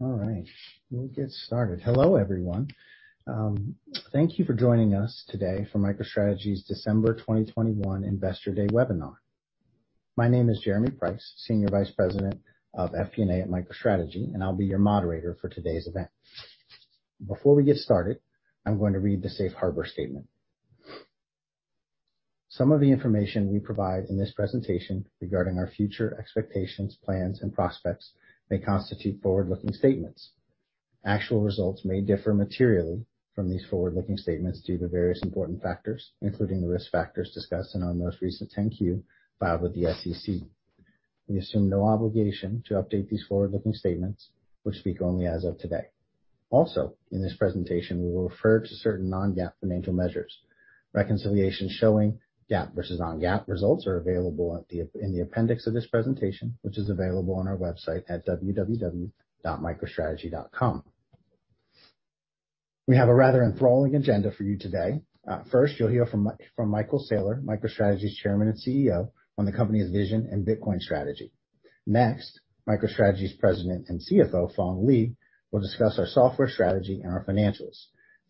All right, we'll get started. Hello, everyone. Thank you for joining us today for MicroStrategy's December 2021 Investor Day webinar. My name is Jeremy Price, Senior Vice President of FP&A at MicroStrategy, and I'll be your moderator for today's event. Before we get started, I'm going to read the safe harbor statement. Some of the information we provide in this presentation regarding our future expectations, plans, and prospects may constitute forward-looking statements. Actual results may differ materially from these forward-looking statements due to various important factors, including the risk factors discussed in our most recent 10-Q filed with the SEC. We assume no obligation to update these forward-looking statements, which speak only as of today. Also, in this presentation we will refer to certain non-GAAP financial measures. Reconciliation showing GAAP versus non-GAAP results are available in the appendix of this presentation, which is available on our website at www.microstrategy.com. We have a rather enthralling agenda for you today. First, you'll hear from Michael Saylor, MicroStrategy's Chairman and CEO, on the company's vision and Bitcoin strategy. Next, MicroStrategy's President and CFO, Phong Le, will discuss our software strategy and our financials.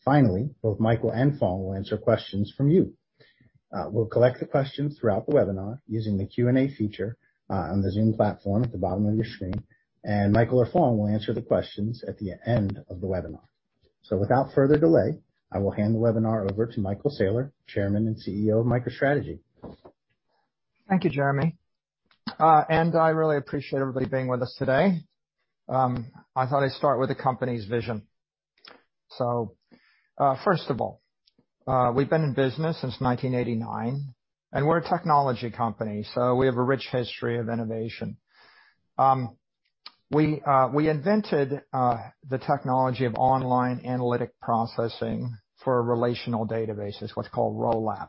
Finally, both Michael and Phong will answer questions from you. We'll collect the questions throughout the webinar using the Q&A feature on the Zoom platform at the bottom of your screen, and Michael or Phong will answer the questions at the end of the webinar. Without further delay, I will hand the webinar over to Michael Saylor, Chairman and CEO of MicroStrategy. Thank you, Jeremy. I really appreciate everybody being with us today. I thought I'd start with the company's vision. First of all, we've been in business since 1989, and we're a technology company, so we have a rich history of innovation. We invented the technology of online analytic processing for relational databases, what's called ROLAP.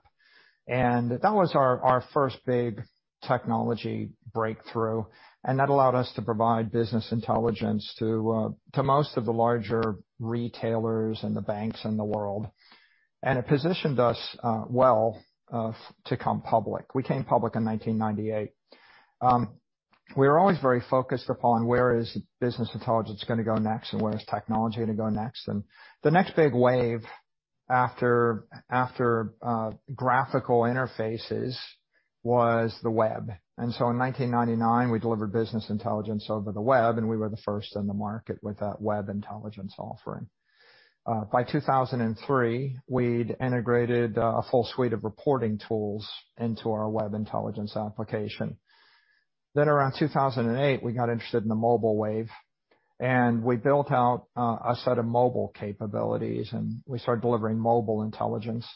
That was our first big technology breakthrough, and that allowed us to provide business intelligence to most of the larger retailers and the banks in the world and it positioned us well to come public. We came public in 1998. We were always very focused upon where is business intelligence gonna go next and where is technology gonna go next. The next big wave after graphical interfaces was the web. In 1999 we delivered business intelligence over the web, and we were the first in the market with that web intelligence offering. By 2003, we'd integrated a full suite of reporting tools into our web intelligence application. Around 2008, we got interested in the mobile wave, and we built out a set of mobile capabilities, and we started delivering mobile intelligence.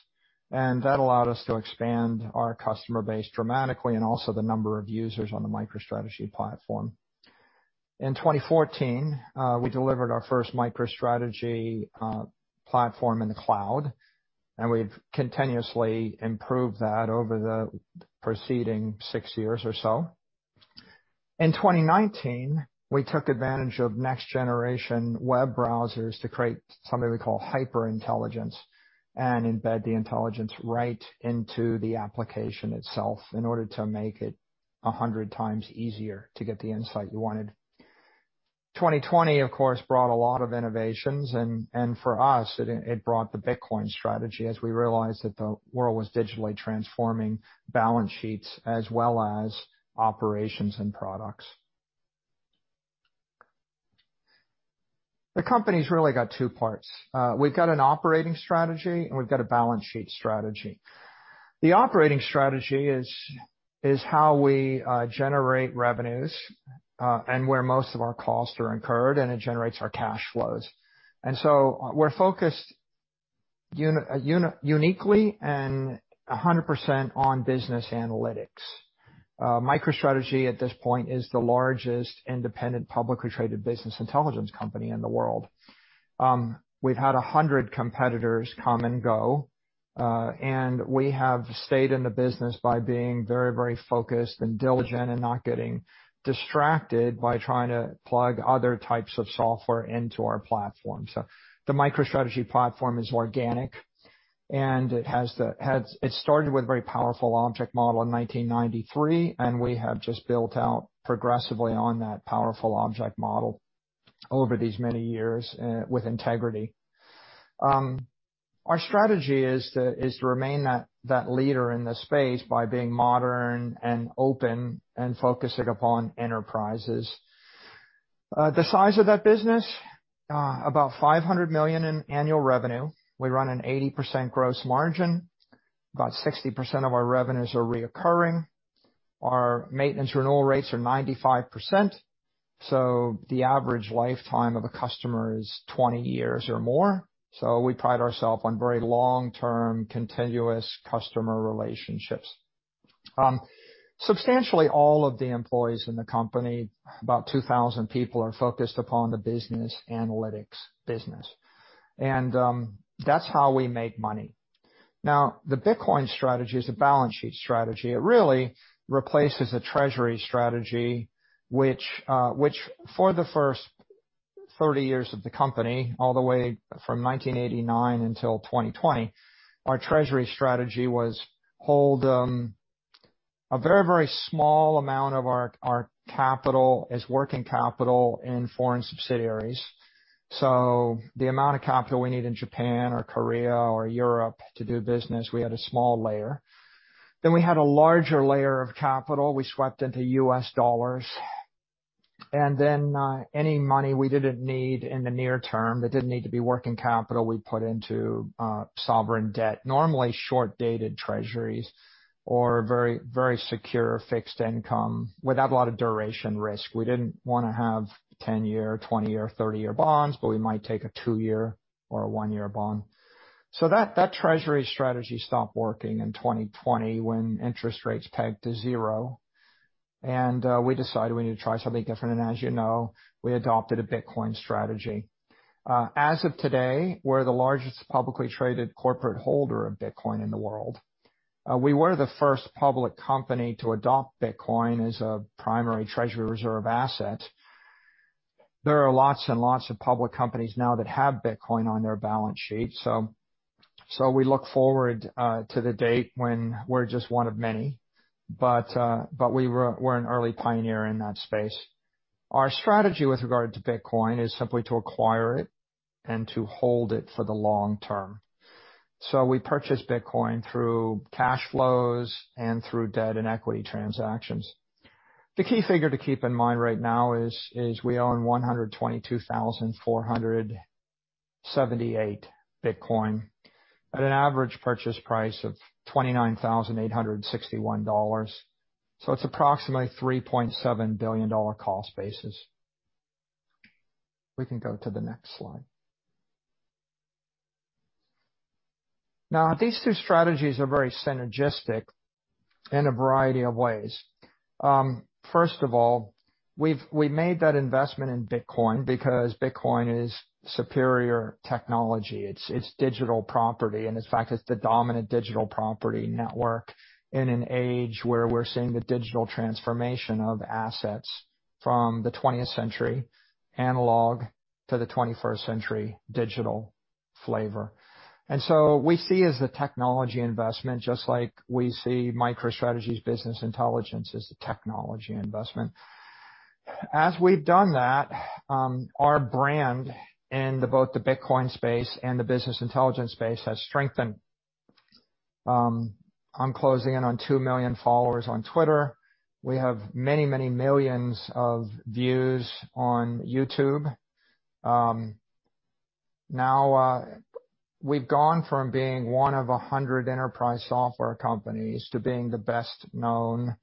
That allowed us to expand our customer base dramatically and also the number of users on the MicroStrategy platform. In 2014, we delivered our first MicroStrategy platform in the cloud, and we've continuously improved that over the preceding six years or so. In 2019, we took advantage of next-generation web browsers to create something we call HyperIntelligence and embed the intelligence right into the application itself in order to make it 100 times easier to get the insight you wanted. 2020, of course, brought a lot of innovations and for us it brought the Bitcoin strategy as we realized that the world was digitally transforming balance sheets as well as operations and products. The company really has two parts. We've got an operating strategy, and we've got a balance sheet strategy. The operating strategy is how we generate revenues and where most of our costs are incurred, and it generates our cash flows. We're focused uniquely and 100% on business analytics. MicroStrategy at this point is the largest independent publicly traded business intelligence company in the world. We've had 100 competitors come and go, and we have stayed in the business by being very, very focused and diligent and not getting distracted by trying to plug other types of software into our platform. The MicroStrategy platform is organic. It started with a very powerful object model in 1993, and we have just built out progressively on that powerful object model over these many years with integrity. Our strategy is to remain that leader in this space by being modern and open and focusing upon enterprises. The size of that business, about $500 million in annual revenue. We run an 80% gross margin. About 60% of our revenues are recurring. Our maintenance renewal rates are 95%, so the average lifetime of a customer is 20 years or more. We pride ourselves on very long-term continuous customer relationships. Substantially all of the employees in the company, about 2,000 people, are focused upon the business analytics business, and that's how we make money. Now, the Bitcoin strategy is a balance sheet strategy. It really replaces a treasury strategy which for the first 30 years of the company, all the way from 1989 until 2020, our treasury strategy was hold a very, very small amount of our capital as working capital in foreign subsidiaries. The amount of capital we need in Japan or Korea or Europe to do business, we had a small layer. Then we had a larger layer of capital we swept into U.S. dollars. Any money we didn't need in the near term, that didn't need to be working capital, we put into sovereign debt, normally short-dated treasuries or very, very secure fixed income without a lot of duration risk. We didn't wanna have 10-year, 20-year, 30-year bonds, but we might take a two-year or a one-year bond. That treasury strategy stopped working in 2020 when interest rates pegged to zero and we decided we need to try something different. As you know, we adopted a Bitcoin strategy. As of today, we're the largest publicly traded corporate holder of Bitcoin in the world. We were the first public company to adopt Bitcoin as a primary treasury reserve asset. There are lots and lots of public companies now that have Bitcoin on their balance sheet so we look forward to the date when we're just one of many but we're an early pioneer in that space. Our strategy with regard to Bitcoin is simply to acquire it and to hold it for the long term. We purchase Bitcoin through cash flows and through debt and equity transactions. The key figure to keep in mind right now is we own 122,478 Bitcoin at an average purchase price of $29,861. It's approximately $3.7 billion cost basis. We can go to the next slide. Now, these two strategies are very synergistic in a variety of ways. First of all, we've made that investment in Bitcoin because Bitcoin is superior technology. It's digital property, and in fact, it's the dominant digital property network in an age where we're seeing the digital transformation of assets from the 20th century analog to the 21st century digital flavor. We see it as the technology investment, just like we see MicroStrategy's business intelligence as the technology investment. As we've done that, our brand in both the Bitcoin space and the business intelligence space has strengthened. I'm closing in on 2 million followers on Twitter. We have many, many millions of views on YouTube. We've gone from being one of 100 enterprise software companies to being the best-known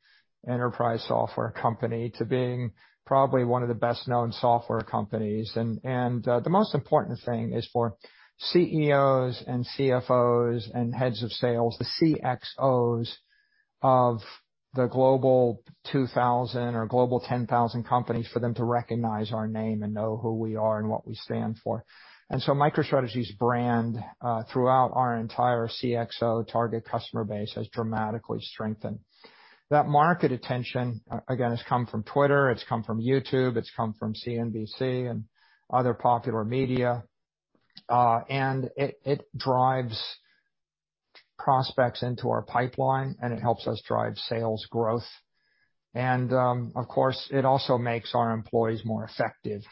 enterprise software company to being probably one of the best-known software companie and the most important thing is for CEOs and CFOs and heads of sales, the CXOs of the Global 2000 or Global 10,000 companies, for them to recognize our name and know who we are and what we stand for. MicroStrategy's brand throughout our entire CXO target customer base has dramatically strengthened. That market attention, again, has come from Twitter, it's come from YouTube, it's come from CNBC and other popular media. It drives prospects into our pipeline, and it helps us drive sales growth and of course, it also makes our employees more effective.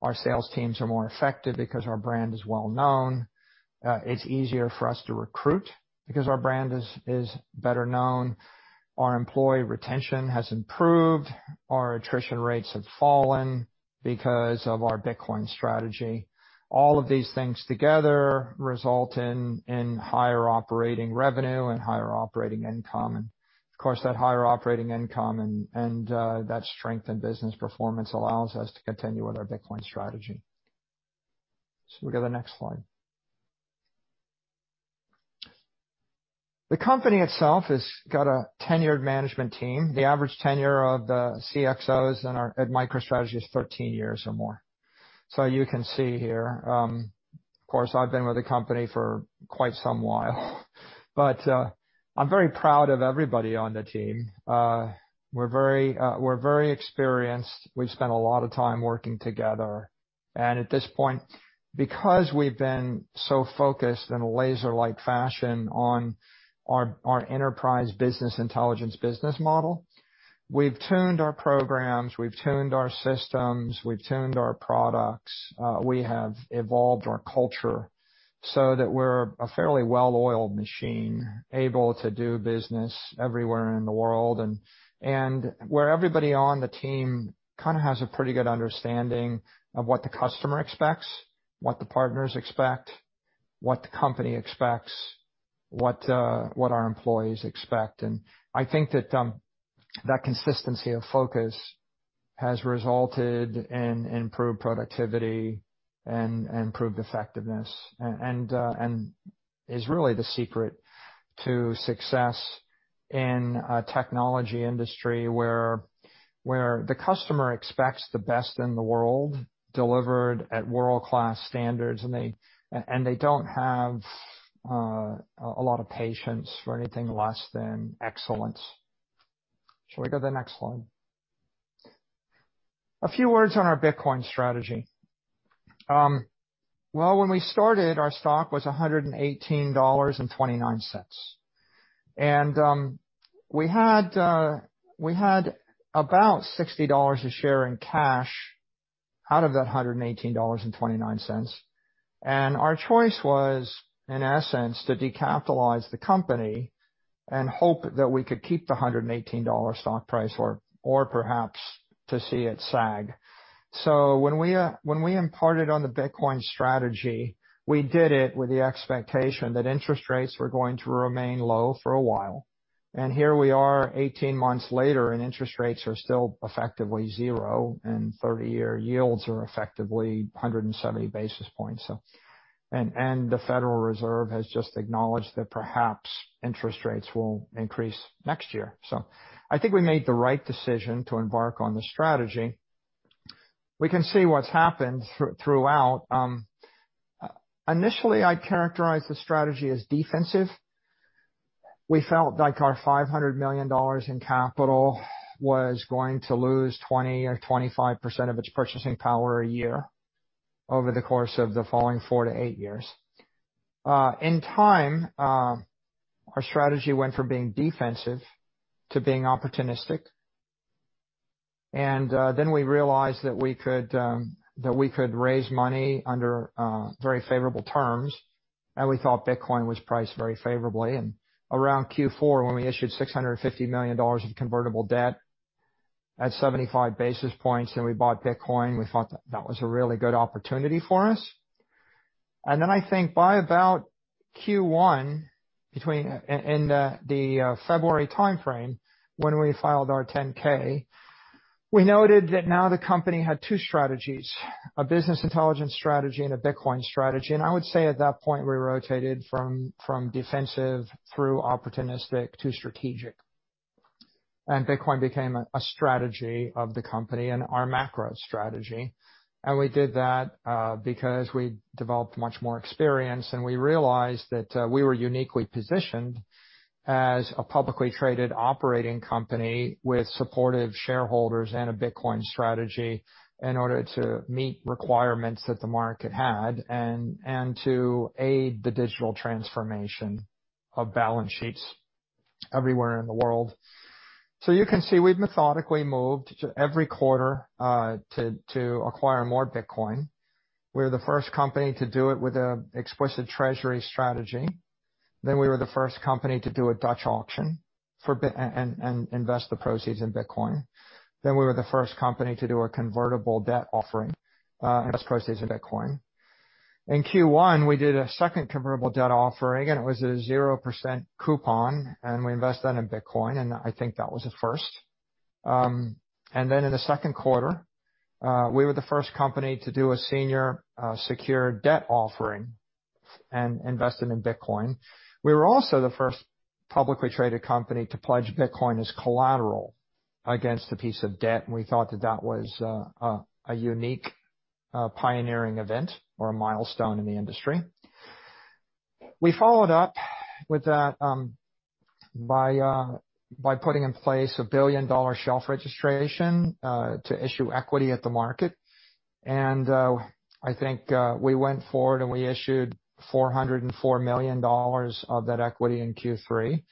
Our sales teams are more effective because our brand is well-known. It's easier for us to recruit because our brand is better known. Our employee retention has improved, our attrition rates have fallen because of our Bitcoin strategy. All of these things together result in higher operating revenue and higher operating income. Of course, that higher operating income and that strengthened business performance allows us to continue with our Bitcoin strategy. We'll go to the next slide. The company itself has got a tenured management team. The average tenure of the CXOs at MicroStrategy is 13 years or more. You can see here, of course, I've been with the company for quite some while, but I'm very proud of everybody on the team. We're very experienced. We've spent a lot of time working together. At this point, because we've been so focused in a laser-like fashion on our enterprise business intelligence business model, we've tuned our programs, we've tuned our systems, we've tuned our products. We have evolved our culture so that we're a fairly well-oiled machine, able to do business everywhere in the world where everybody on the team kinda has a pretty good understanding of what the customer expects, what the partners expect, what the company expects, what our employees expect. I think that that consistency of focus has resulted in improved productivity and improved effectiveness, and is really the secret to success in a technology industry where the customer expects the best in the world delivered at world-class standards. They don't have a lot of patience for anything less than excellence. Shall we go to the next slide? A few words on our Bitcoin strategy. When we started, our stock was $118.29. We had about $60 a share in cash out of that $118.29. Our choice was, in essence, to decapitalize the company and hope that we could keep the $118 stock price or perhaps to see it sag. When we embarked on the Bitcoin strategy, we did it with the expectation that interest rates were going to remain low for a while. Here we are 18 months later, and interest rates are still effectively zero, and 30-year yields are effectively 170 basis points. The Federal Reserve has just acknowledged that perhaps interest rates will increase next year. I think we made the right decision to embark on the strategy. We can see what's happened throughout. Initially, I characterized the strategy as defensive. We felt like our $500 million in capital was going to lose 20% or 25% of its purchasing power a year over the course of the following four to eight years. In time, our strategy went from being defensive to being opportunistic. Then we realized that we could raise money under very favorable terms, and we thought Bitcoin was priced very favorably. Around Q4, when we issued $650 million of convertible debt at 75 basis points, so we bought Bitcoin, we thought that that was a really good opportunity for us. Then I think by about Q1, in the February timeframe, when we filed our 10-K, we noted that now the company had two strategies, a business intelligence strategy and a Bitcoin strategy and I would say at that point, we rotated from defensive through opportunistic to strategic. Bitcoin became a strategy of the company and our macro strategy. We did that because we developed much more experience, and we realized that we were uniquely positioned as a publicly traded operating company with supportive shareholders and a Bitcoin strategy in order to meet requirements that the market had and to aid the digital transformation of balance sheets everywhere in the world. You can see we've methodically moved every quarter to acquire more Bitcoin. We're the first company to do it with an explicit treasury strategy. We were the first company to do a Dutch auction for Bitcoin and invest the proceeds in Bitcoin. We were the first company to do a convertible debt offering, invest proceeds in Bitcoin. In Q1, we did a second convertible debt offering, and it was a 0% coupon, and we invested in Bitcoin, and I think that was a first. In the second quarter, we were the first company to do a senior secured debt offering and invest it in Bitcoin. We were also the first publicly traded company to pledge Bitcoin as collateral against a piece of debt, and we thought that that was a unique pioneering event or a milestone in the industry. We followed up with that by putting in place a $1 billion shelf registration to issue equity at the market. I think we went forward, and we issued $404 million of that equity in Q3.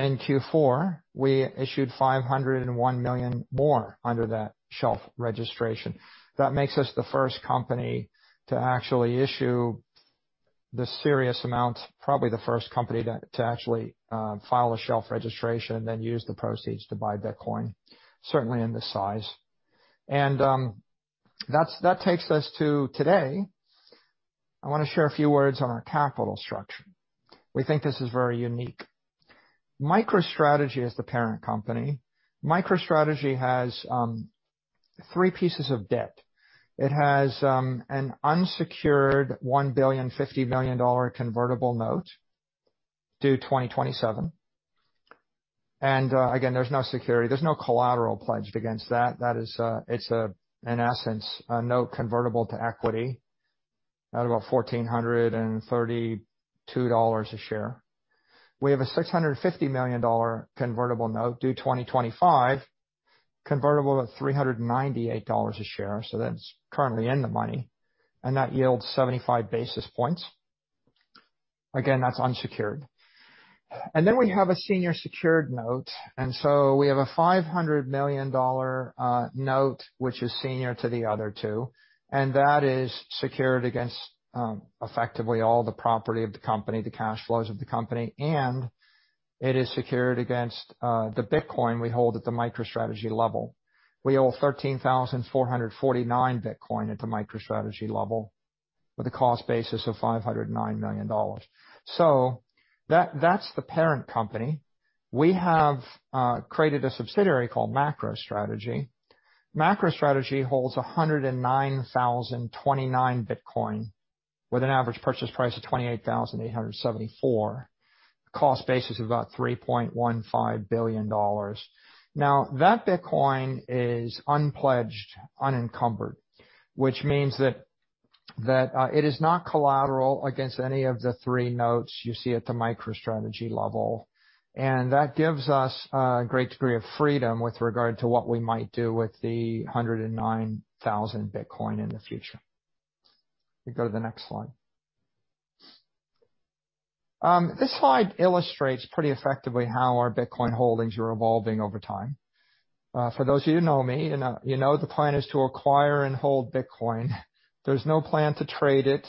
In Q4, we issued $501 million more under that shelf registration. That makes us the first company to actually issue this serious amount, probably the first company to actually file a shelf registration, then use the proceeds to buy Bitcoin, certainly in this size. That takes us to today. I wanna share a few words on our capital structure. We think this is very unique. MicroStrategy is the parent company. MicroStrategy has three pieces of debt. It has an unsecured $1.05 billion convertible note due 2027. Again, there's no security. There's no collateral pledged against that. That is, it's in essence, a note convertible to equity at about $1,432 a share. We have a $650 million convertible note due 2025, convertible at $398 a share, so that's currently in the money. That yields 75 basis points. Again, that's unsecured. We have a senior secured note. We have a $500 million note which is senior to the other two. That is secured against effectively all the property of the company, the cash flows of the company. It is secured against the Bitcoin we hold at the MicroStrategy level. We hold 13,449 Bitcoin at the MicroStrategy level with a cost basis of $509 million, so that's the parent company. We have created a subsidiary called MacroStrategy. MacroStrategy holds 109,029 Bitcoin with an average purchase price of $28,874. Cost basis of about $3.15 billion. Now, that Bitcoin is unpledged, unencumbered, which means that it is not collateral against any of the three notes you see at the MicroStrategy level. That gives us a great degree of freedom with regard to what we might do with the 109,000 Bitcoin in the future. We go to the next slide. This slide illustrates pretty effectively how our Bitcoin holdings are evolving over time. For those of you who know me, you know the plan is to acquire and hold Bitcoin. There's no plan to trade it.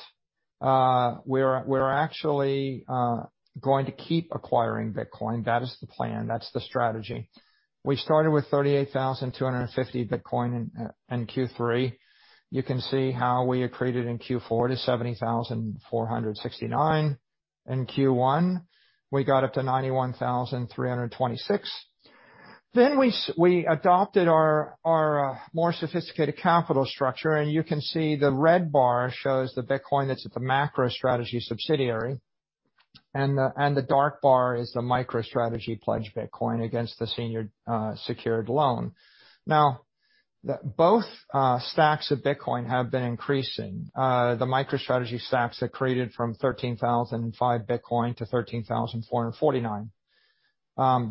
We're actually going to keep acquiring Bitcoin. That is the plan. That's the strategy. We started with 38,250 Bitcoin in Q3. You can see how we accreted in Q4 to 70,469. In Q1, we got up to 91,326. We adopted our more sophisticated capital structure, and you can see the red bar shows the Bitcoin that's at the MacroStrategy subsidiary, and the dark bar is the MicroStrategy pledged Bitcoin against the senior secured loan. Now, both stacks of Bitcoin have been increasing. The MicroStrategy stacks have accreted from 13,005 Bitcoin to 13,449.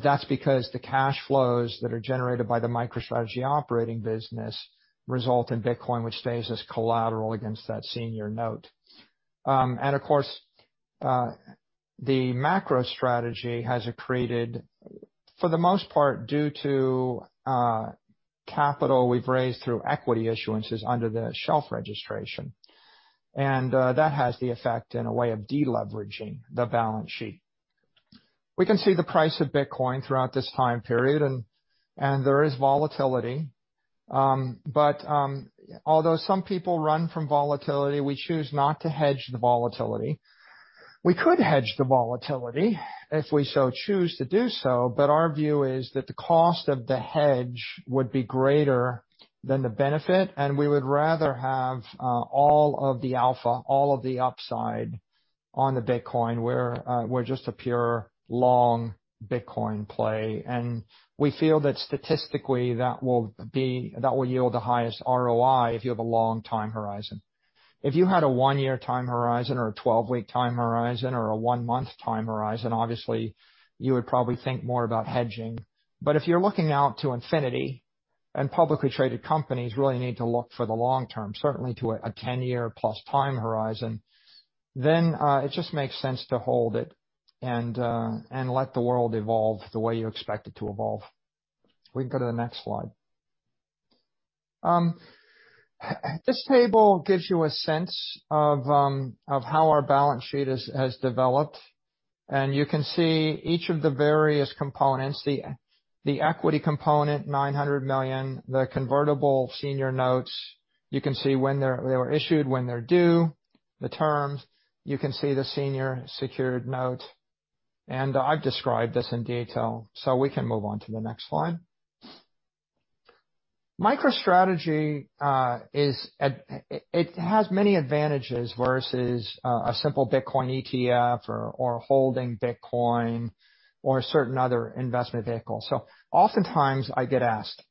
That's because the cash flows that are generated by the MicroStrategy operating business result in Bitcoin, which stays as collateral against that senior note. Of course, the MacroStrategy has accreted for the most part due to capital we've raised through equity issuances under the shelf registration. That has the effect in a way of de-leveraging the balance sheet. We can see the price of Bitcoin throughout this time period and there is volatility. Although some people run from volatility, we choose not to hedge the volatility. We could hedge the volatility if we so choose to do so, but our view is that the cost of the hedge would be greater than the benefit, and we would rather have all of the alpha, all of the upside on the Bitcoin, where we're just a pure long Bitcoin play. We feel that statistically that will yield the highest ROI if you have a long time horizon. If you had a one-year time horizon or a 12-week time horizon or a one-month time horizon, obviously you would probably think more about hedging. If you're looking out to infinity, and publicly traded companies really need to look for the long term, certainly to a 10-year+ time horizon, then it just makes sense to hold it and let the world evolve the way you expect it to evolve. We can go to the next slide. This table gives you a sense of how our balance sheet has developed, and you can see each of the various components. The equity component, $900 million. The convertible senior notes. You can see when they were issued, when they're due, the terms. You can see the senior secured note, and I've described this in detail, so we can move on to the next slide. MicroStrategy, it has many advantages versus a simple Bitcoin ETF or holding Bitcoin or a certain other investment vehicle. Oftentimes I get asked,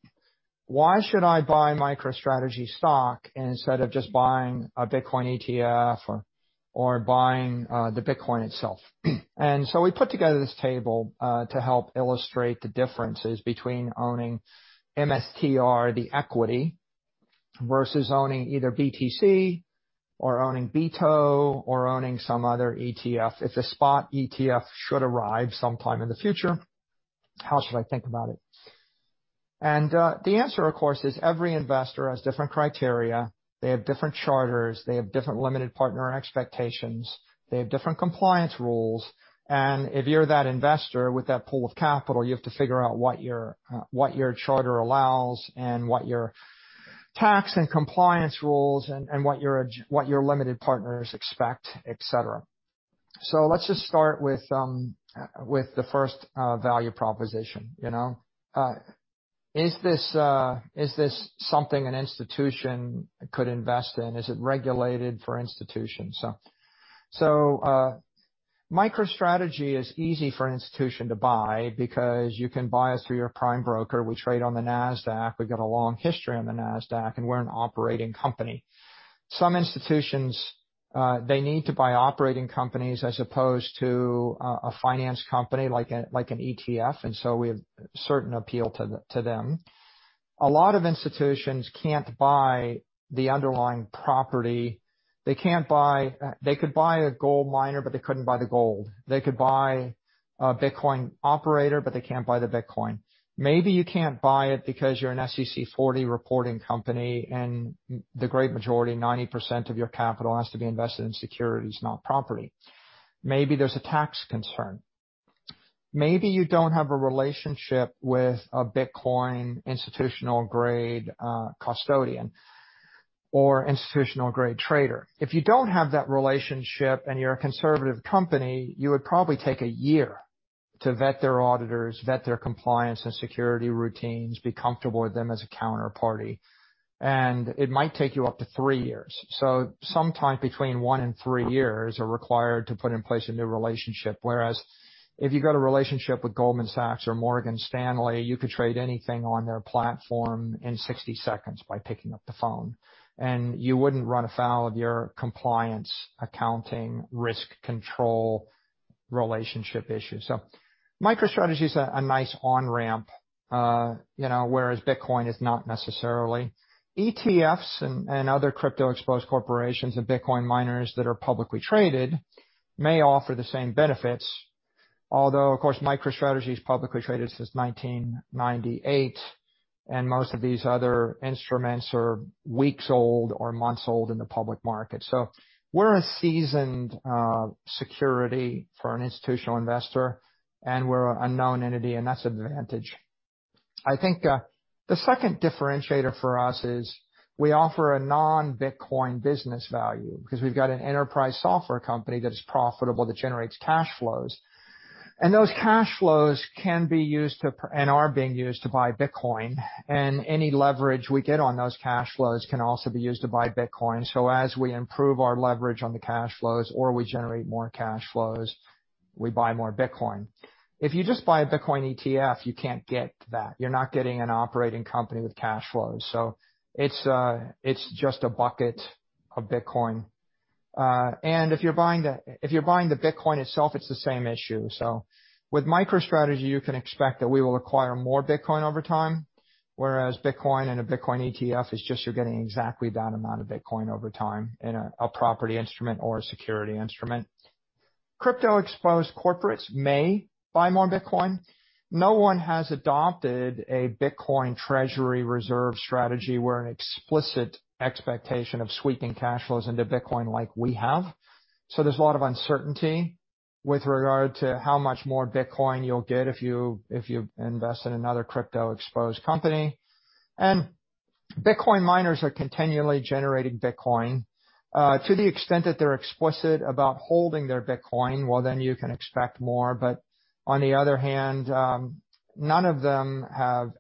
"Why should I buy MicroStrategy stock instead of just buying a Bitcoin ETF or buying the Bitcoin itself?" We put together this table to help illustrate the differences between owning MSTR, the equity, versus owning either BTC or owning BITO or owning some other ETF. If a spot ETF should arrive sometime in the future, how should I think about it? The answer, of course, is every investor has different criteria. They have different charters. They have different limited partner expectations. They have different compliance rules. If you're that investor with that pool of capital, you have to figure out what your charter allows and what your tax and compliance rules and what your limited partners expect, etc. Let's just start with the first value proposition. Is this something an institution could invest in? Is it regulated for institutions? MicroStrategy is easy for an institution to buy because you can buy us through your prime broker. We trade on the Nasdaq. We've got a long history on the Nasdaq, and we're an operating company. Some institutions they need to buy operating companies as opposed to a finance company like an ETF, and so we have certain appeal to them. A lot of institutions can't buy the underlying property. They can't buy. They could buy a gold miner, but they couldn't buy the gold. They could buy a Bitcoin operator, but they can't buy the Bitcoin. Maybe you can't buy it because you're an SEC 40 reporting company and the great majority, 90% of your capital has to be invested in securities, not property. Maybe there's a tax concern. Maybe you don't have a relationship with a Bitcoin institutional grade custodian or institutional grade trader. If you don't have that relationship and you're a conservative company, you would probably take a year to vet their auditors, vet their compliance and security routines, be comfortable with them as a counterparty and it might take you up to three years. Some time between one and three years are required to put in place a new relationship, whereas if you've got a relationship with Goldman Sachs or Morgan Stanley, you could trade anything on their platform in 60 seconds by picking up the phone, and you wouldn't run afoul of your compliance, accounting, risk control, relationship issues. MicroStrategy is a nice on-ramp, whereas Bitcoin is not necessarily. ETFs and other crypto-exposed corporations and Bitcoin miners that are publicly traded may offer the same benefits. Although, of course, MicroStrategy is publicly traded since 1998, and most of these other instruments are weeks old or months old in the public market. We're a seasoned security for an institutional investor, and we're a known entity, and that's an advantage. I think, the second differentiator for us is we offer a non-Bitcoin business value because we've got an enterprise software company that is profitable, that generates cash flows and those cash flows can be used to and are being used to buy Bitcoin. Any leverage we get on those cash flows can also be used to buy Bitcoin. As we improve our leverage on the cash flows or we generate more cash flows, we buy more Bitcoin. If you just buy a Bitcoin ETF, you can't get that. You're not getting an operating company with cash flows, so it's just a bucket of Bitcoin. If you're buying the Bitcoin itself, it's the same issue. With MicroStrategy, you can expect that we will acquire more Bitcoin over time, whereas Bitcoin and a Bitcoin ETF is just you're getting exactly that amount of Bitcoin over time in a property instrument or a security instrument. Crypto-exposed corporates may buy more Bitcoin. No one has adopted a Bitcoin treasury reserve strategy where an explicit expectation of sweeping cash flows into Bitcoin like we have. There's a lot of uncertainty with regard to how much more Bitcoin you'll get if you invest in another crypto-exposed company. Bitcoin miners are continually generating Bitcoin to the extent that they're explicit about holding their Bitcoin, then you can expect more. On the other hand, none of them have,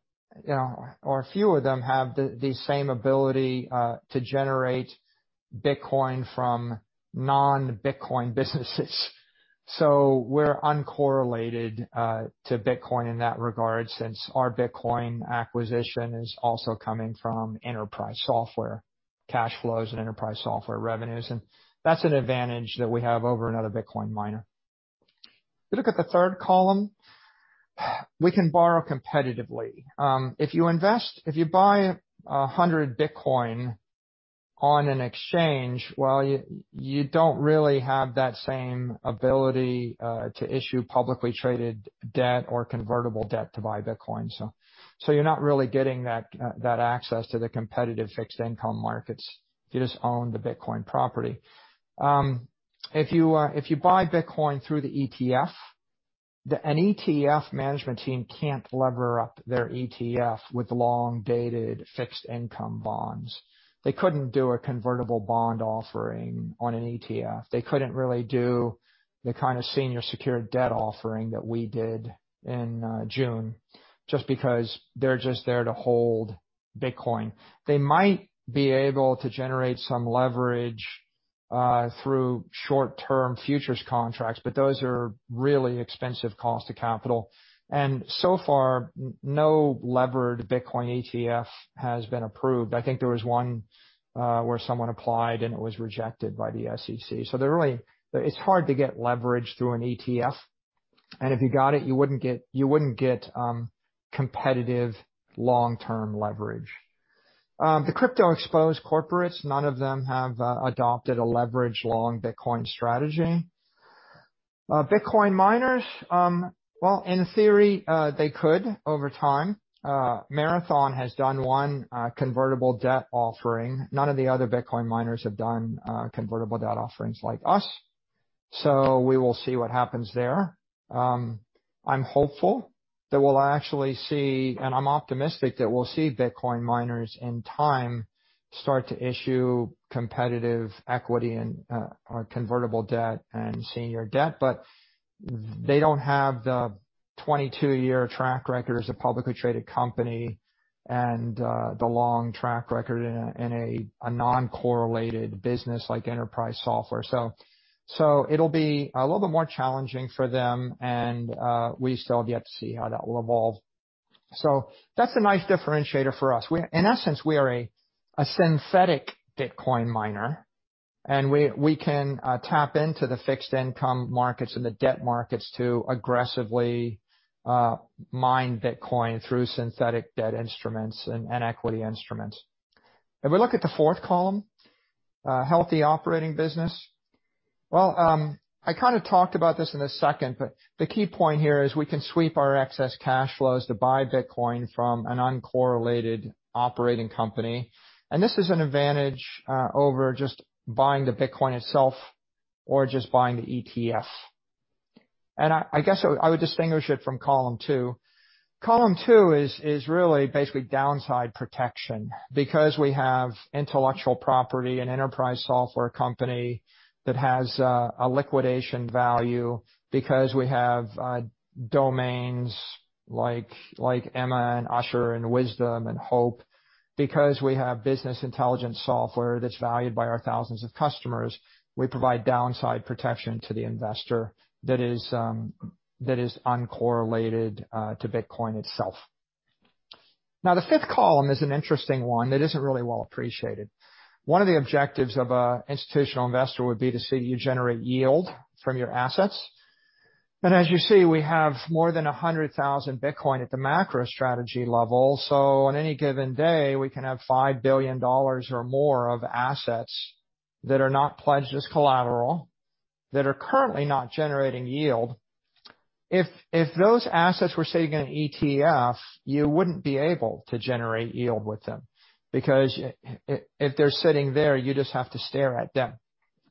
you know, or few of them have the same ability to generate Bitcoin from non-Bitcoin businesses. We're uncorrelated to Bitcoin in that regard, since our Bitcoin acquisition is also coming from enterprise software cash flows and enterprise software revenues. That's an advantage that we have over another Bitcoin miner. If you look at the third column, we can borrow competitively. If you buy 100 Bitcoin on an exchange, well, you don't really have that same ability to issue publicly traded debt or convertible debt to buy Bitcoin so you're not really getting that access to the competitive fixed income markets if you just own the Bitcoin property. If you buy Bitcoin through the ETF, an ETF management team can't lever up their ETF with long-dated fixed income bonds. They couldn't do a convertible bond offering on an ETF. They couldn't really do the kind of senior secured debt offering that we did in June, just because they're just there to hold Bitcoin. They might be able to generate some leverage through short-term futures contracts, but those are really expensive cost of capital. So far, no levered Bitcoin ETF has been approved. I think there was one where someone applied, and it was rejected by the SEC. They're really. It's hard to get leverage through an ETF, and if you got it, you wouldn't get competitive long-term leverage. The crypto-exposed corporates, none of them have adopted a leverage long Bitcoin strategy. Bitcoin miners, well, in theory, they could over time. Marathon has done one convertible debt offering. None of the other Bitcoin miners have done convertible debt offerings like us, so we will see what happens there. I'm hopeful that we'll actually see, and I'm optimistic that we'll see Bitcoin miners in time start to issue competitive equity and or convertible debt and senior debt. They don't have the 22-year track record as a publicly traded company and the long track record in a non-correlated business like enterprise software. It'll be a little bit more challenging for them, and we still have yet to see how that will evolve. That's a nice differentiator for us. In essence, we are a synthetic Bitcoin miner, and we can tap into the fixed income markets and the debt markets to aggressively mine Bitcoin through synthetic debt instruments and equity instruments. If we look at the fourth column, healthy operating business. Well, I kind of talked about this in a second, but the key point here is we can sweep our excess cash flows to buy Bitcoin from an uncorrelated operating company and this is an advantage over just buying the Bitcoin itself or just buying the ETF. I guess I would distinguish it from column two. Column two is really basically downside protection because we have intellectual property and enterprise software company that has a liquidation value because we have domains like Emma and Usher and Wisdom and Hope because we have business intelligence software that's valued by our thousands of customers, we provide downside protection to the investor that is that is uncorrelated to Bitcoin itself. Now the fifth column is an interesting one that isn't really well appreciated. One of the objectives of an institutional investor would be to see you generate yield from your assets. As you see, we have more than 100,000 Bitcoin at the MacroStrategy level, so on any given day, we can have $5 billion or more of assets that are not pledged as collateral, that are currently not generating yield. If those assets were, say, in an ETF, you wouldn't be able to generate yield with them because if they're sitting there, you just have to stare at them.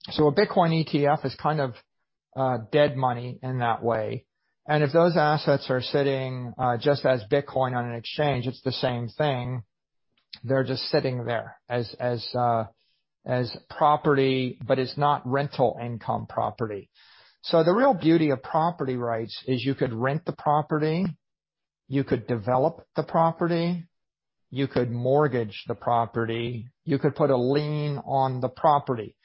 A Bitcoin ETF is kind of dead money in that way. If those assets are sitting just as Bitcoin on an exchange, it's the same thing. They're just sitting there as property, but it's not rental income property. The real beauty of property rights is you could rent the property, you could develop the property, you could mortgage the property, you could put a lien on the property.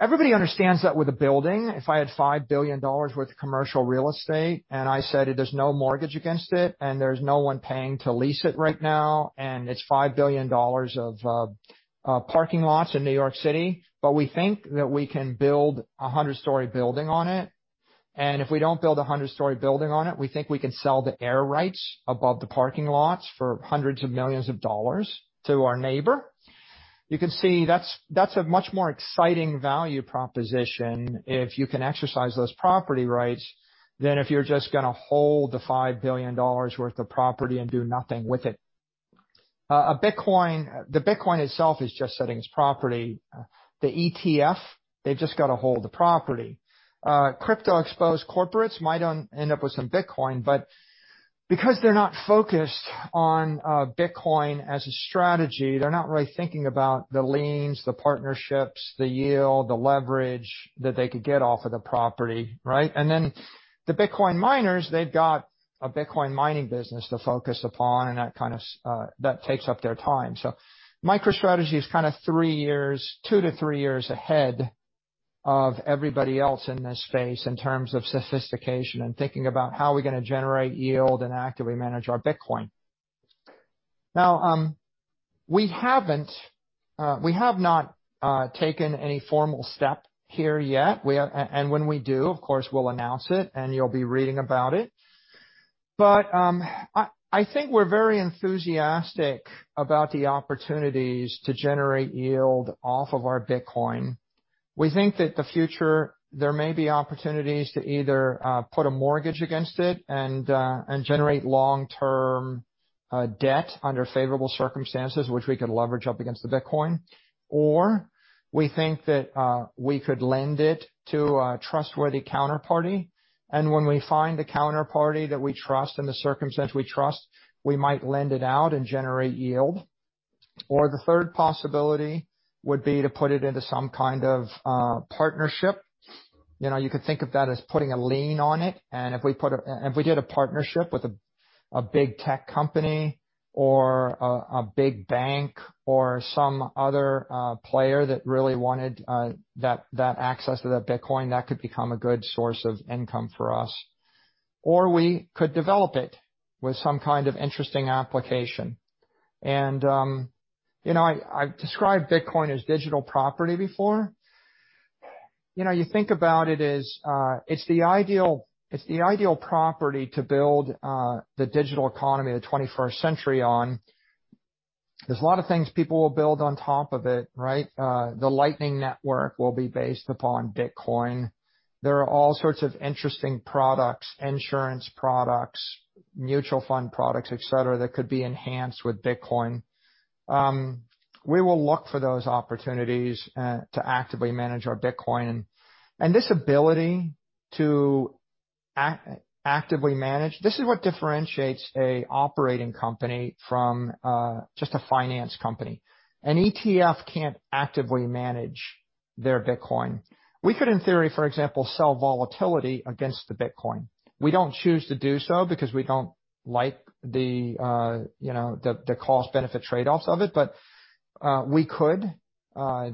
Everybody understands that with a building. If I had $5 billion worth of commercial real estate, and I said there's no mortgage against it, and there's no one paying to lease it right now, and it's $5 billion of parking lots in New York City, but we think that we can build a 100-story building on it, and if we don't build a 100-story building on it, we think we can sell the air rights above the parking lots for hundreds of millions of dollars to our neighbor. You can see that's a much more exciting value proposition if you can exercise those property rights than if you're just gonna hold the $5 billion worth of property and do nothing with it. The Bitcoin itself is just sitting as property. The ETF, they've just got to hold the property. Crypto-exposed corporates might end up with some Bitcoin, but because they're not focused on Bitcoin as a strategy, they're not really thinking about the liens, the partnerships, the yield, the leverage that they could get off of the property, right? The Bitcoin miners, they've got a Bitcoin mining business to focus upon, and that kind of that takes up their time. MicroStrategy is kinda three years, two to three years ahead of everybody else in this space in terms of sophistication and thinking about how we're gonna generate yield and actively manage our Bitcoin. We have not taken any formal step here yet. When we do, of course, we'll announce it, and you'll be reading about it. I think we're very enthusiastic about the opportunities to generate yield off of our Bitcoin. We think that in the future there may be opportunities to either put a mortgage against it and generate long-term debt under favorable circumstances, which we can leverage up against the Bitcoin or we think that we could lend it to a trustworthy counterparty. When we find a counterparty that we trust and the circumstance we trust, we might lend it out and generate yield or the third possibility would be to put it into some kind of partnership. You know, you could think of that as putting a lien on it or If we did a partnership with a big tech company or a big bank or some other player that really wanted that access to that Bitcoin, that could become a good source of income for us. Or we could develop it with some kind of interesting application. You know, I've described Bitcoin as digital property before. You know, you think about it as it's the ideal property to build the digital economy of the 21st century on. There's a lot of things people will build on top of it, right? The Lightning Network will be based upon Bitcoin. There are all sorts of interesting products, insurance products, mutual fund products, etc, that could be enhanced with Bitcoin. We will look for those opportunities to actively manage our Bitcoin. This ability to actively manage, this is what differentiates an operating company from just a finance company. An ETF can't actively manage their Bitcoin. We could, in theory, for example, sell volatility against the Bitcoin. We don't choose to do so because we don't like the, you know, the cost-benefit trade-offs of it but we could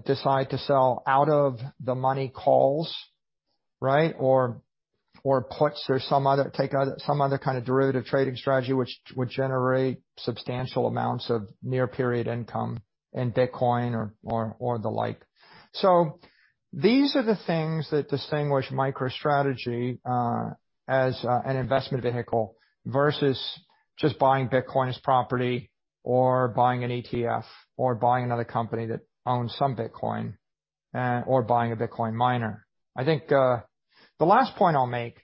decide to sell out of the money calls, right? Or puts or some other kind of derivative trading strategy which would generate substantial amounts of near-term income in Bitcoin or the like. These are the things that distinguish MicroStrategy as an investment vehicle versus just buying Bitcoin as property or buying an ETF or buying another company that owns some Bitcoin or buying a Bitcoin miner. I think, the last point I'll make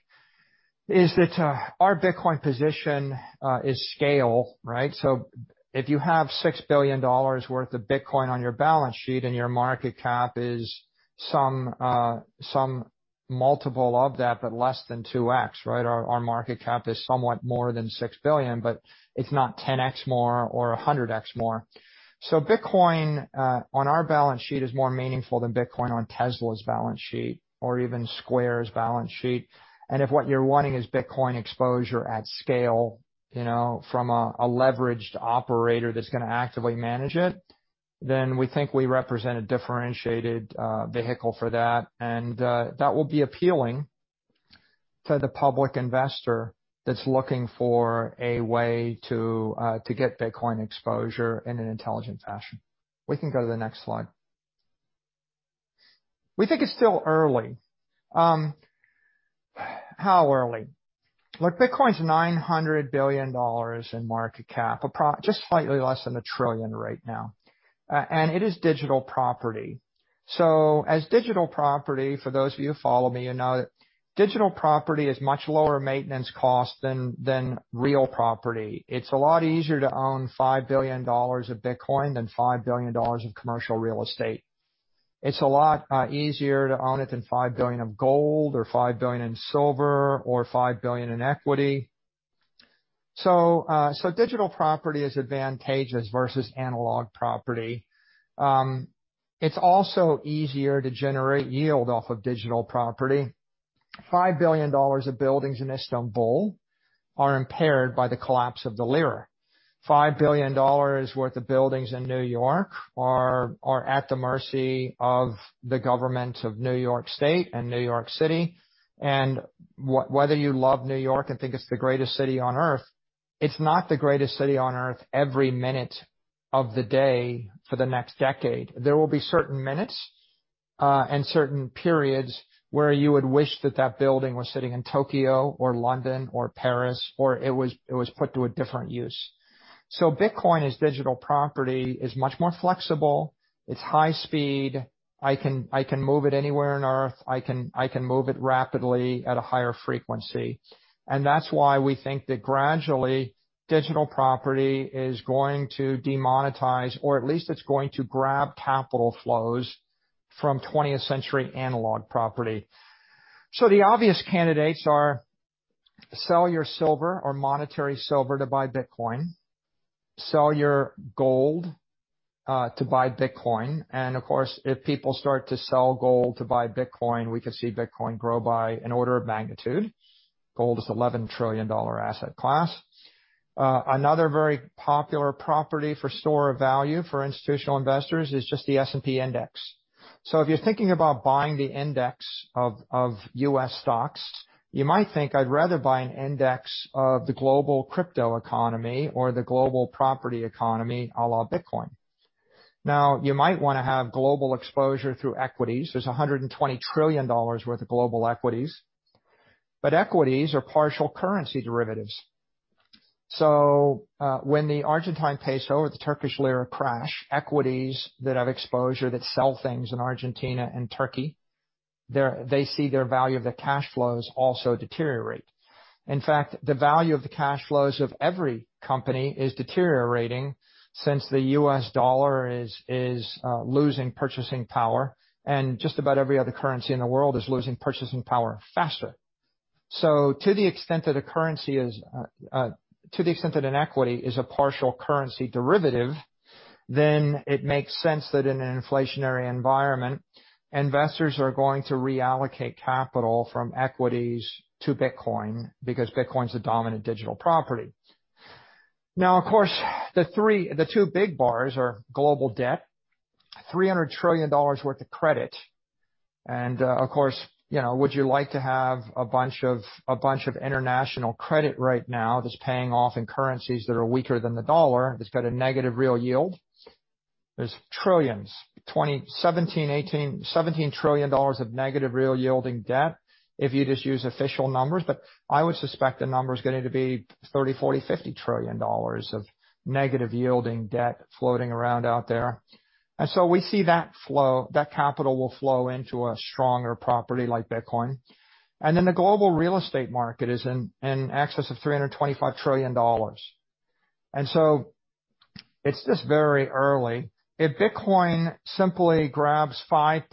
is that, our Bitcoin position is scale, right? So if you have $6 billion worth of Bitcoin on your balance sheet and your market cap is some multiple of that, but less than 2x, right? Our market cap is somewhat more than $6 billion, but it's not 10x more or 100x more. So Bitcoin on our balance sheet is more meaningful than Bitcoin on Tesla's balance sheet or even Square's balance sheet. If what you're wanting is Bitcoin exposure at scale, you know, from a leveraged operator that's gonna actively manage it, then we think we represent a differentiated vehicle for that. That will be appealing for the public investor that's looking for a way to get Bitcoin exposure in an intelligent fashion. We can go to the next slide. We think it's still early. How early? Look, Bitcoin's $900 billion in market cap, just slightly less than $1 trillion right now and it is digital property. As digital property, for those of you who follow me, you know that digital property is much lower maintenance cost than real property. It's a lot easier to own $5 billion of Bitcoin than $5 billion of commercial real estate. It's a lot easier to own it than $5 billion of gold or $5 billion in silver or $5 billion in equity. Digital property is advantageous versus analog property. It's also easier to generate yield off of digital property. $5 billion of buildings in Istanbul are impaired by the collapse of the lira. $5 billion worth of buildings in New York are at the mercy of the government of New York State and New York City. Whether you love New York and think it's the greatest city on Earth, it's not the greatest city on Earth every minute of the day for the next decade. There will be certain minutes and certain periods where you would wish that that building was sitting in Tokyo or London or Paris, or it was put to a different use. Bitcoin as digital property is much more flexible. It's high speed. I can move it anywhere on Earth. I can move it rapidly at a higher frequency. That's why we think that gradually, digital property is going to demonetize, or at least it's going to grab capital flows from 20th century analog property. The obvious candidates are sell your silver or monetary silver to buy Bitcoin, sell your gold to buy Bitcoin. Of course, if people start to sell gold to buy Bitcoin, we could see Bitcoin grow by an order of magnitude. Gold is $11 trillion asset class. Another very popular property for store of value for institutional investors is just the S&P index. If you're thinking about buying the index of U.S. stocks, you might think I'd rather buy an index of the global crypto economy or the global property economy all on Bitcoin. Now, you might wanna have global exposure through equities. There's $120 trillion worth of global equities, but equities are partial currency derivatives. When the Argentine peso or the Turkish lira crash, equities that have exposure that sell things in Argentina and Turkey, they see their value of their cash flows also deteriorate. In fact, the value of the cash flows of every company is deteriorating since the U.S. dollar is losing purchasing power, and just about every other currency in the world is losing purchasing power faster. To the extent that an equity is a partial currency derivative, then it makes sense that in an inflationary environment, investors are going to reallocate capital from equities to Bitcoin because Bitcoin's the dominant digital property. Now, of course, the two big bars are global debt, $300 trillion worth of credit. Of course, you know, would you like to have a bunch of international credit right now that's paying off in currencies that are weaker than the dollar, that's got a negative real yield? There's $17 trillion of negative real yielding debt if you just use official numbers, but I would suspect the number is gonna be $30 trillion, $40 trillion, $50 trillion of negative yielding debt floating around out there. We see that flow, that capital will flow into a stronger property like Bitcoin. Then the global real estate market is in excess of $325 trillion and so it's just very early. If Bitcoin simply grabs 5%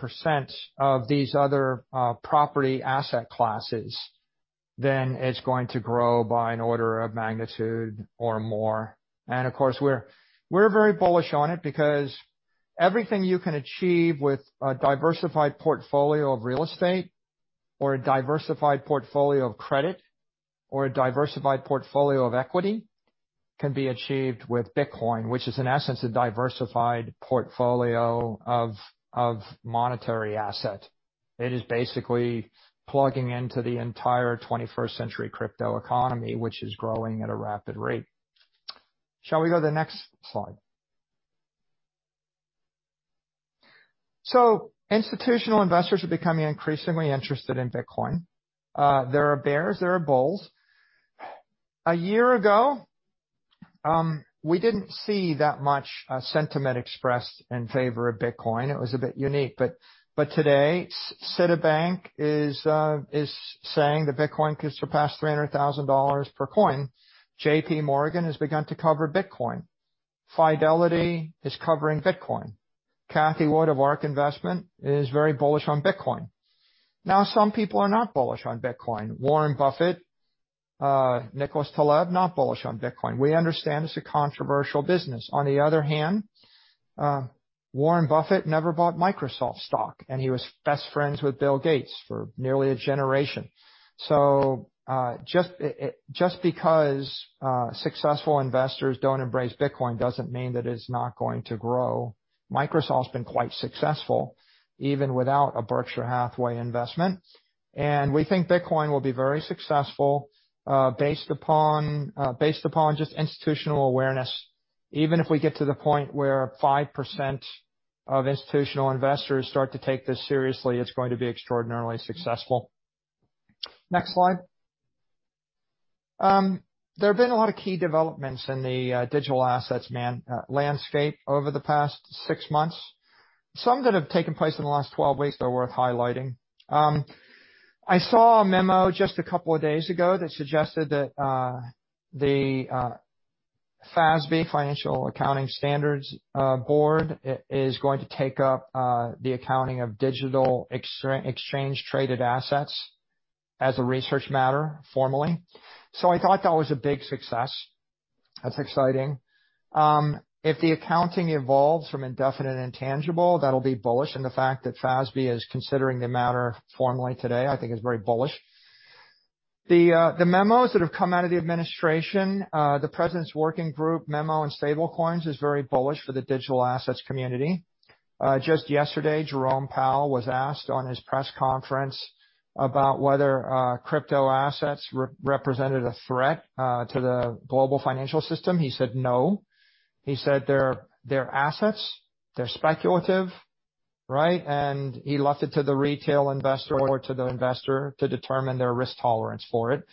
of these other property asset classes, then it's going to grow by an order of magnitude or more. Of course, we're very bullish on it because everything you can achieve with a diversified portfolio of real estate or a diversified portfolio of credit or a diversified portfolio of equity can be achieved with Bitcoin, which is in essence a diversified portfolio of monetary asset. It is basically plugging into the entire 21st century crypto economy, which is growing at a rapid rate. Shall we go to the next slide? Institutional investors are becoming increasingly interested in Bitcoin. There are bears, there are bulls. A year ago, we didn't see that much sentiment expressed in favor of Bitcoin. It was a bit unique, but today, Citibank is saying that Bitcoin could surpass $300,000 per coin. JPMorgan has begun to cover Bitcoin. Fidelity is covering Bitcoin. Cathie Wood of ARK Investment is very bullish on Bitcoin. Now, some people are not bullish on Bitcoin. Warren Buffett, Nicholas Taleb, not bullish on Bitcoin. We understand it's a controversial business. On the other hand, Warren Buffett never bought Microsoft stock, and he was best friends with Bill Gates for nearly a generation. Just because successful investors don't embrace Bitcoin doesn't mean that it's not going to grow. Microsoft's been quite successful even without a Berkshire Hathaway investment. We think Bitcoin will be very successful based upon just institutional awareness. Even if we get to the point where 5% of institutional investors start to take this seriously, it's going to be extraordinarily successful. Next slide. There have been a lot of key developments in the digital assets landscape over the past six months. Some that have taken place in the last 12 weeks are worth highlighting. I saw a memo just a couple of days ago that suggested that the FASB, Financial Accounting Standards Board, is going to take up the accounting of digital exchange traded assets as a research matter formally. I thought that was a big success. That's exciting. If the accounting evolves from indefinite intangible, that'll be bullish. The fact that FASB is considering the matter formally today, I think is very bullish. The memos that have come out of the administration, the president's working group memo on stable coins is very bullish for the digital assets community. Just yesterday, Jerome Powell was asked on his press conference about whether crypto assets represented a threat to the global financial system. He said no. He said they're assets, they're speculative, right? He left it to the retail investor or to the investor to determine their risk tolerance for it.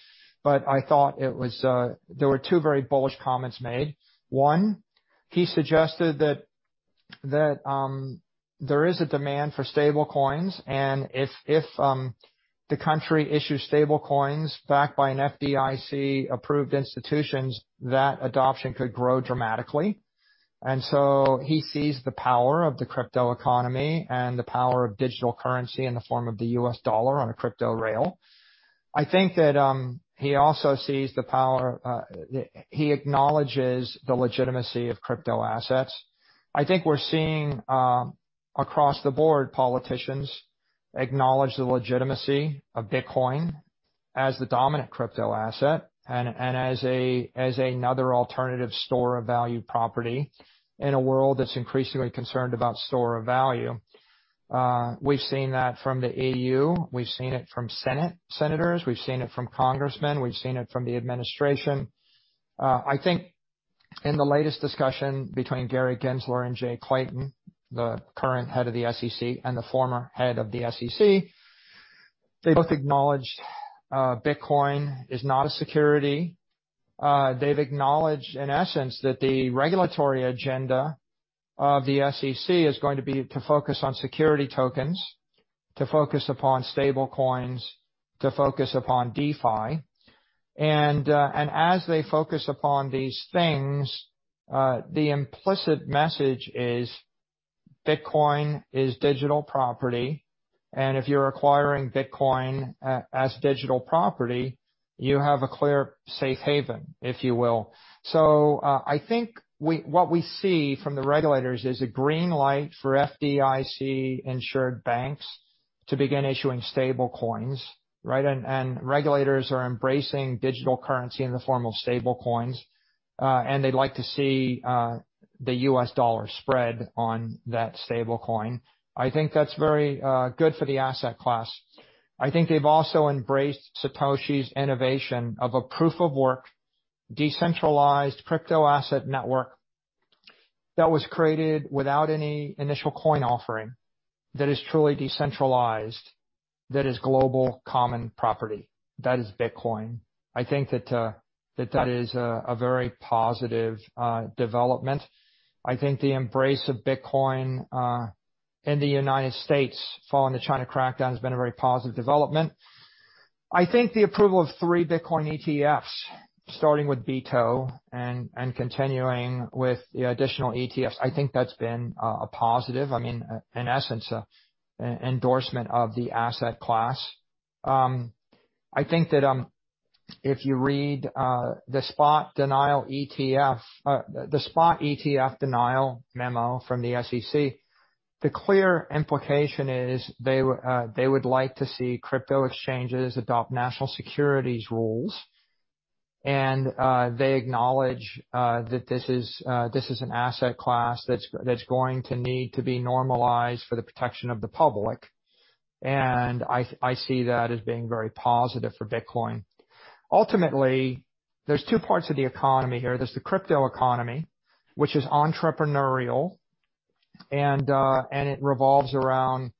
I thought it was. There were two very bullish comments made. One, he suggested that there is a demand for stable coins, and if the country issues stable coins backed by an FDIC-approved institutions, that adoption could grow dramatically. He sees the power of the crypto economy and the power of digital currency in the form of the U.S. dollar on a crypto rail. I think that he also sees the power, he acknowledges the legitimacy of crypto assets. I think we're seeing across the board, politicians acknowledge the legitimacy of Bitcoin as the dominant crypto asset and as another alternative store of value property in a world that's increasingly concerned about store of value. We've seen that from the EU. We've seen it from senators. We've seen it from congressmen. We've seen it from the administration. I think in the latest discussion between Gary Gensler and Jay Clayton, the current head of the SEC and the former head of the SEC, they both acknowledged Bitcoin is not a security. They've acknowledged, in essence, that the regulatory agenda of the SEC is going to be to focus on security tokens, to focus upon stable coins, to focus upon DeFi. As they focus upon these things, the implicit message is Bitcoin is digital property, and if you're acquiring Bitcoin as digital property, you have a clear safe haven, if you will. I think what we see from the regulators is a green light for FDIC-insured banks to begin issuing stablecoins, right? Regulators are embracing digital currency in the form of stablecoins, and they'd like to see the U.S. dollar spread on that stablecoin. I think that's very good for the asset class. I think they've also embraced Satoshi's innovation of a proof of work, decentralized crypto asset network that was created without any initial coin offering, that is truly decentralized, that is global common property. That is Bitcoin. I think that is a very positive development. I think the embrace of Bitcoin in the United States following the China crackdown has been a very positive development. I think the approval of three Bitcoin ETFs, starting with BITO and continuing with the additional ETFs, I think that's been a positive, I mean, in essence, an endorsement of the asset class. I think that if you read the spot ETF denial memo from the SEC, the clear implication is they would like to see crypto exchanges adopt national securities rules. They acknowledge that this is an asset class that's going to need to be normalized for the protection of the public. I see that as being very positive for Bitcoin. Ultimately, there's two parts of the economy here. There's the crypto economy, which is entrepreneurial, and it revolves around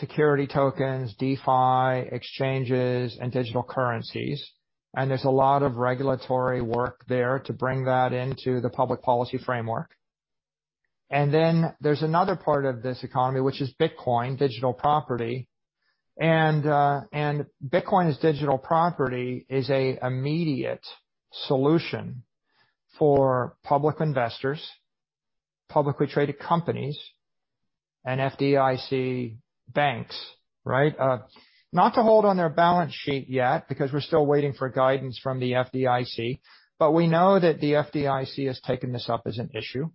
security tokens, DeFi, exchanges, and digital currencies and there's a lot of regulatory work there to bring that into the public policy framework. There's another part of this economy, which is Bitcoin, digital property. Bitcoin as digital property is an immediate solution for public investors, publicly traded companies, and FDIC banks, right? Not to hold on their balance sheet yet, because we're still waiting for guidance from the FDIC, but we know that the FDIC has taken this up as an issue.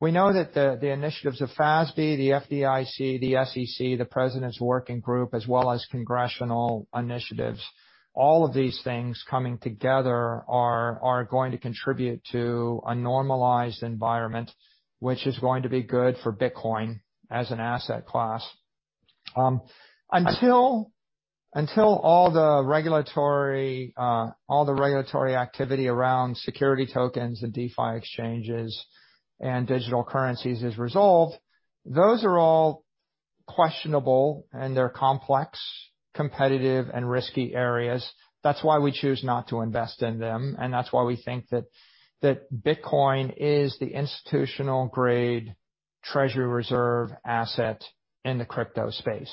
We know that the initiatives of FASB, the FDIC, the SEC, the President's Working Group, as well as congressional initiatives, all of these things coming together are going to contribute to a normalized environment, which is going to be good for Bitcoin as an asset class. Until all the regulatory activity around security tokens and DeFi exchanges and digital currencies is resolved, those are all questionable, and they're complex, competitive, and risky areas. That's why we choose not to invest in them, and that's why we think that Bitcoin is the institutional grade Treasury reserve asset in the crypto space.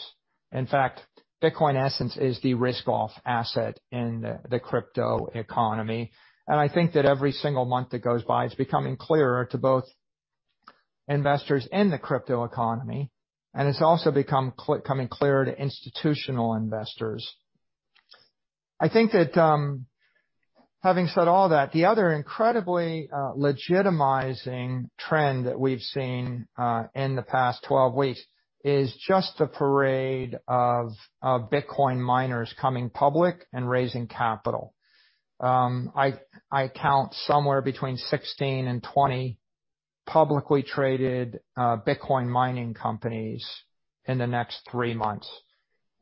In fact, Bitcoin, in essence, is the risk-off asset in the crypto economy. I think that every single month that goes by, it's becoming clearer to both investors in the crypto economy, and it's also becoming clearer to institutional investors. I think that, having said all that, the other incredibly legitimizing trend that we've seen in the past 12 weeks is just the parade of Bitcoin miners coming public and raising capital. I count somewhere between 16 and 20 publicly traded Bitcoin mining companies in the next three months.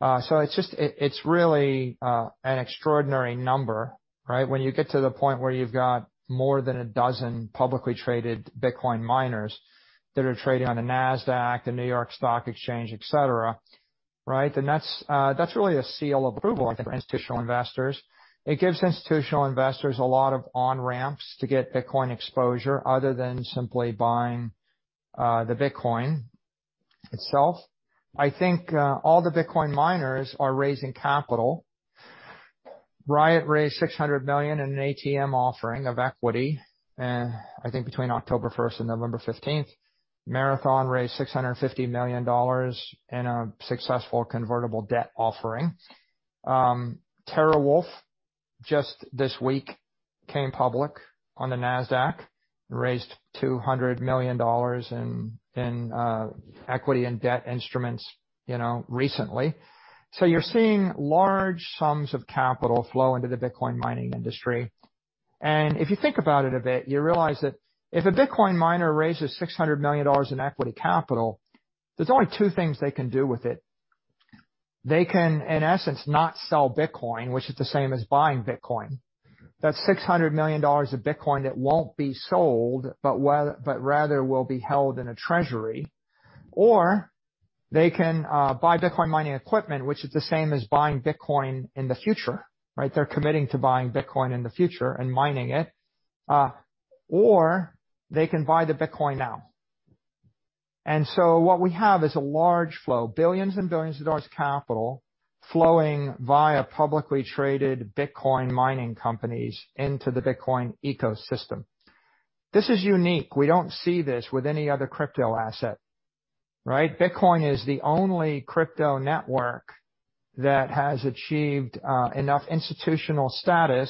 It's just. It's really an extraordinary number, right? When you get to the point where you've got more than a dozen publicly traded Bitcoin miners that are trading on the Nasdaq, the New York Stock Exchange, etc, right? That's really a seal of approval for institutional investors. It gives institutional investors a lot of on-ramps to get Bitcoin exposure other than simply buying the Bitcoin itself. I think all the Bitcoin miners are raising capital. Riot raised $600 million in an ATM offering of equity, I think between October 1st and November 15th, Marathon raised $650 million in a successful convertible debt offering. TeraWulf just this week came public on the Nasdaq and raised $200 million in equity and debt instruments, you know, recently. You're seeing large sums of capital flow into the Bitcoin mining industry. If you think about it a bit, you realize that if a Bitcoin miner raises $600 million in equity capital, there's only two things they can do with it. They can, in essence, not sell Bitcoin, which is the same as buying Bitcoin. That's $600 million of Bitcoin that won't be sold, but rather will be held in a treasury. Or they can buy Bitcoin mining equipment, which is the same as buying Bitcoin in the future, right? They're committing to buying Bitcoin in the future and mining it, or they can buy the Bitcoin now. What we have is a large flow, billions and billions of dollars of capital flowing via publicly traded Bitcoin mining companies into the Bitcoin ecosystem. This is unique. We don't see this with any other crypto asset, right? Bitcoin is the only crypto network that has achieved enough institutional status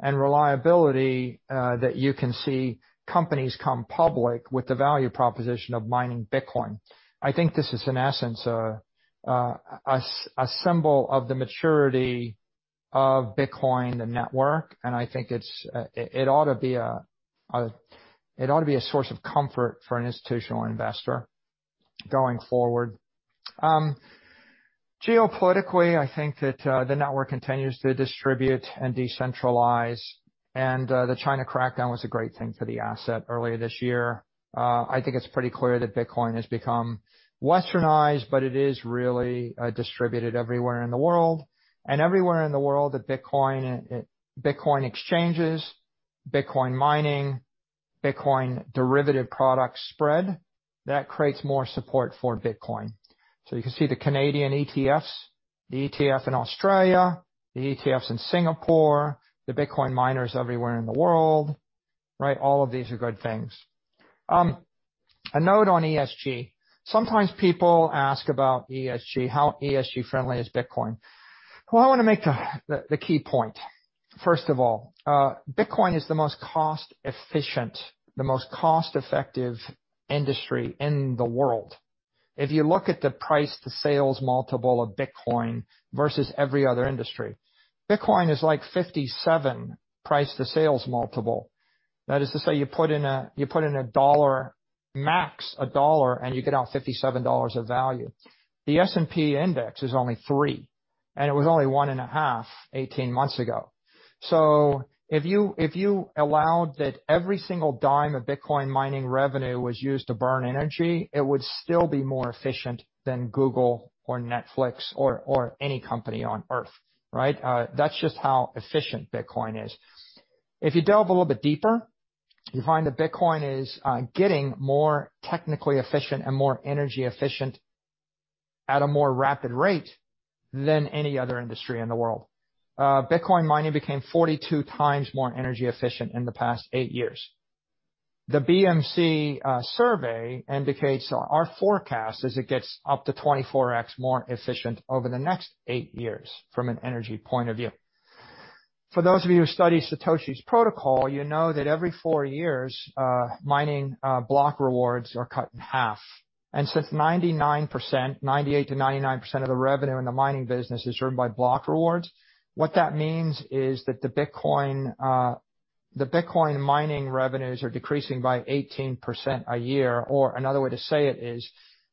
and reliability that you can see companies come public with the value proposition of mining Bitcoin. I think this is, in essence, a symbol of the maturity of Bitcoin, the network, and I think it's a source of comfort for an institutional investor going forward. Geopolitically, I think that the network continues to distribute and decentralize, and the China crackdown was a great thing for the asset earlier this year. I think it's pretty clear that Bitcoin has become Westernized, but it is really distributed everywhere in the world. Everywhere in the world that Bitcoin exchanges, Bitcoin mining, Bitcoin derivative products spread, that creates more support for Bitcoin. You can see the Canadian ETFs, the ETF in Australia, the ETFs in Singapore, the Bitcoin miners everywhere in the world, right? All of these are good things. A note on ESG. Sometimes people ask about ESG, how ESG friendly is Bitcoin? Well, I wanna make the key point. First of all, Bitcoin is the most cost efficient, the most cost-effective industry in the world. If you look at the price to sales multiple of Bitcoin versus every other industry, Bitcoin is like 57 price to sales multiple. That is to say, you put in a $1, max a $1, and you get out $57 of value. The S&P index is only $3, and it was only $1.5, 18 months ago. If you allowed that every single dime of Bitcoin mining revenue was used to burn energy, it would still be more efficient than Google or Netflix or any company on Earth, right? That's just how efficient Bitcoin is. If you delve a little bit deeper, you find that Bitcoin is getting more technically efficient and more energy efficient at a more rapid rate than any other industry in the world. Bitcoin mining became 42 times more energy efficient in the past eight years. The BMC survey indicates our forecast as it gets up to 24x more efficient over the next eight years from an energy point of view. For those of you who studied Satoshi's protocol, you know that every every years, mining block rewards are cut in half. Since 98%-99% of the revenue in the mining business is earned by block rewards, what that means is that the Bitcoin mining revenues are decreasing by 18% a year or another way to say it is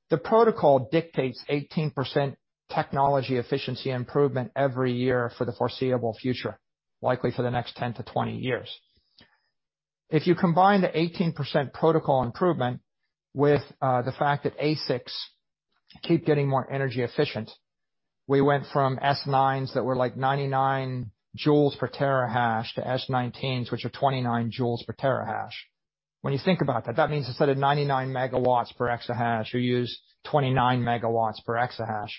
the protocol dictates 18% technology efficiency improvement every year for the foreseeable future, likely for the next 10 to 20 years. If you combine the 18% protocol improvement with the fact that ASICs keep getting more energy efficient, we went from S9s that were like 99 J/TH to S19s, which are 29 J/TH. When you think about that means instead of 99 MW/EH, you use 29 MW/EH.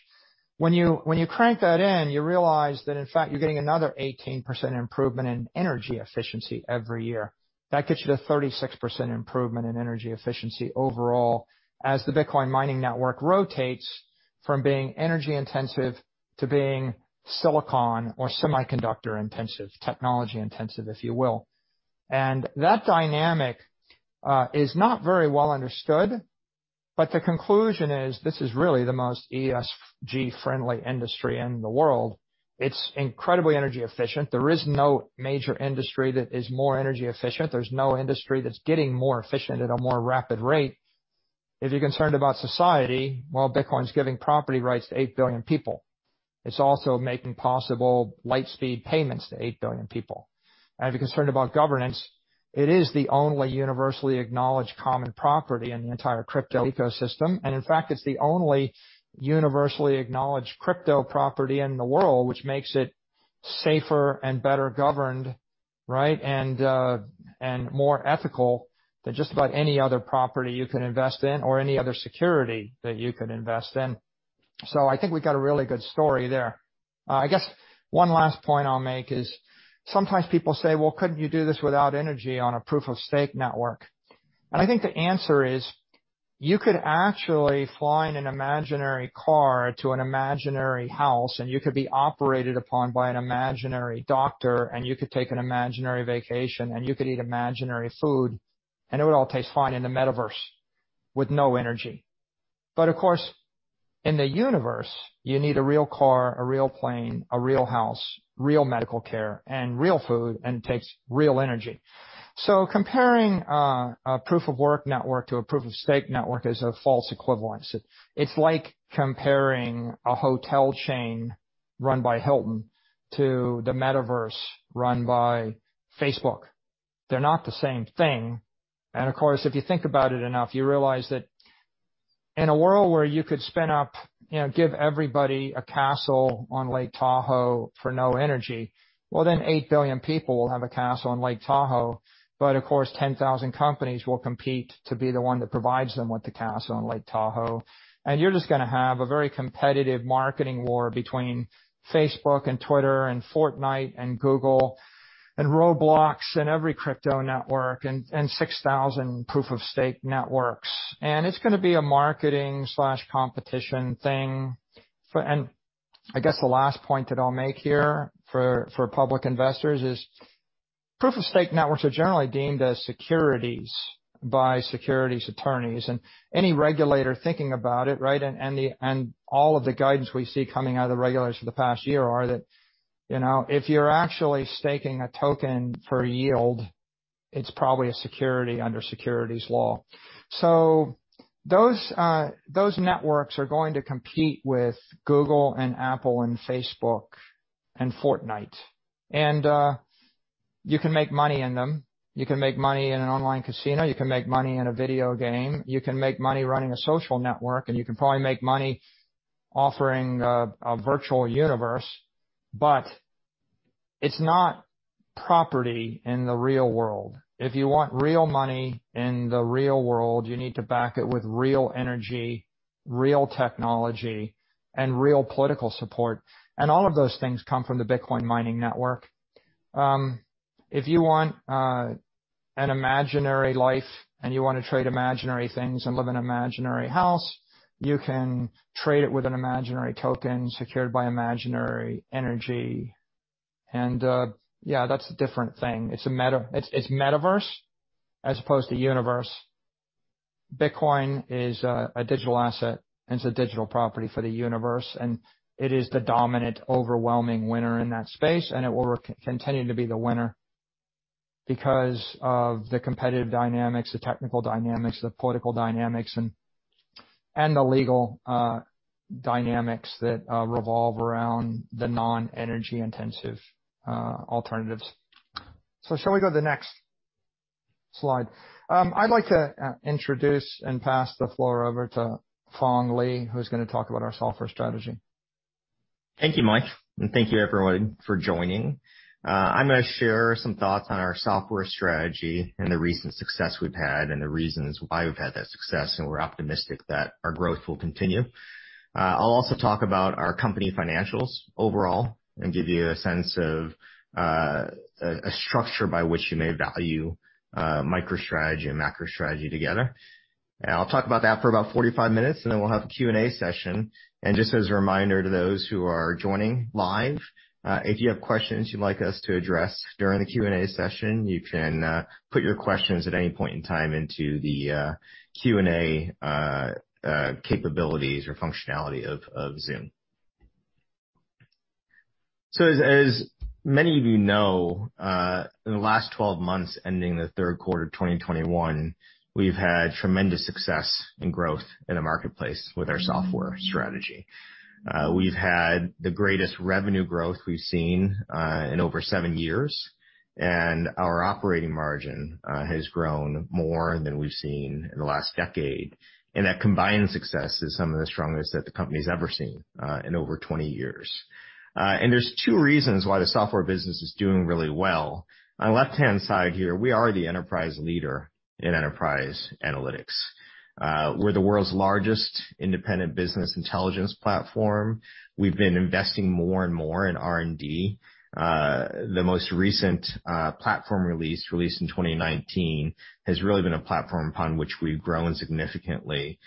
When you crank that in, you realize that in fact you're getting another 18% improvement in energy efficiency every year. That gets you to 36% improvement in energy efficiency overall as the Bitcoin mining network rotates from being energy intensive to being silicon or semiconductor intensive, technology intensive if you will. That dynamic is not very well understood, but the conclusion is this is really the most ESG-friendly industry in the world. It's incredibly energy efficient. There is no major industry that is more energy efficient. There's no industry that's getting more efficient at a more rapid rate. If you're concerned about society, well, Bitcoin's giving property rights to 8 billion people. It's also making possible light speed payments to 8 billion people. If you're concerned about governance, it is the only universally acknowledged common property in the entire crypto ecosystem. In fact, it's the only universally acknowledged crypto property in the world, which makes it safer and better governed, right? And more ethical than just about any other property you can invest in or any other security that you could invest in. I think we've got a really good story there. I guess one last point I'll make is sometimes people say, "Well, couldn't you do this without energy on a proof of stake network?" I think the answer is, you could actually fly in an imaginary car to an imaginary house, and you could be operated upon by an imaginary doctor, and you could take an imaginary vacation, and you could eat imaginary food, and it would all taste fine in the metaverse with no energy. Of course, in the universe, you need a real car, a real plane, a real house, real medical care, and real food, and it takes real energy. Comparing a proof of work network to a proof of stake network is a false equivalence. It's like comparing a hotel chain run by Hilton to the metaverse run by Facebook. They're not the same thing. Of course, if you think about it enough, you realize that in a world where you could spin up, you know, give everybody a castle on Lake Tahoe for no energy, well then 8 billion people will have a castle on Lake Tahoe. Of course, 10,000 companies will compete to be the one that provides them with the castle on Lake Tahoe. You're just gonna have a very competitive marketing war between Facebook and Twitter and Fortnite and Google and Roblox and every crypto network and 6,000 proof of stake networks. It's gonna be a marketing/competition thing. I guess the last point that I'll make here for public investors is proof of stake networks are generally deemed as securities by securities attorneys. Any regulator thinking about it, all of the guidance we see coming out of the regulators for the past year are that, you know, if you're actually staking a token for yield, it's probably a security under securities law. Those networks are going to compete with Google and Apple and Facebook and Fortnite. You can make money in them. You can make money in an online casino. You can make money in a video game. You can make money running a social network, and you can probably make money offering a virtual universe. But it's not property in the real world. If you want real money in the real world, you need to back it with real energy, real technology, and real political support. All of those things come from the Bitcoin mining network. If you want an imaginary life, and you wanna trade imaginary things and live in an imaginary house, you can trade it with an imaginary token secured by imaginary energy. Yeah, that's a different thing. It's metaverse as opposed to universe. Bitcoin is a digital asset, and it's a digital property for the universe, and it is the dominant, overwhelming winner in that space, and it will continue to be the winner because of the competitive dynamics, the technical dynamics, the political dynamics, and the legal dynamics that revolve around the non-energy intensive alternatives. Shall we go to the next slide? I'd like to introduce and pass the floor over to Phong Le, who's gonna talk about our software strategy. Thank you, Mike, and thank you everyone for joining. I'm gonna share some thoughts on our software strategy and the recent success we've had and the reasons why we've had that success, and we're optimistic that our growth will continue. I'll also talk about our company financials overall and give you a sense of a structure by which you may value MicroStrategy and MacroStrategy together. I'll talk about that for about 45 minutes, and then we'll have a Q&A session. Just as a reminder to those who are joining live, if you have questions you'd like us to address during the Q&A session, you can put your questions at any point in time into the Q&A capabilities or functionality of Zoom. As many of you know, in the last 12 months, ending the third quarter 2021, we've had tremendous success and growth in the marketplace with our MicroStrategy. We've had the greatest revenue growth we've seen in over seven years, and our operating margin has grown more than we've seen in the last decade. That combined success is some of the strongest that the company's ever seen in over 20 years. There's two reasons why the software business is doing really well. On the left-hand side here, we are the enterprise leader in enterprise analytics. We're the world's largest independent business intelligence platform, we've been investing more and more in R&D. The most recent platform release, released in 2019, has really been a platform upon which we've grown significantly,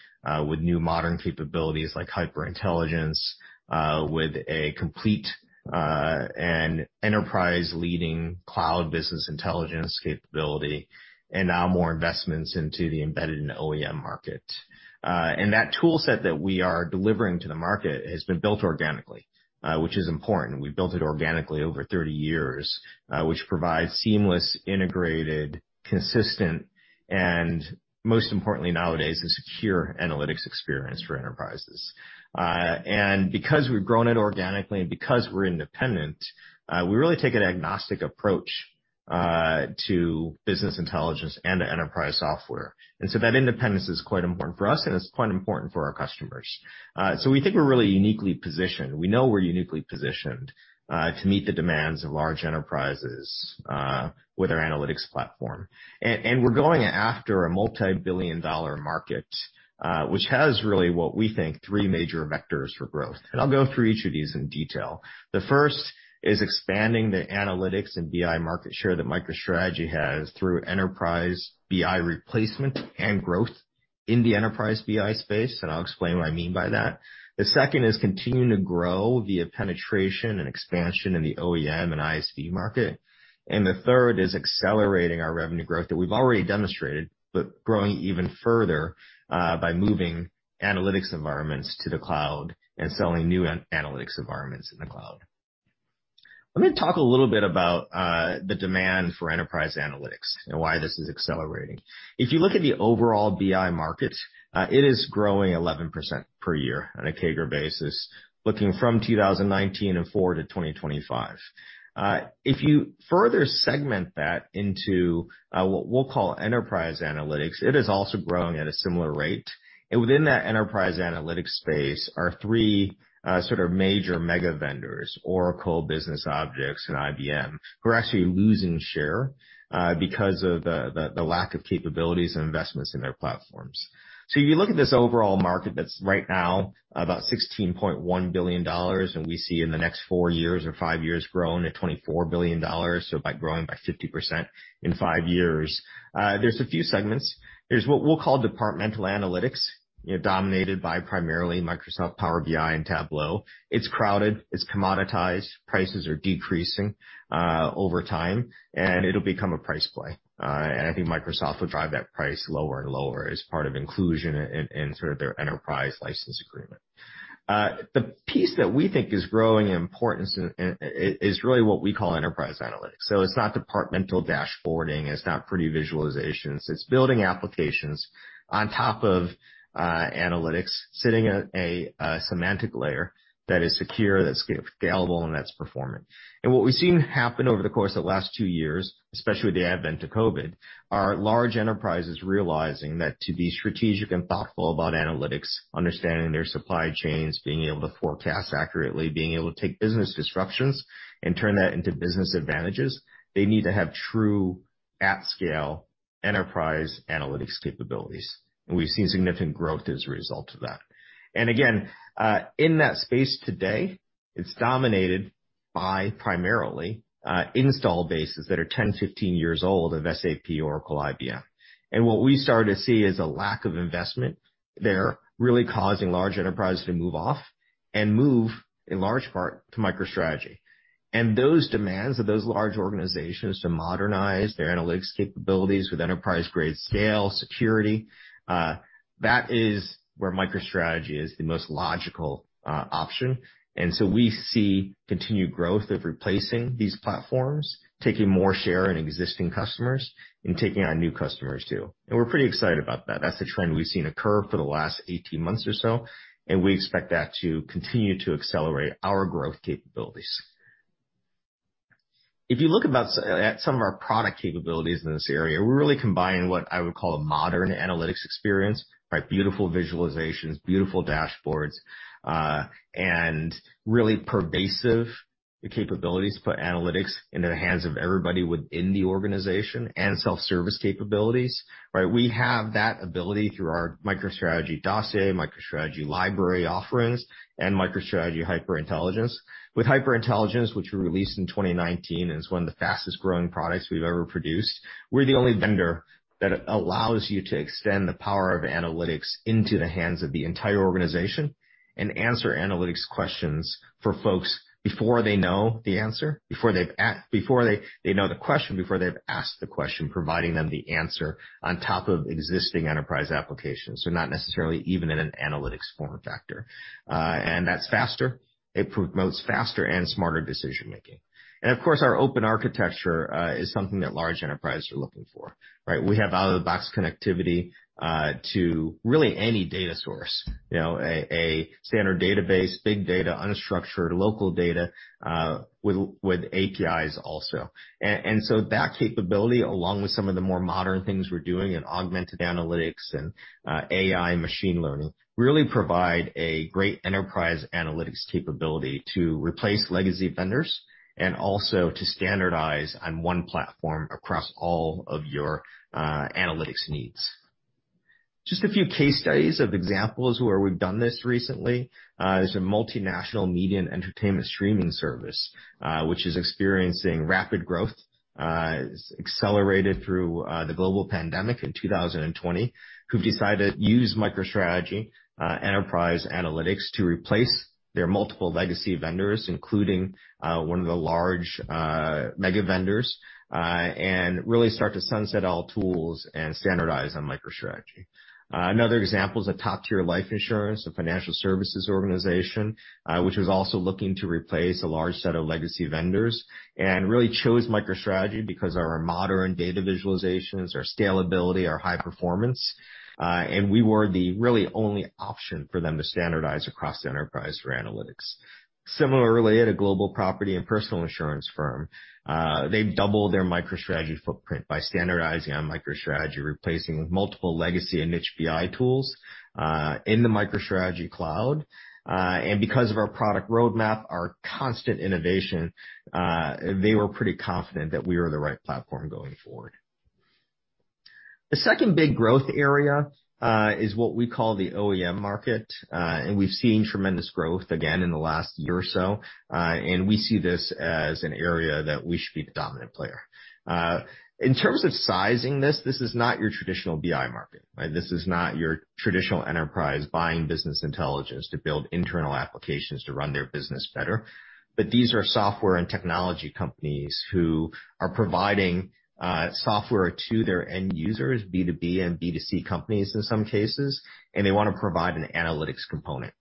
with new modern capabilities like HyperIntelligence, with a complete and enterprise-leading cloud-based business intelligence capability, and now more investments into the embedded and OEM market. That toolset that we are delivering to the market has been built organically, which is important. We built it organically over 30 years, which provides seamless, integrated, consistent, and most importantly, nowadays, a secure analytics experience for enterprises. Because we've grown it organically, because we're independent, we really take an agnostic approach to business intelligence and to enterprise software. That independence is quite important for us and it's quite important for our customers. We think we're really uniquely positioned. We know we're uniquely positioned to meet the demands of large enterprises with our analytics platform. We're going after a multi-billion-dollar market, which has really what we think three major vectors for growth. I'll go through each of these in detail. The first is expanding the analytics and BI market share that MicroStrategy has through enterprise BI replacement and growth in the enterprise BI space., so I'll explain what I mean by that. The second is continuing to grow via penetration and expansion in the OEM and ISV market. The third is accelerating our revenue growth that we've already demonstrated, but growing even further by moving analytics environments to the cloud and selling new analytics environments in the cloud. Let me talk a little bit about the demand for enterprise analytics and why this is accelerating. If you look at the overall BI market, it is growing 11% per year on a CAGR basis, looking from 2019 and forward to 2025. If you further segment that into what we'll call enterprise analytics, it is also growing at a similar rate. Within that enterprise analytics space are three sort of major mega vendors, Oracle, Business Objects, and IBM, who are actually losing share because of the lack of capabilities and investments in their platforms. If you look at this overall market, that's right now about $16.1 billion, and we see in the next four years or five years growing to $24 billion, so by growing by 50% in five years. There's a few segments. There's what we'll call departmental analytics, you know, dominated by primarily Microsoft Power BI and Tableau. It's crowded, it's commoditized, prices are decreasing over time, and it'll become a price play. I think Microsoft will drive that price lower and lower as part of inclusion in sort of their enterprise license agreement. The piece that we think is growing in importance is really what we call enterprise analytics. It's not departmental dashboarding, it's not pretty visualizations, it's building applications on top of analytics, sitting at a semantic layer that is secure, that's scalable, and that's performant. What we've seen happen over the course of the last two years, especially with the advent of COVID, are large enterprises realizing that to be strategic and thoughtful about analytics, understanding their supply chains, being able to forecast accurately, being able to take business disruptions and turn that into business advantages, they need to have true at-scale enterprise analytics capabilities and we've seen significant growth as a result of that. Again, in that space today, it's dominated by primarily install bases that are 10, 15 years old of SAP, Oracle, IBM. What we started to see is a lack of investment there, really causing large enterprises to move off and move in large part to MicroStrategy. Those demands of those large organizations to modernize their analytics capabilities with enterprise-grade scale, security, that is where MicroStrategy is the most logical option. We see continued growth of replacing these platforms, taking more share in existing customers and taking on new customers too. We're pretty excited about that. That's the trend we've seen occur for the last 18 months or so, and we expect that to continue to accelerate our growth capabilities. If you look at some of our product capabilities in this area, we're really combining what I would call a modern analytics experience, right? Beautiful visualizations, beautiful dashboards, and really pervasive, the capabilities to put analytics into the hands of everybody within the organization and self-service capabilities, right? We have that ability through our MicroStrategy Dossier, MicroStrategy Library offerings, and MicroStrategy HyperIntelligence. With HyperIntelligence, which we released in 2019, and is one of the fastest-growing products we've ever produced. We're the only vendor that allows you to extend the power of analytics into the hands of the entire organization and answer analytics questions for folks before they know the answer, before they know the question, before they've asked the question, providing them the answer on top of existing enterprise applications. Not necessarily even in an analytics form factor. That's faster. It promotes faster and smarter decision-making. Of course, our open architecture is something that large enterprises are looking for, right? We have out-of-the-box connectivity to really any data source, you know, a standard database, big data, unstructured local data, with APIs also. That capability, along with some of the more modern things we're doing in augmented analytics and AI machine learning, really provide a great enterprise analytics capability to replace legacy vendors and also to standardize on one platform across all of your analytics needs. Just a few case studies of examples where we've done this recently is a multinational media and entertainment streaming service, which is experiencing rapid growth, accelerated through the global pandemic in 2020, who've decided to use MicroStrategy enterprise analytics to replace their multiple legacy vendors, including one of the large mega vendors and really start to sunset all tools and standardize on MicroStrategy. Another example is a top-tier life insurance and financial services organization, which was also looking to replace a large set of legacy vendors and really chose MicroStrategy because our modern data visualizations, our scalability, our high performance, and we were the really only option for them to standardize across the enterprise for analytics. Similarly, at a global property and personal insurance firm, they've doubled their MicroStrategy footprint by standardizing on MicroStrategy, replacing multiple legacy and niche BI tools, in the MicroStrategy Cloud. Because of our product roadmap, our constant innovation, they were pretty confident that we were the right platform going forward. The second big growth area is what we call the OEM market, and we've seen tremendous growth again in the last year or so. We see this as an area that we should be the dominant player. In terms of sizing this is not your traditional BI market, right? This is not your traditional enterprise buying business intelligence to build internal applications to run their business better. These are software and technology companies who are providing software to their end users, B2B and B2C companies in some cases, and they wanna provide an analytics component.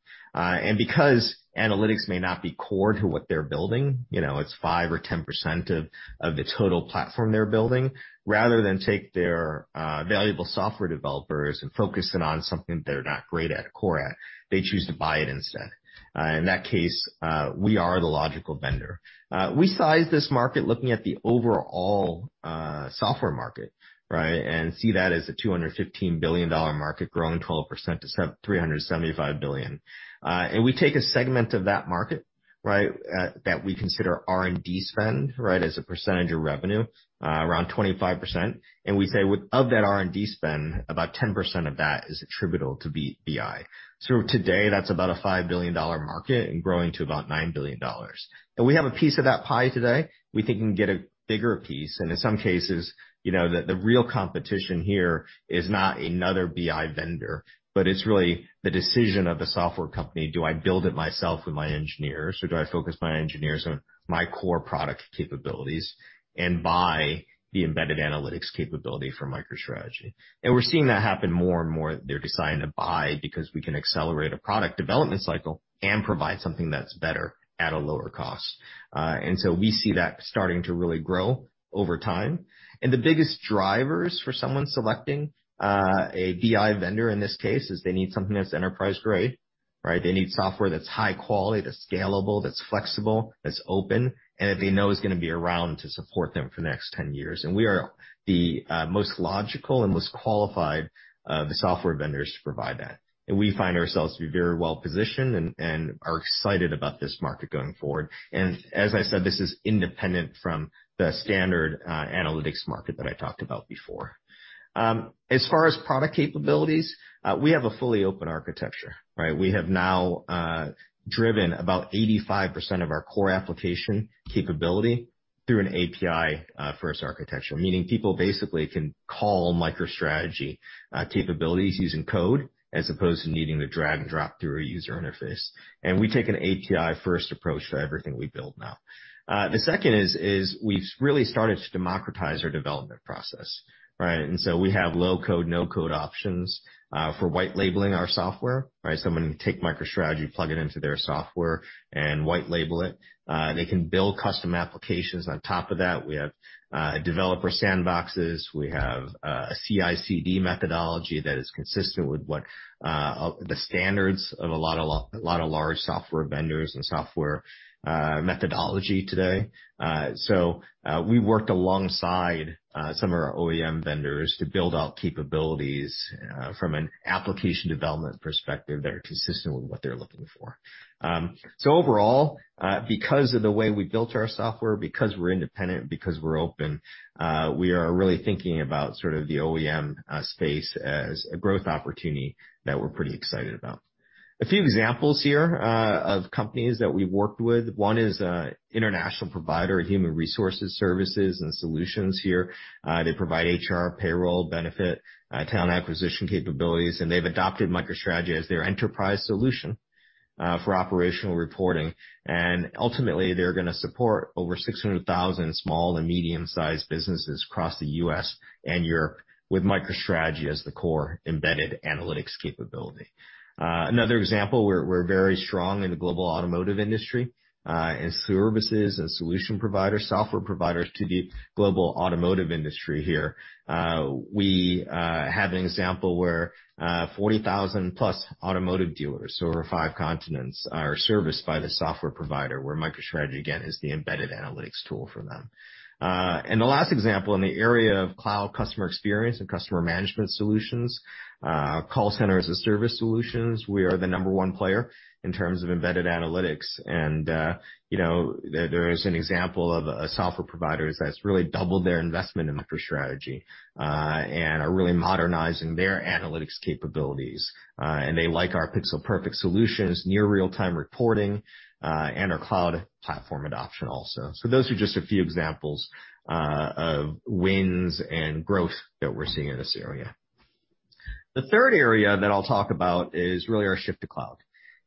Because analytics may not be core to what they're building, you know, it's 5%-10% of the total platform they're building, rather than take their valuable software developers and focus it on something they're not great at or core at, they choose to buy it instead. In that case, we are the logical vendor. We size this market looking at the overall software market, right? See that as a $215 billion market growing 12% to $375 billion. We take a segment of that market, right, that we consider R&D spend, right, as a percentage of revenue, around 25%. We say of that R&D spend, about 10% of that is attributable to BI. Today that's about a $5 billion market and growing to about $9 billion. We have a piece of that pie today. We think we can get a bigger piece, and in some cases, you know, the real competition here is not another BI vendor, but it's really the decision of a software company. Do I build it myself with my engineers, or do I focus my engineers on my core product capabilities and buy the embedded analytics capability from MicroStrategy? We're seeing that happen more and more. They're deciding to buy because we can accelerate a product development cycle and provide something that's better at a lower cost. We see that starting to really grow over time. The biggest drivers for someone selecting a BI vendor in this case is they need something that's enterprise-grade, right? They need software that's high quality, that's scalable, that's flexible, that's open, and that they know is gonna be around to support them for the next 10 years. We are the most logical and most qualified software vendors to provide that and we find ourselves to be very well positioned and are excited about this market going forward. As I said, this is independent from the standard analytics market that I talked about before. As far as product capabilities, we have a fully open architecture, right? We have now driven about 85% of our core application capability through an API-first architecture, meaning people basically can call MicroStrategy capabilities using code as opposed to needing to drag and drop through a user interface. We take an API-first approach for everything we build now. The second is we've really started to democratize our development process, right? We have low-code, no-code options for white-labeling our software, right? Someone can take MicroStrategy, plug it into their software and white-label it. They can build custom applications on top of that. We have developer sandboxes. We have CI/CD methodology that is consistent with what the standards of a lot of large software vendors and software methodology today. We worked alongside some of our OEM vendors to build out capabilities from an application development perspective that are consistent with what they're looking for. Overall, because of the way we built our software, because we're independent, because we're open, we are really thinking about sort of the OEM space as a growth opportunity that we're pretty excited about. A few examples here of companies that we've worked with. One is international provider of human resources, services and solutions here. They provide HR, payroll, benefit, talent acquisition capabilities, and they've adopted MicroStrategy as their enterprise solution for operational reporting. Ultimately, they're gonna support over 600,000 small and medium-sized businesses across the U.S. and Europe with MicroStrategy as the core embedded analytics capability. Another example, we're very strong in the global automotive industry as services and solution providers, software providers to the global automotive industry here. We have an example where 40,000+ automotive dealers over five continents are serviced by the software provider, where MicroStrategy, again, is the embedded analytics tool for them. The last example, in the area of cloud customer experience and customer management solutions, Call Centers as service Solutions, we are the number one player in terms of embedded analytics. You know, there is an example of a software provider that's really doubled their investment in MicroStrategy and are really modernizing their analytics capabilities. They like our pixel perfect solutions, near real-time reporting, and our cloud platform adoption also. Those are just a few examples of wins and growth that we're seeing in this area. The third area that I'll talk about is really our shift to cloud.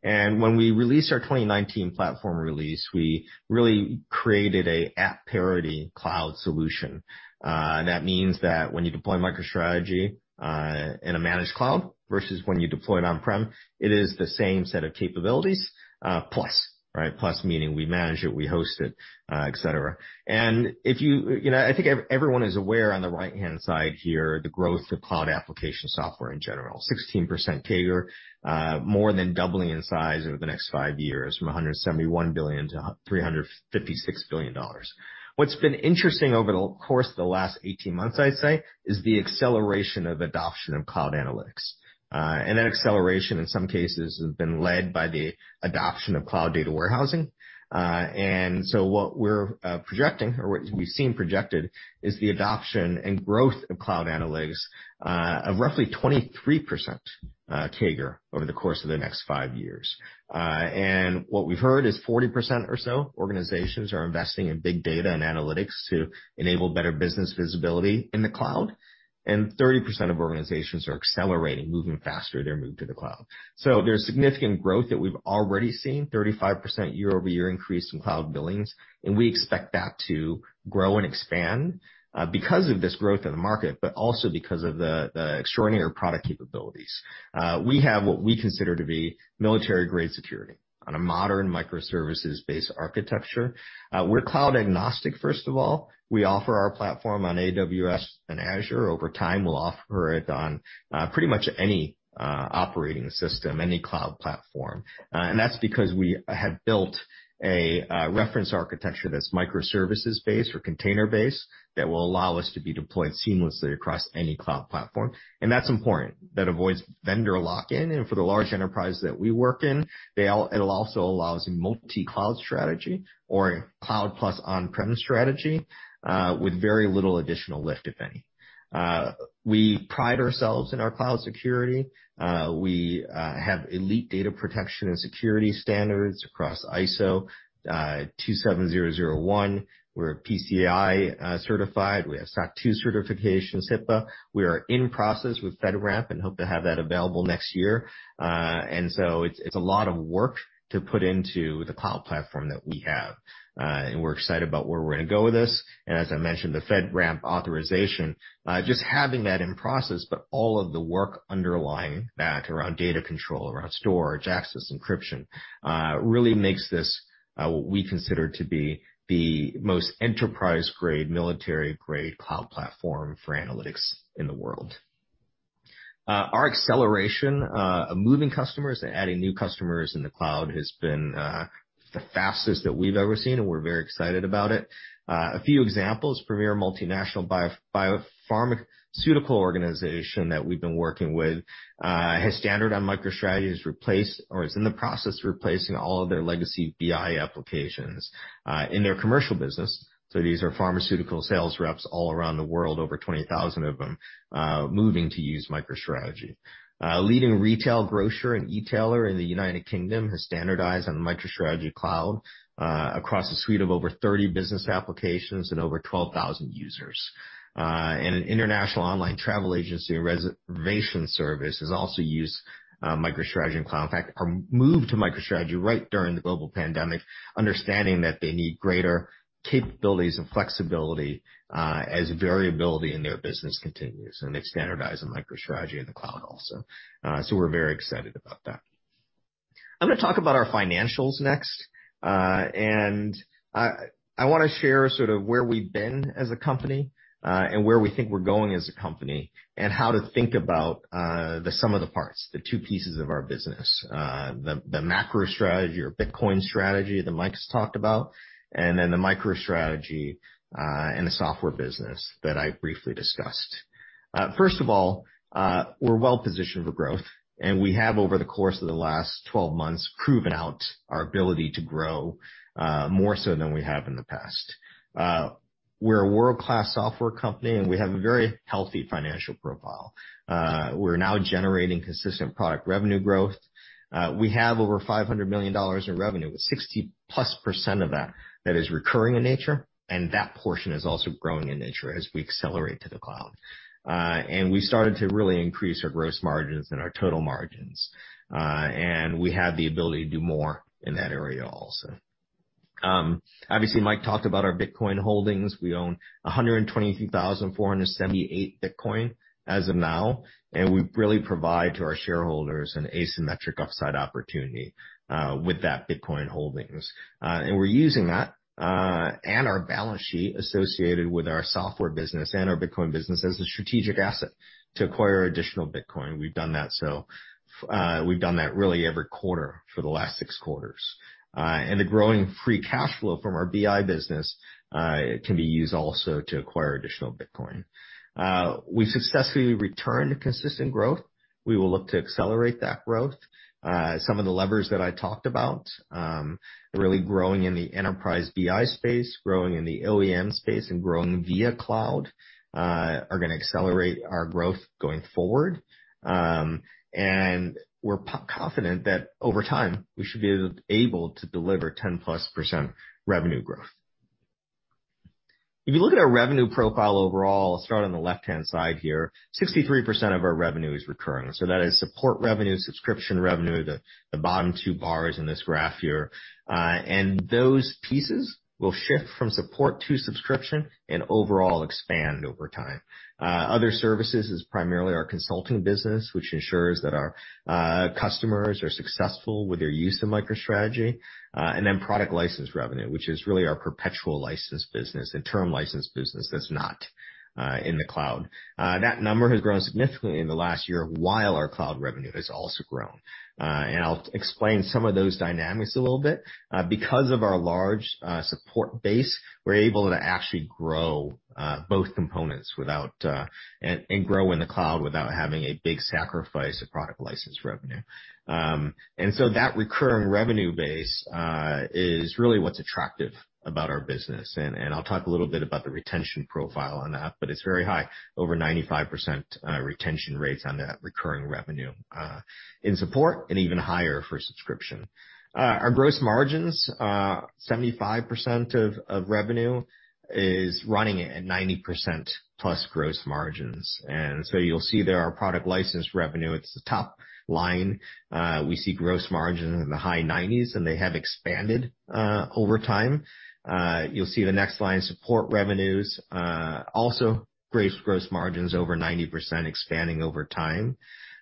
When we released our 2019 platform release, we really created an app parity cloud solution. That means that when you deploy MicroStrategy in a managed cloud versus when you deploy it on-prem, it is the same set of capabilities, plus, right? Plus meaning we manage it, we host it, etc. You know, I think everyone is aware on the right-hand side here, the growth of cloud application software in general, 16% CAGR, more than doubling in size over the next five years from $171 billion-$356 billion. What's been interesting over the course of the last 18 months, I'd say, is the acceleration of adoption of cloud analytics. That acceleration, in some cases, has been led by the adoption of cloud data warehousing. What we're projecting, or what we've seen projected, is the adoption and growth of cloud analytics of roughly 23% CAGR over the course of the next five years. What we've heard is 40% or so organizations are investing in big data and analytics to enable better business visibility in the cloud, and 30% of organizations are accelerating, moving faster, their move to the cloud. There's significant growth that we've already seen, 35% year-over-year increase in cloud billings, and we expect that to grow and expand, because of this growth in the market, but also because of the extraordinary product capabilities. We have what we consider to be military-grade security on a modern microservices-based architecture. We're cloud agnostic, first of all. We offer our platform on AWS and Azure. Over time, we'll offer it on pretty much any operating system, any cloud platform, and that's because we have built a reference architecture that's microservices based or container based that will allow us to be deployed seamlessly across any cloud platform. That's important. That avoids vendor lock-in. For the large enterprise that we work in, it also allows a multi-cloud strategy or a cloud plus on-premise strategy with very little additional lift, if any. We pride ourselves in our cloud security. We have elite data protection and security standards across ISO 27001. We're PCI certified. We have SOC 2 certification, HIPAA. We are in process with FedRAMP and hope to have that available next year and so it's a lot of work to put into the cloud platform that we have. We're excited about where we're gonna go with this. As I mentioned, the FedRAMP authorization, just having that in process, but all of the work underlying that around data control, around storage, access, encryption, really makes this what we consider to be the most enterprise-grade, military-grade cloud platform for analytics in the world. Our acceleration of moving customers and adding new customers in the cloud has been the fastest that we've ever seen, and we're very excited about it. A few examples. Premier multinational biopharmaceutical organization that we've been working with has standardized on MicroStrategy, has replaced or is in the process of replacing all of their legacy BI applications in their commercial business. These are pharmaceutical sales reps all around the world, over 20,000 of them, moving to use MicroStrategy. Leading retail grocer and e-tailer in the United Kingdom has standardized on MicroStrategy Cloud across a suite of over 30 business applications and over 12,000 users. An international online travel agency and reservation service has also used MicroStrategy Cloud. In fact, moved to MicroStrategy Cloud right during the global pandemic, understanding that they need greater capabilities and flexibility as variability in their business continues, and they've standardized on MicroStrategy Cloud also, so we're very excited about that. I'm gonna talk about our financials next. I wanna share sort of where we've been as a company and where we think we're going as a company and how to think about the sum of the parts, the two pieces of our business. The MacroStrategy or Bitcoin strategy that Mike's talked about, and then the MicroStrategy and the software business that I briefly discussed. First of all, we're well positioned for growth, and we have over the course of the last 12 months proven out our ability to grow more so than we have in the past. We're a world-class software company, and we have a very healthy financial profile. We're now generating consistent product revenue growth. We have over $500 million in revenue, with 60%+ of that is recurring in nature, and that portion is also growing in nature as we accelerate to the cloud. We started to really increase our gross margins and our total margins, and we have the ability to do more in that area also. Obviously, Mike talked about our Bitcoin holdings. We own 123,478 Bitcoin as of now, and we really provide to our shareholders an asymmetric upside opportunity with that Bitcoin holdings. We're using that and our balance sheet associated with our software business and our Bitcoin business as a strategic asset to acquire additional Bitcoin. We've done that every quarter for the last six quarters. The growing free cash flow from our BI business can be used also to acquire additional Bitcoin. We successfully returned consistent growth. We will look to accelerate that growth. Some of the levers that I talked about, really growing in the enterprise BI space, growing in the OEM space, and growing via cloud, are gonna accelerate our growth going forward. We're confident that over time, we should be able to deliver 10%+ revenue growth. If you look at our revenue profile overall, I'll start on the left-hand side here, 63% of our revenue is recurring. That is support revenue, subscription revenue, the bottom two bars in this graph here. Those pieces will shift from support to subscription and overall expand over time. Other services is primarily our consulting business, which ensures that our customers are successful with their use of MicroStrategy. Then product license revenue, which is really our perpetual license business and term license business that's not in the cloud. That number has grown significantly in the last year while our cloud revenue has also grown. I'll explain some of those dynamics a little bit. Because of our large support base, we're able to actually grow both components and grow in the cloud without having a big sacrifice of product license revenue, and so that recurring revenue base is really what's attractive about our business. I'll talk a little bit about the retention profile on that, but it's very high, over 95% retention rates on that recurring revenue in support and even higher for subscription. Our gross margins, 75% of revenue is running at 90%+ gross margins. You'll see there our product license revenue, it's the top line. We see gross margin in the high '90s, and they have expanded over time. You'll see the next line, support revenues, also great gross margins over 90% expanding over time.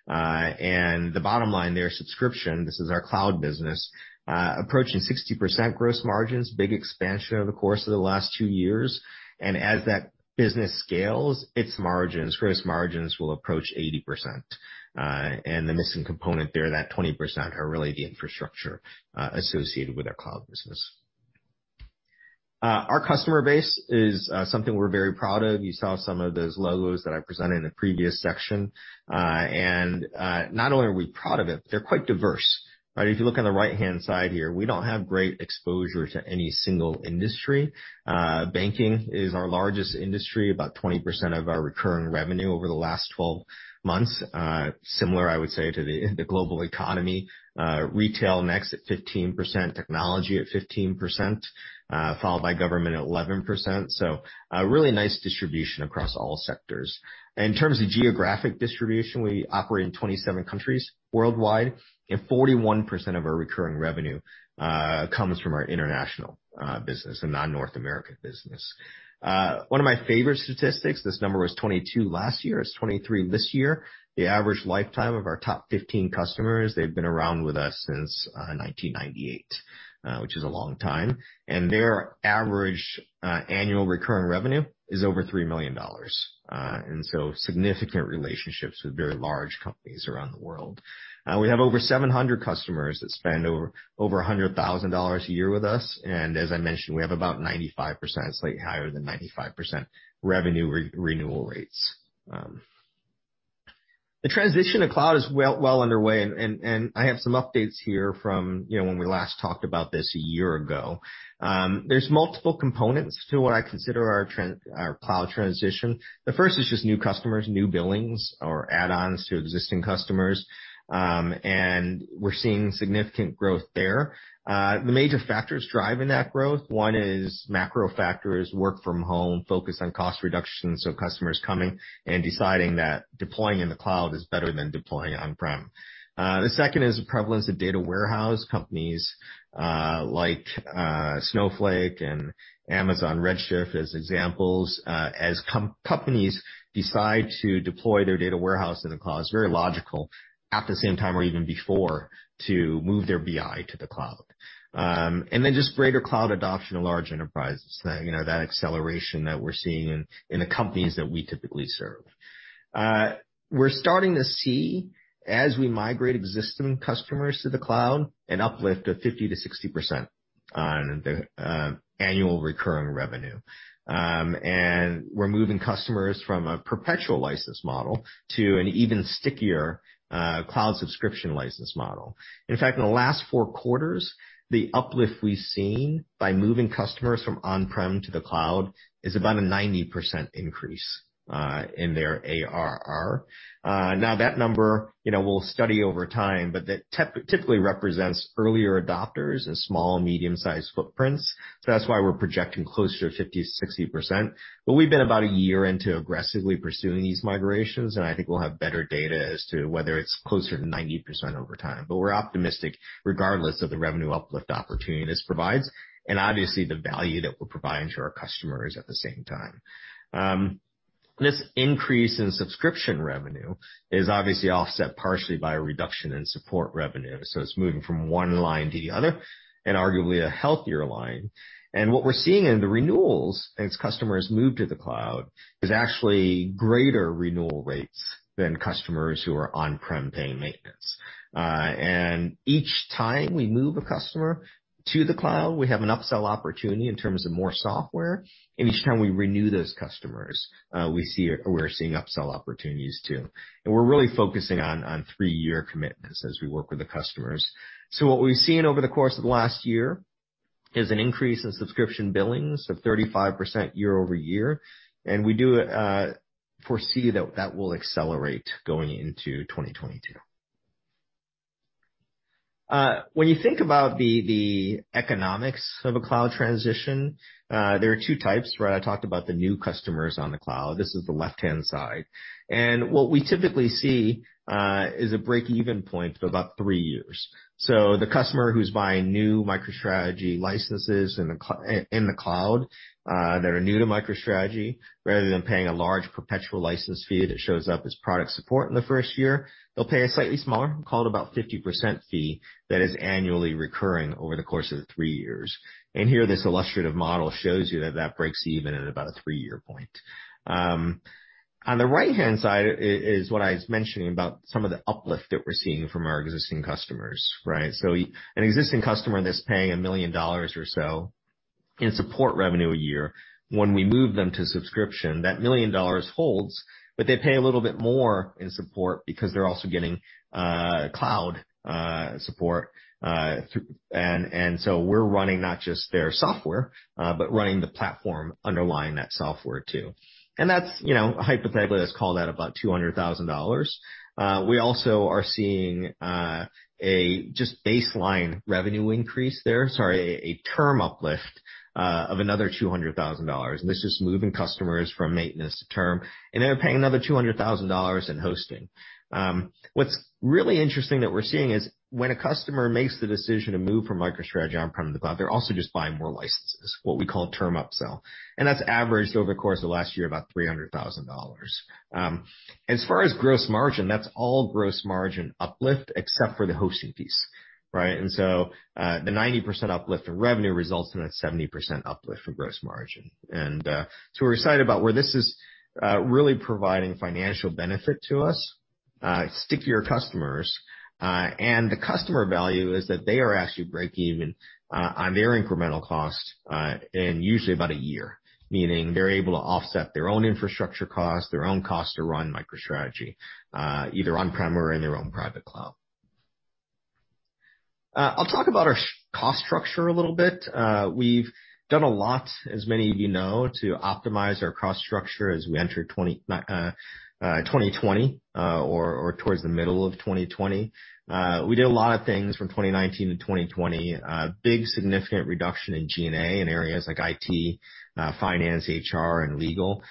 The bottom line there, subscription, this is our cloud business, approaching 60% gross margins. Big expansion over the course of the last two years. As that business scales, its margins, gross margins will approach 80%. The missing component there, that 20%, are really the infrastructure associated with our cloud business. Our customer base is something we're very proud of. You saw some of those logos that I presented in a previous section. Not only are we proud of it, they're quite diverse. Right? If you look on the right-hand side here, we don't have great exposure to any single industry. Banking is our largest industry, about 20% of our recurring revenue over the last 12 months. Similar, I would say, to the global economy. Retail next at 15%, technology at 15%, followed by government at 11%. So a really nice distribution across all sectors. In terms of geographic distribution, we operate in 27 countries worldwide, and 41% of our recurring revenue comes from our international business and non-North American business. One of my favorite statistics, this number was 22 last year, it's 23 this year, the average lifetime of our top 15 customers, they've been around with us since 1998, which is a long time andtTheir average annual recurring revenue is over $3 million. Significant relationships with very large companies around the world. We have over 700 customers that spend over $100,000 a year with us. As I mentioned, we have about 95%, slightly higher than 95% revenue renewal rates. The transition to cloud is well underway, and I have some updates here from, you know, when we last talked about this a year ago. There's multiple components to what I consider our cloud transition. The first is just new customers, new billings or add-ons to existing customers. We're seeing significant growth there. The major factors driving that growth, one is macro factors, work from home, focus on cost reduction, so customers coming and deciding that deploying in the cloud is better than deploying on-prem. The second is the prevalence of data warehouse companies, like, Snowflake and Amazon Redshif as examples. As companies decide to deploy their data warehouse in the cloud, it's very logical at the same time or even before, to move their BI to the cloud. Then just greater cloud adoption of large enterprises. You know, that acceleration that we're seeing in the companies that we typically serve. We're starting to see as we migrate existing customers to the cloud, an uplift of 50%-60% on annual recurring revenue. We're moving customers from a perpetual license model to an even stickier cloud subscription license model. In fact, in the last four quarters, the uplift we've seen by moving customers from on-prem to the cloud is about a 90% increase in their ARR. Now that number, you know, we'll study over time, but that typically represents earlier adopters in small and medium-sized footprints. That's why we're projecting closer to 50%-60%. We've been about a year into aggressively pursuing these migrations, and I think we'll have better data as to whether it's closer to 90% over time. We're optimistic regardless of the revenue uplift opportunity this provides and obviously the value that we're providing to our customers at the same time. This increase in subscription revenue is obviously offset partially by a reduction in support revenue, so it's moving from one line to the other and arguably a healthier line. What we're seeing in the renewals as customers move to the cloud is actually greater renewal rates than customers who are on-prem paying maintenance. Each time we move a customer to the cloud, we have an upsell opportunity in terms of more software. Each time we renew those customers, we're seeing upsell opportunities too. We're really focusing on three-year commitments as we work with the customers. What we've seen over the course of last year is an increase in subscription billings of 35% year-over-year, and we do foresee that will accelerate going into 2022. When you think about the economics of a cloud transition, there are two types, right? I talked about the new customers on the cloud. This is the left-hand side. What we typically see is a break-even point of about three years. The customer who's buying new MicroStrategy licenses in the cloud that are new to MicroStrategy, rather than paying a large perpetual license fee that shows up as product support in the first year, they'll pay a slightly smaller, call it about 50% fee that is annually recurring over the course of the three years. Here, this illustrative model shows you that it breaks even at about a three-year point. On the right-hand side is what I was mentioning about some of the uplift that we're seeing from our existing customers, right? An existing customer that's paying $1 million or so in support revenue a year, when we move them to subscription, that $1 million holds, but they pay a little bit more in support because they're also getting cloud support, and so we're running not just their software, but running the platform underlying that software too. That's, you know, hypothetically, let's call that about $200,000. We also are seeing a term uplift of another $200,000. This is moving customers from maintenance to term, and they're paying another $200,000 in hosting. What's really interesting that we're seeing is when a customer makes the decision to move from MicroStrategy on-prem to the cloud, they're also just buying more licenses, what we call term upsell. That's averaged over the course of last year about $300,000. As far as gross margin, that's all gross margin uplift, except for the hosting piece, right? The 90% uplift in revenue results in a 70% uplift for gross margin. We're excited about where this is really providing financial benefit to us, stickier customers. The customer value is that they are actually break even on their incremental cost in usually about a year, meaning they're able to offset their own infrastructure costs, their own cost to run MicroStrategy either on-prem or in their own private cloud. I'll talk about our cost structure a little bit. We've done a lot, as many of you know, to optimize our cost structure as we enter 2020, or towards the middle of 2020. We did a lot of things from 2019-2020. Big significant reduction in G&A in areas like IT, finance, HR, and legal.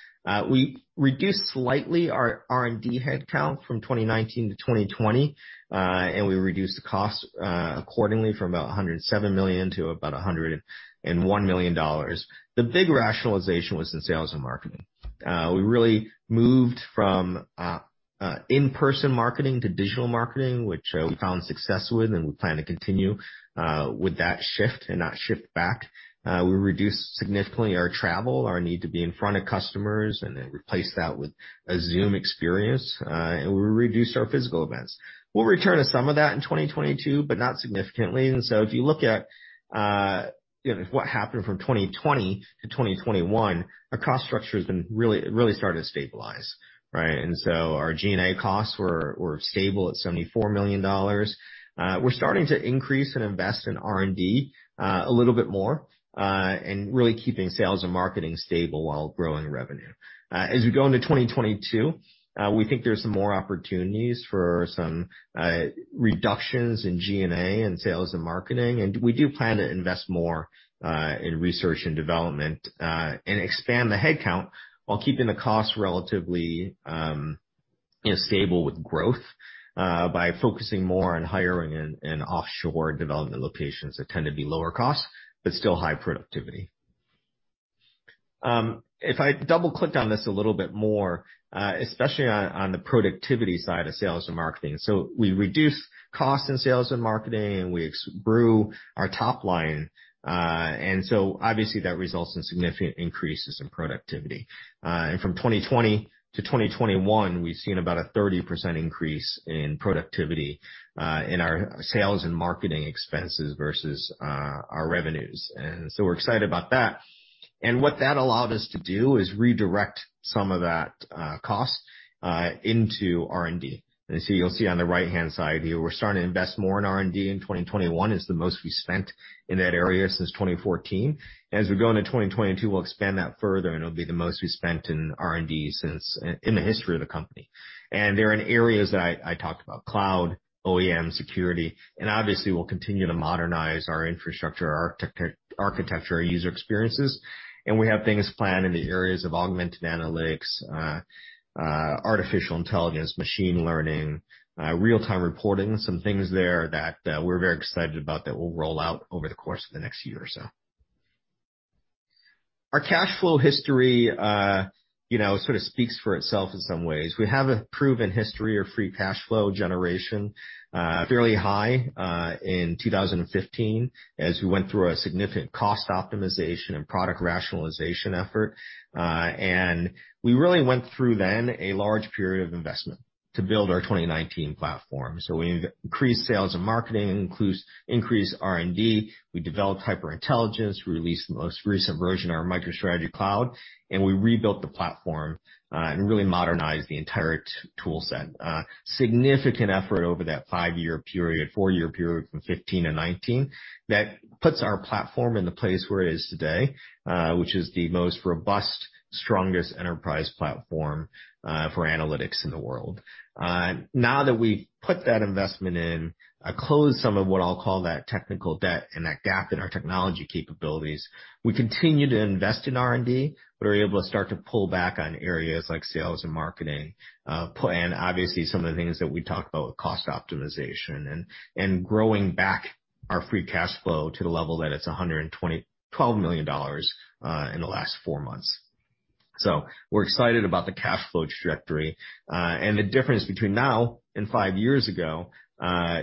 We reduced slightly our R&D headcount from 2019-2020, and we reduced the cost accordingly from about $107 million to about $101 million. The big rationalization was in sales and marketing. We really moved from in-person marketing to digital marketing, which we found success with and we plan to continue with that shift and not shift back. We reduced significantly our travel, our need to be in front of customers, and then replaced that with a Zoom experience, and we reduced our physical events. We'll return to some of that in 2022, but not significantly. If you look at, you know, what happened from 2020-2021, our cost structure has been really, really starting to stabilize, right? Our G&A costs were stable at $74 million. We're starting to increase and invest in R&D a little bit more, and really keeping sales and marketing stable while growing revenue. As we go into 2022, we think there's some more opportunities for some reductions in G&A and sales and marketing. We do plan to invest more in research and development and expand the headcount while keeping the costs relatively, you know, stable with growth by focusing more on hiring in offshore development locations that tend to be lower cost, but still high productivity. If I double-click on this a little bit more, especially on the productivity side of sales and marketing. We reduced costs in sales and marketing, and we grew our top line. Obviously that results in significant increases in productivity. From 2020-2021, we've seen about a 30% increase in productivity in our sales and marketing expenses versus our revenues. We're excited about that. What that allowed us to do is redirect some of that cost into R&D. You'll see on the right-hand side here, we're starting to invest more in R&D in 2021. It's the most we spent in that area since 2014. As we go into 2022, we'll expand that further, and it'll be the most we spent in R&D in the history of the company. They're in areas that I talked about Cloud, OEM, security, and obviously we'll continue to modernize our infrastructure, our architecture, our user experiences. We have things planned in the areas of augmented analytics, artificial intelligence, machine learning, real-time reporting, some things there that we're very excited about that we'll roll out over the course of the next year or so. Our cash flow history, you know, sort of speaks for itself in some ways. We have a proven history of free cash flow generation, fairly high, in 2015 as we went through a significant cost optimization and product rationalization effort. We really went through then a large period of investment to build our 2019 platform. We increased sales and marketing, increased R&D. We developed HyperIntelligence. We released the most recent version of our MicroStrategy Cloud, and we rebuilt the platform, and really modernized the entire tool set. Significant effort over that five-year period, four-year period from 2015-2019 that puts our platform in the place where it is today, which is the most robust, strongest enterprise platform, for analytics in the world. Now that we've put that investment in, closed some of what I'll call that technical debt and that gap in our technology capabilities, we continue to invest in R&D. We're able to start to pull back on areas like sales and marketing, and obviously some of the things that we talked about with cost optimization and growing back our free cash flow to the level that it's $12 million in the last four months. We're excited about the cash flow trajectory. The difference between now and five years ago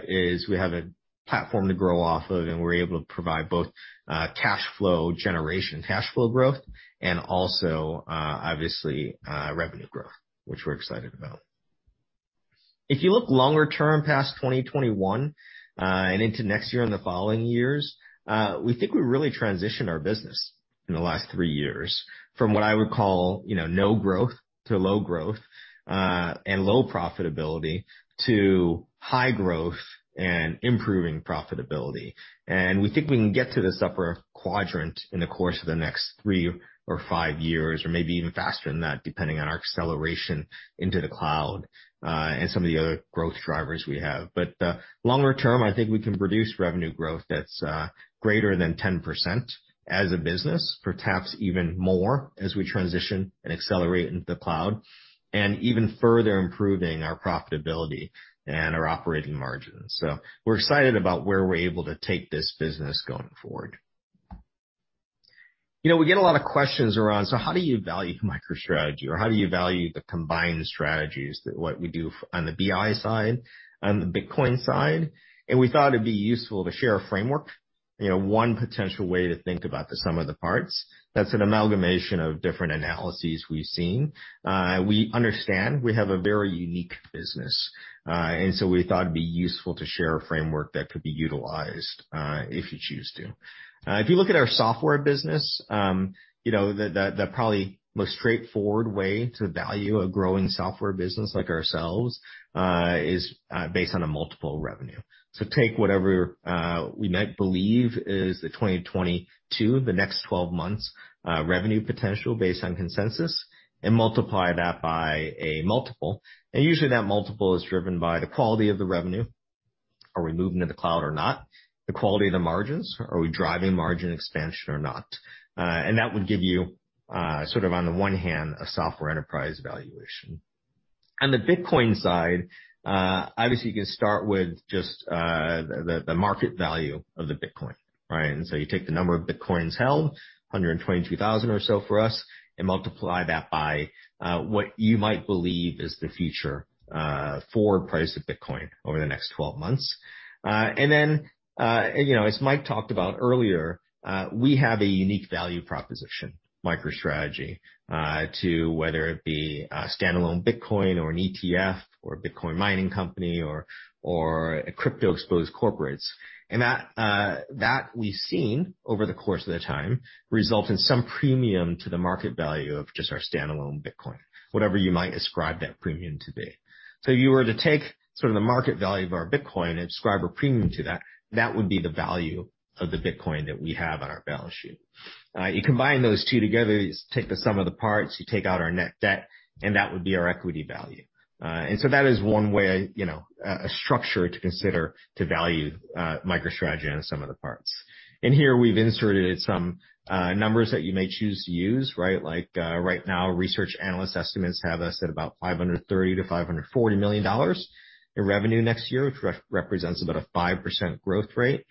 is we have a platform to grow off of, and we're able to provide both cash flow generation, cash flow growth, and also obviously revenue growth, which we're excited about. If you look longer term past 2021, and into next year and the following years, we think we really transitioned our business in the last three years from what I would call, you know, no growth to low growth, and low profitability to high growth and improving profitability. We think we can get to this upper quadrant in the course of the next three or five years or maybe even faster than that, depending on our acceleration into the cloud, and some of the other growth drivers we have. Longer term, I think we can produce revenue growth that's greater than 10% as a business, perhaps even more as we transition and accelerate into the cloud, and even further improving our profitability and our operating margins. We're excited about where we're able to take this business going forward. You know, we get a lot of questions around, so how do you value MicroStrategy, or how do you value the combined strategies that what we do on the BI side, on the Bitcoin side? We thought it'd be useful to share a framework, you know, one potential way to think about the sum of the parts. That's an amalgamation of different analyses we've seen. We understand we have a very unique business, and so we thought it'd be useful to share a framework that could be utilized, if you choose to. If you look at our software business, you know, the probably most straightforward way to value a growing software business like ourselves is based on a multiple revenue, so take whatever we might believe is the 2022, the next 12months, revenue potential based on consensus, and multiply that by a multiple. Usually that multiple is driven by the quality of the revenue. Are we moving to the cloud or not? The quality of the margins. Are we driving margin expansion or not? That would give you sort of on the one hand, a software enterprise valuation. On the Bitcoin side, obviously, you can start with just the market value of the Bitcoin, right? You take the number of Bitcoins held, 122,000 or so for us, and multiply that by what you might believe is the future for price of Bitcoin over the next 12 months. You know, as Mike talked about earlier, we have a unique value proposition, MicroStrategy, to whether it be a standalone Bitcoin or an ETF or a Bitcoin mining company or a crypto-exposed corporates. That we've seen over the course of the time result in some premium to the market value of just our standalone Bitcoin, whatever you might ascribe that premium to be. If you were to take sort of the market value of our Bitcoin and ascribe a premium to that would be the value of the Bitcoin that we have on our balance sheet. You combine those two together, you take the sum of the parts, you take out our net debt, and that would be our equity value. That is one way, you know, a structure to consider to value MicroStrategy on the sum of the parts. Here we've inserted some numbers that you may choose to use, right? Like, right now, research analyst estimates have us at about $530 million-$540 million in revenue next year, which represents about a 5% growth rate.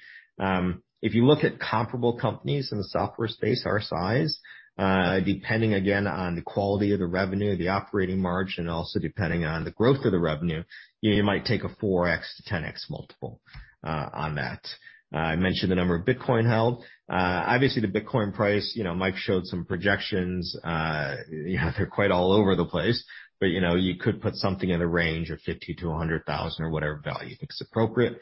If you look at comparable companies in the software space our size, depending again on the quality of the revenue, the operating margin, also depending on the growth of the revenue, you know, you might take a 4x-10x multiple on that. I mentioned the number of Bitcoin held. Obviously, the Bitcoin price, you know, Mike showed some projections. You know, they're quite all over the place, but, you know, you could put something in the range of $50,000-$100,000 or whatever value you think is appropriate,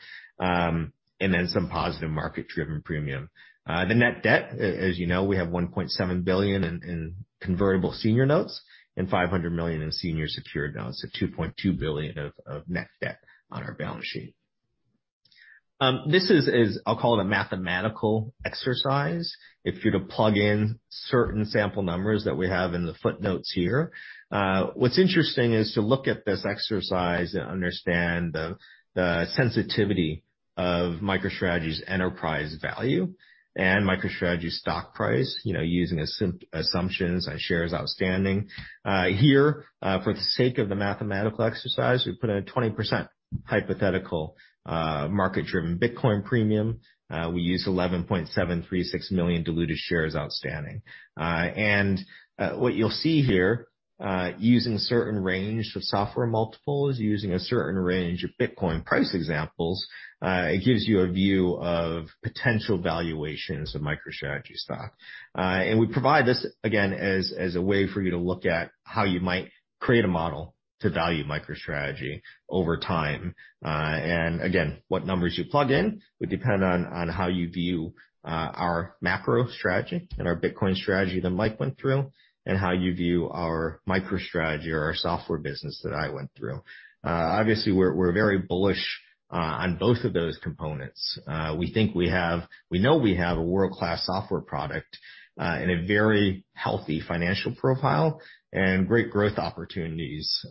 and then some positive market-driven premium. The net debt, as you know, we have $1.7 billion in convertible senior notes and $500 million in senior secured notes, so $2.2 billion of net debt on our balance sheet. This is, I'll call it a mathematical exercise if you're to plug in certain sample numbers that we have in the footnotes here. What's interesting is to look at this exercise and understand the sensitivity of MicroStrategy's enterprise value and MicroStrategy's stock price, you know, using assumptions on shares outstanding. Here, for the sake of the mathematical exercise, we put in a 20% hypothetical, market-driven Bitcoin premium. We use 11.736 million diluted shares outstanding. What you'll see here, using certain range of software multiples, using a certain range of Bitcoin price examples, it gives you a view of potential valuations of MicroStrategy stock. We provide this, again, as a way for you to look at how you might create a model to value MicroStrategy over time. What numbers you plug in would depend on how you view our MacroStrategy and our Bitcoin strategy that Mike went through and how you view our MicroStrategy or our software business that I went through. Obviously, we're very bullish on both of those components. We know we have a world-class software product, and a very healthy financial profile and great growth opportunities,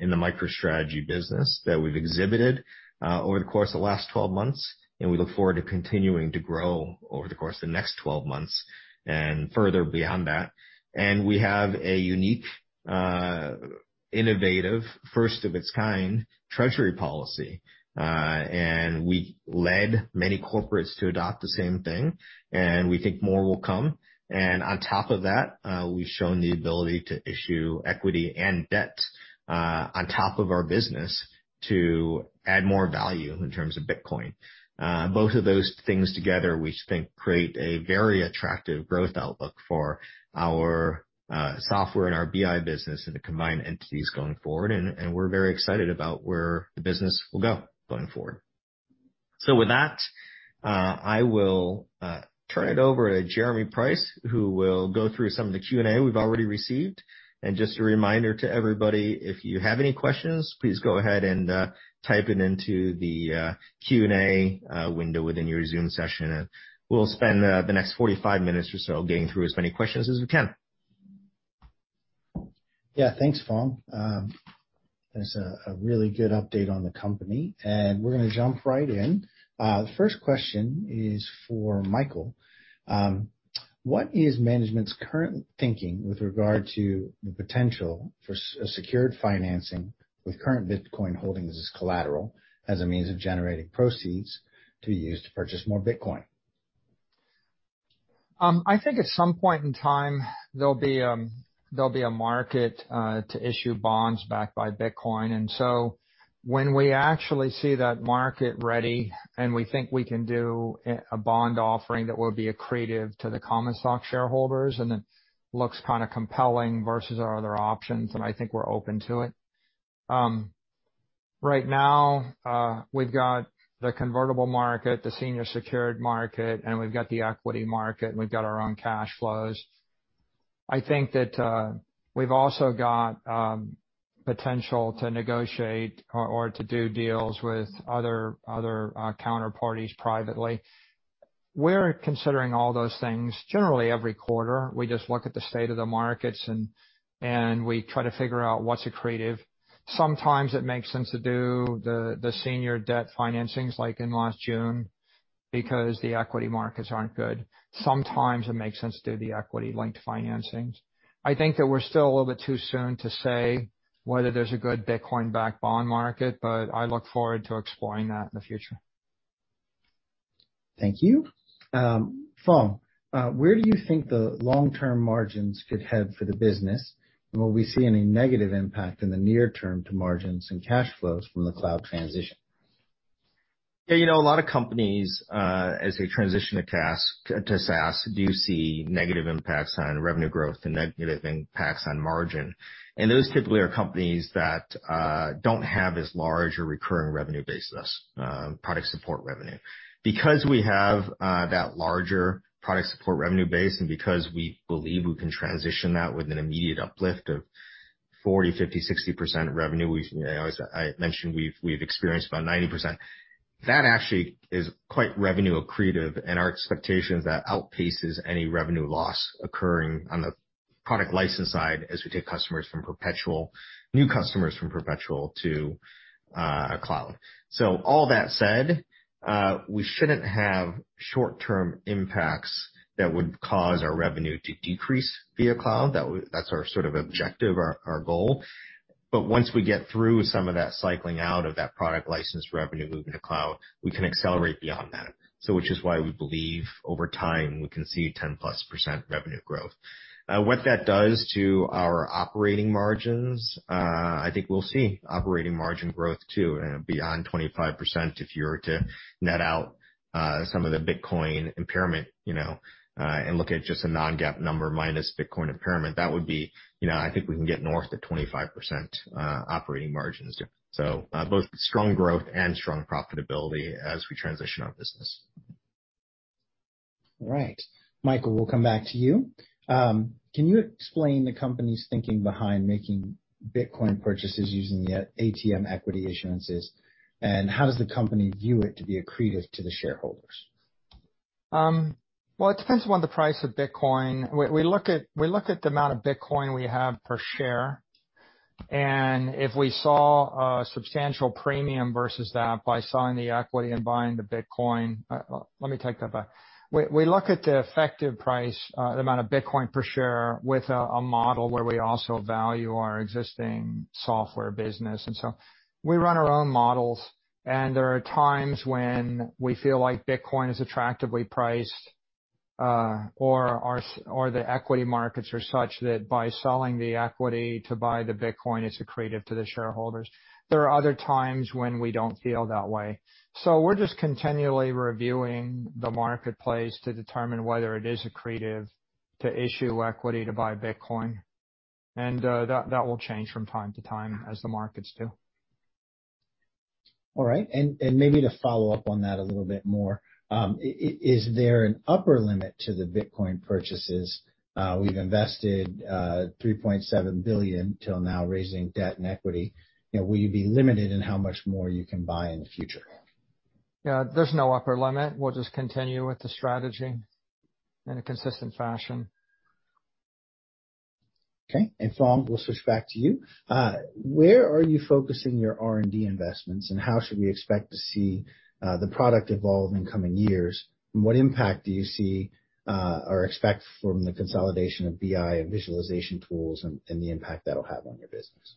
in the MicroStrategy business that we've exhibited, over the course of the last 12 months, and we look forward to continuing to grow over the course of the next 12 months and further beyond that. We have a unique, innovative, first of its kind treasury policy, and we led many corporates to adopt the same thing, and we think more will come. On top of that, we've shown the ability to issue equity and debt, on top of our business to add more value in terms of Bitcoin. Both of those things together, we think create a very attractive growth outlook for our software and our BI business and the combined entities going forward, and we're very excited about where the business will go going forward. With that, I will turn it over to Jeremy Price, who will go through some of the Q&A we've already received. Just a reminder to everybody, if you have any questions, please go ahead and type it into the Q&A window within your Zoom session, and we'll spend the next 45 minutes or so getting through as many questions as we can. Yeah. Thanks, Phong. That's a really good update on the company, and we're gonna jump right in. The first question is for Michael. What is management's current thinking with regard to the potential for secured financing with current Bitcoin holdings as collateral as a means of generating proceeds to be used to purchase more Bitcoin? I think at some point in time, there'll be a market to issue bonds backed by Bitcoin. When we actually see that market ready, and we think we can do a bond offering that will be accretive to the common stock shareholders, and it looks kinda compelling versus our other options, then I think we're open to it. Right now, we've got the convertible market, the senior secured market, and we've got the equity market, and we've got our own cash flows. I think that we've also got potential to negotiate or to do deals with other counterparties privately. We're considering all those things generally every quarter. We just look at the state of the markets, and we try to figure out what's accretive. Sometimes it makes sense to do the senior debt financings, like in last June, because the equity markets aren't good. Sometimes it makes sense to do the equity-linked financings. I think that we're still a little bit too soon to say whether there's a good Bitcoin-backed bond market, but I look forward to exploring that in the future. Thank you. Phong, where do you think the long-term margins could head for the business? Will we see any negative impact in the near term to margins and cash flows from the cloud transition? Yeah, you know, a lot of companies, as they transition to SaaS, do see negative impacts on revenue growth and negative impacts on margin. Those typically are companies that don't have as large a recurring revenue basis, product support revenue. Because we have that larger product support revenue base, and because we believe we can transition that with an immediate uplift of 40%, 50%, 60% revenue, you know, as I mentioned, we've experienced about 90%. That actually is quite revenue accretive, and our expectation is that outpaces any revenue loss occurring on the product license side as we take new customers from perpetual to cloud. All that said, we shouldn't have short-term impacts that would cause our revenue to decrease via cloud. That's our sort of objective, our goal. Once we get through some of that cycling out of that product license revenue moving to cloud, we can accelerate beyond that. Which is why we believe over time, we can see 10%+ revenue growth. What that does to our operating margins, I think we'll see operating margin growth too, beyond 25% if you were to net out, some of the Bitcoin impairment, you know, and look at just a non-GAAP number minus Bitcoin impairment. That would be, you know, I think we can get north of 25%, operating margins. Both strong growth and strong profitability as we transition our business. All right. Michael, we'll come back to you. Can you explain the company's thinking behind making Bitcoin purchases using the ATM equity issuances? How does the company view it to be accretive to the shareholders? Well, it depen s upon the price of Bitcoin. We look at the amount of Bitcoin we have per share, and if we saw a substantial premium versus that by selling the equity and buying the Bitcoin. Let me take that back. We look at the effective price, the amount of Bitcoin per share with a model where we also value our existing software business. We run our own models, and there are times when we feel like Bitcoin is attractively priced, or the equity markets are such that by selling the equity to buy the Bitcoin is accretive to the shareholders. There are other times when we don't feel that way. We're just continually reviewing the marketplace to determine whether it is accretive to issue equity to buy Bitcoin. That will change from time to time as the markets do. All right. Maybe to follow up on that a little bit more, is there an upper limit to the Bitcoin purchases? We've invested $3.7 billion till now raising debt and equity. You know, will you be limited in how much more you can buy in the future? Yeah. There's no upper limit. We'll just continue with the strategy in a consistent fashion. Okay. Phong, we'll switch back to you. Where are you focusing your R&D investments, and how should we expect to see the product evolve in coming years? What impact do you see or expect from the consolidation of BI and visualization tools and the impact that'll have on your business?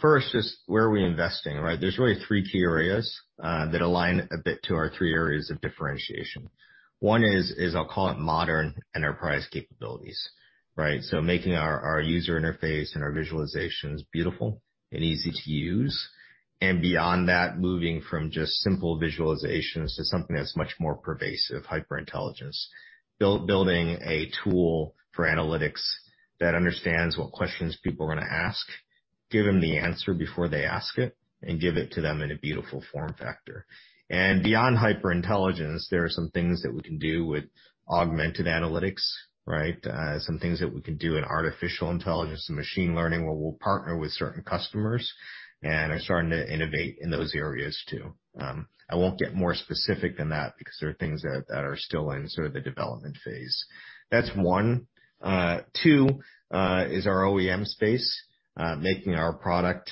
First, just where are we investing, right? There's really three key areas that align a bit to our three areas of differentiation. One is, I'll call it modern enterprise capabilities, right? Making our user interface and our visualizations beautiful and easy to use. Beyond that, moving from just simple visualizations to something that's much more pervasive, HyperIntelligence. Building a tool for analytics that understands what questions people are gonna ask, give them the answer before they ask it, and give it to them in a beautiful form factor. Beyond HyperIntelligence, there are some things that we can do with augmented analytics, right? Some things that we can do in artificial intelligence and machine learning, where we'll partner with certain customers, and are starting to innovate in those areas too. I won't get more specific than that because there are things that are still in sort of the development phase. That's one. Two is our OEM space, making our product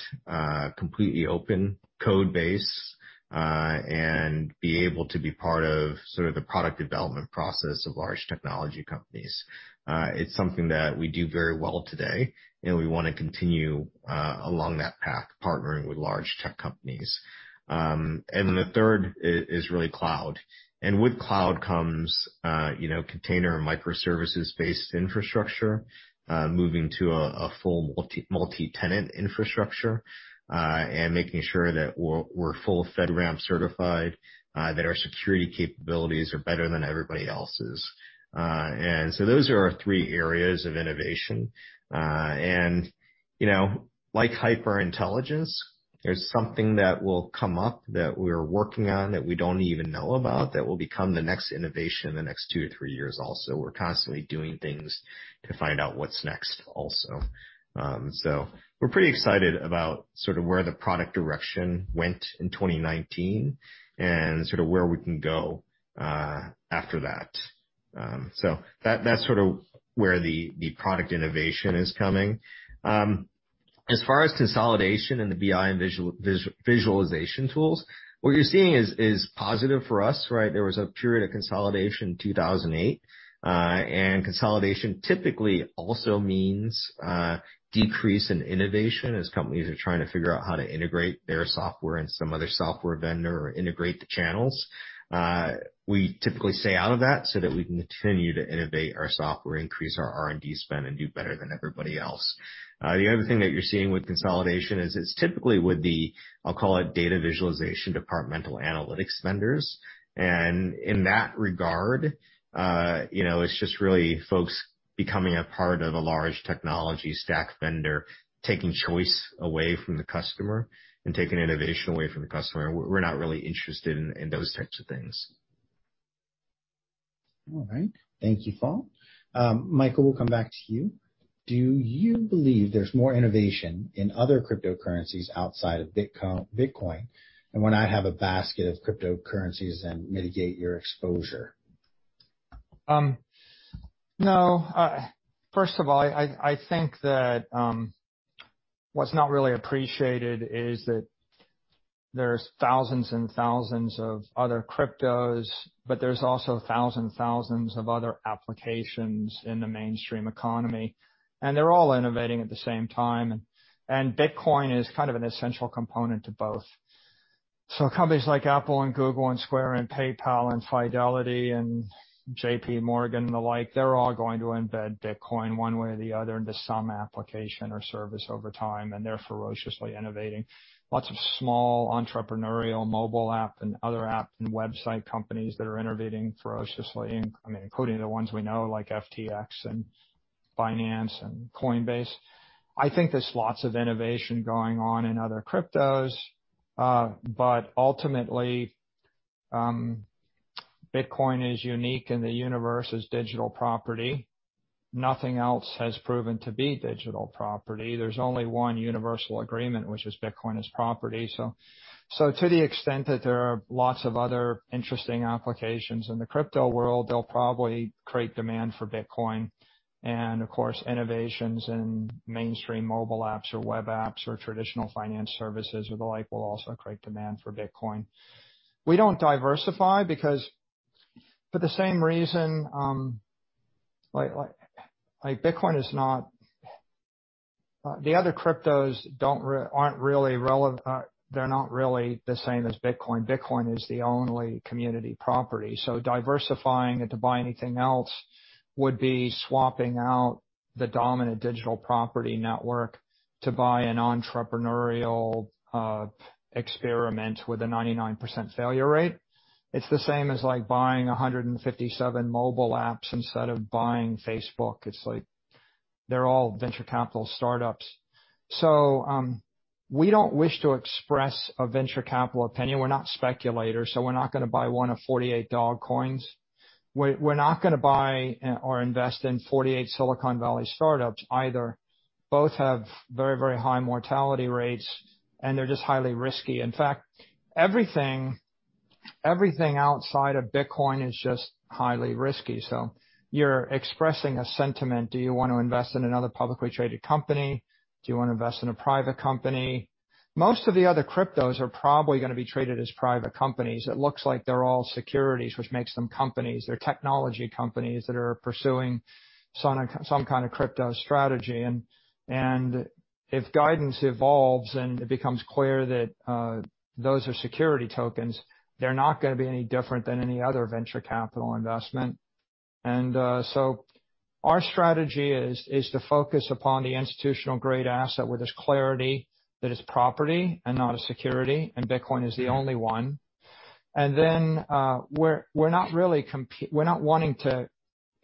completely open code base and be able to be part of sort of the product development process of large technology companies. It's something that we do very well today, and we wanna continue along that path, partnering with large tech companies. The third is really cloud. With cloud comes, you know, container and microservices-based infrastructure, moving to a full multi-tenant infrastructure, and making sure that we're full FedRAMP certified, that our security capabilities are better than everybody else's. Those are our three areas of innovation. You know, like HyperIntelligence, there's something that will come up that we're working on that we don't even know about that will become the next innovation in the next two to three years also. We're constantly doing things to find out what's next also. We're pretty excited about sort of where the product direction went in 2019 and sort of where we can go after that. That, that's sort of where the product innovation is coming. As far as consolidation in the BI and visualization tools, what you're seeing is positive for us, right? There was a period of consolidation in 2008. Consolidation typically also means decrease in innovation as companies are trying to figure out how to integrate their software and some other software vendor or integrate the channels. We typically stay out of that so that we can continue to innovate our software, increase our R&D spend, and do better than everybody else. The other thing that you're seeing with consolidation is it's typically with the, I'll call it data visualization, departmental analytics vendors. In that regard, you know, it's just really folks becoming a part of a large technology stack vendor, taking choice away from the customer and taking innovation away from the customer. We're not really interested in those types of things. All right. Thank you, Phong. Michael, we'll come back to you. Do you believe there's more innovation in other cryptocurrencies outside of Bitcoin and when I have a basket of cryptocurrencies and mitigate your exposure? No. First of all, I think that what's not really appreciated is that there's thousands and thousands of other cryptos, but there's also thousands and thousands of other applications in the mainstream economy, and they're all innovating at the same time. Bitcoin is kind of an essential component to both. Companies like Apple and Google, and Square, and PayPal, and Fidelity, and JPMorgan and the like, they're all going to embed Bitcoin one way or the other into some application or service over time, and they're ferociously innovating. Lots of small entrepreneurial mobile app and other app and website companies that are innovating ferociously, including the ones we know, like FTX and Binance and Coinbase. I think there's lots of innovation going on in other cryptos, but ultimately, Bitcoin is unique in the universe as digital property. Nothing else has proven to be digital property. There's only one universal agreement, which is Bitcoin as property. To the extent that there are lots of other interesting applications in the crypto world, they'll probably create demand for Bitcoin. Of course, innovations in mainstream mobile apps or web apps or traditional finance services or the like will also create demand for Bitcoin. We don't diversify because for the same reason, like, the other cryptos aren't really the same as Bitcoin. Bitcoin is the only community property, so diversifying it to buy anything else would be swapping out the dominant digital property network to buy an entrepreneurial experiment with a 99% failure rate. It's the same as, like, buying 157 mobile apps instead of buying Facebook. It's like they're all venture capital startups. We don't wish to express a venture capital opinion. We're not speculators, so we're not gonna buy one of 48 Dogecoins. We're not gonna buy or invest in 48 Silicon Valley startups either. Both have very high mortality rates, and they're just highly risky. In fact, everything outside of Bitcoin is just highly risky. You're expressing a sentiment. Do you want to invest in another publicly traded company? Do you want to invest in a private company? Most of the other cryptos are probably gonna be traded as private companies. It looks like they're all securities, which makes them companies. They're technology companies that are pursuing some kind of crypto strategy. If guidance evolves, and it becomes clear that those are security tokens, they're not gonna be any different than any other venture capital investment. Our strategy is to focus upon the institutional-grade asset where there's clarity that it's property and not a security, and Bitcoin is the only one. We're not wanting to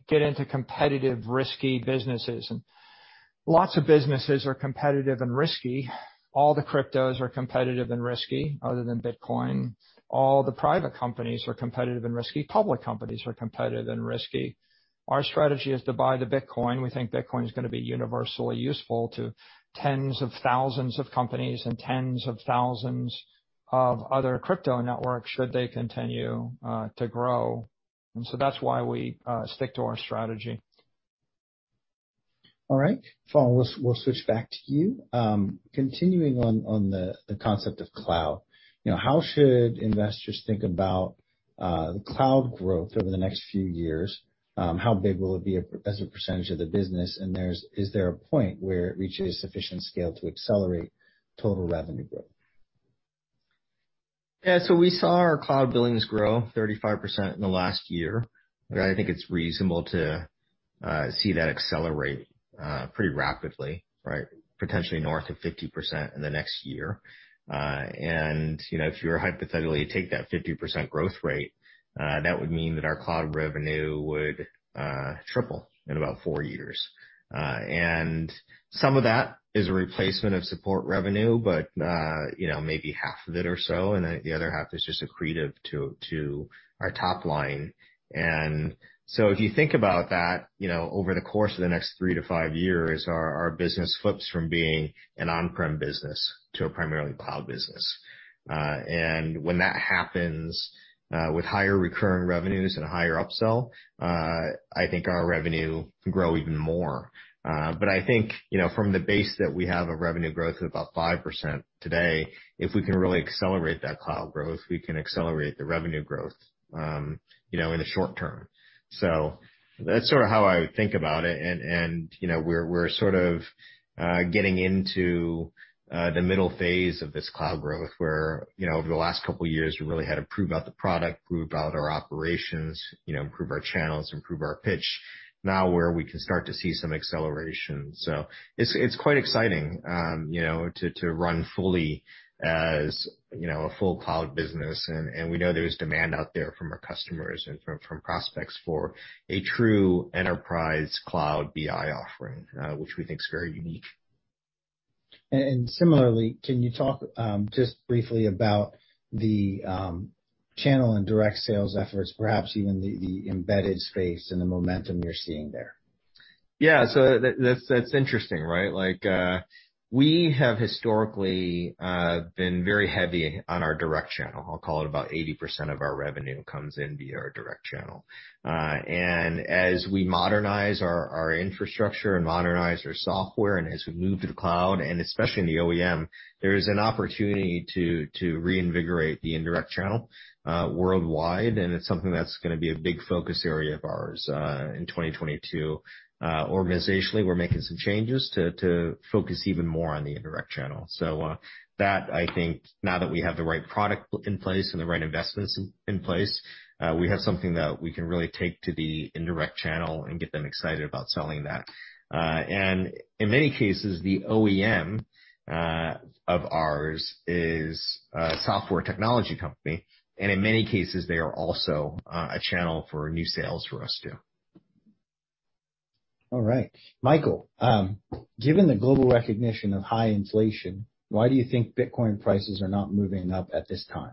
get into competitive, risky businesses. Lots of businesses are competitive and risky. All the cryptos are competitive and risky, other than Bitcoin. All the private companies are competitive and risky. Public companies are competitive and risky. Our strategy is to buy the Bitcoin. We think Bitcoin is gonna be universally useful to tens of thousands of companies and tens of thousands of other crypto networks should they continue to grow. That's why we stick to our strategy. All right. Phong, we'll switch back to you. Continuing on the concept of cloud. You know, how should investors think about the cloud growth over the next few years? How big will it be as a percentage of the business? Is there a point where it reaches sufficient scale to accelerate total revenue growth? Yeah. We saw our cloud billings grow 35% in the last year. I think it's reasonable to see that accelerate pretty rapidly, right? Potentially north of 50% in the next year. You know, if you were to hypothetically take that 50% growth rate, that would mean that our cloud revenue would triple in about four years. Some of that is a replacement of support revenue, but you know, maybe half of it or so, and then the other half is just accretive to our top line. If you think about that, you know, over the course of the next three to five years, our business flips from being an on-prem business to a primarily cloud business. When that happens, with higher recurring revenues and higher upsell, I think our revenue can grow even more. I think, you know, from the base that we have of revenue growth of about 5% today, if we can really accelerate that cloud growth, we can accelerate the revenue growth, you know, in the short term. That's sort of how I would think about it. You know, we're sort of getting into the middle phase of this cloud growth, where, you know, over the last couple years we really had to prove out the product, prove out our operations, you know, improve our channels, improve our pitch. Now where we can start to see some acceleration. It's quite exciting, you know, to run fully as, you know, a full cloud business. We know there's demand out there from our customers and from prospects for a true enterprise cloud BI offering, which we think is very unique. Similarly, can you talk just briefly about the channel and direct sales efforts, perhaps even the embedded space and the momentum you're seeing there? Yeah. That's interesting, right? Like, we have historically been very heavy on our direct channel. I'll call it about 80% of our revenue comes in via our direct channel. And as we modernize our infrastructure and modernize our software, and as we move to the cloud, and especially in the OEM, there is an opportunity to reinvigorate the indirect channel worldwide, and it's something that's gonna be a big focus area of ours in 2022. Organizationally, we're making some changes to focus even more on the indirect channel. That I think now that we have the right product in place and the right investments in place, we have something that we can really take to the indirect channel and get them excited about selling that. In many cases, the OEM of ours is a software technology company, and in many cases, they are also a channel for new sales for us too. All right. Michael, given the global recognition of high inflation, why do you think Bitcoin prices are not moving up at this time?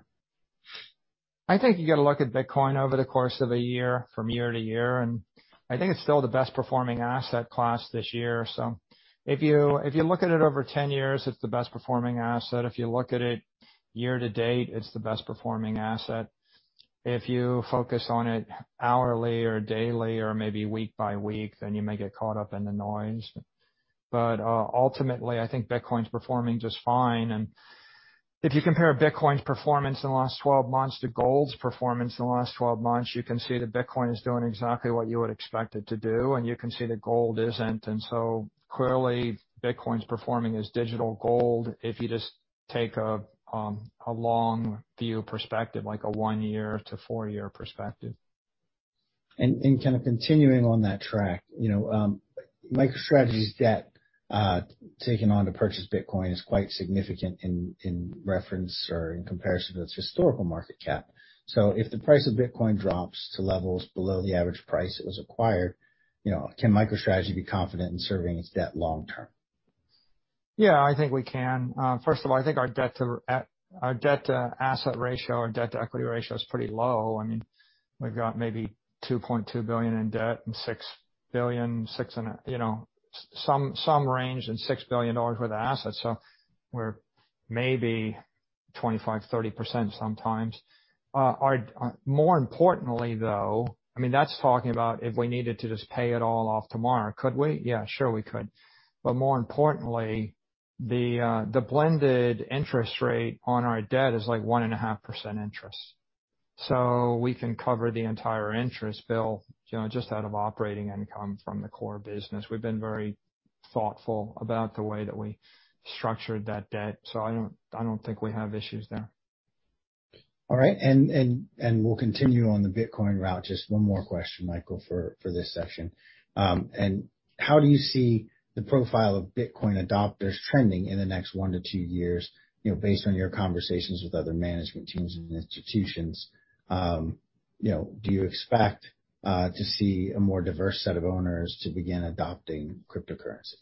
I think you gotta look at Bitcoin over the course of a year from year-to-year, and I think it's still the best performing asset class this year. If you look at it over 10 years, it's the best-performing asset. If you look at it year-to-date, it's the best performing asset. If you focus on it hourly or daily or maybe week by week, then you may get caught up in the noise. But ultimately, I think Bitcoin's performing just fine. If you compare Bitcoin's performance in the last 12 months to gold's performance in the last 12 months, you can see that Bitcoin is doing exactly what you would expect it to do, and you can see that gold isn't. Clearly, Bitcoin's performing as digital gold if you just take a long view perspective, like a one-year to four-year perspective. Kind of continuing on that track, you know, MicroStrategy's debt taken on to purchase Bitcoin is quite significant in reference or in comparison to its historical market cap. If the price of Bitcoin drops to levels below the average price it was acquired, you know, can MicroStrategy be confident in serving its debt long term? Yeah, I think we can. First of all, I think our debt-to-asset ratio, our debt-to-equity ratio is pretty low. I mean, we've got maybe $2.2 billion in debt and $6 billion-$6.5 billion, you know, some range in $6 billion worth of assets. So we're maybe 25%-30% sometimes. More importantly, though, I mean, that's talking about if we needed to just pay it all off tomorrow, could we? Yeah, sure we could. But more importantly, the blended interest rate on our debt is, like, 1.5% interest. So we can cover the entire interest bill, you know, just out of operating income from the core business. We've been very thoughtful about the way that we structured that debt, so I don't think we have issues there. All right. We'll continue on the Bitcoin route. Just one more question, Michael, for this session. How do you see the profile of Bitcoin adopters trending in the next one to two years, you know, based on your conversations with other management teams and institutions? You know, do you expect to see a more diverse set of owners to begin adopting cryptocurrency?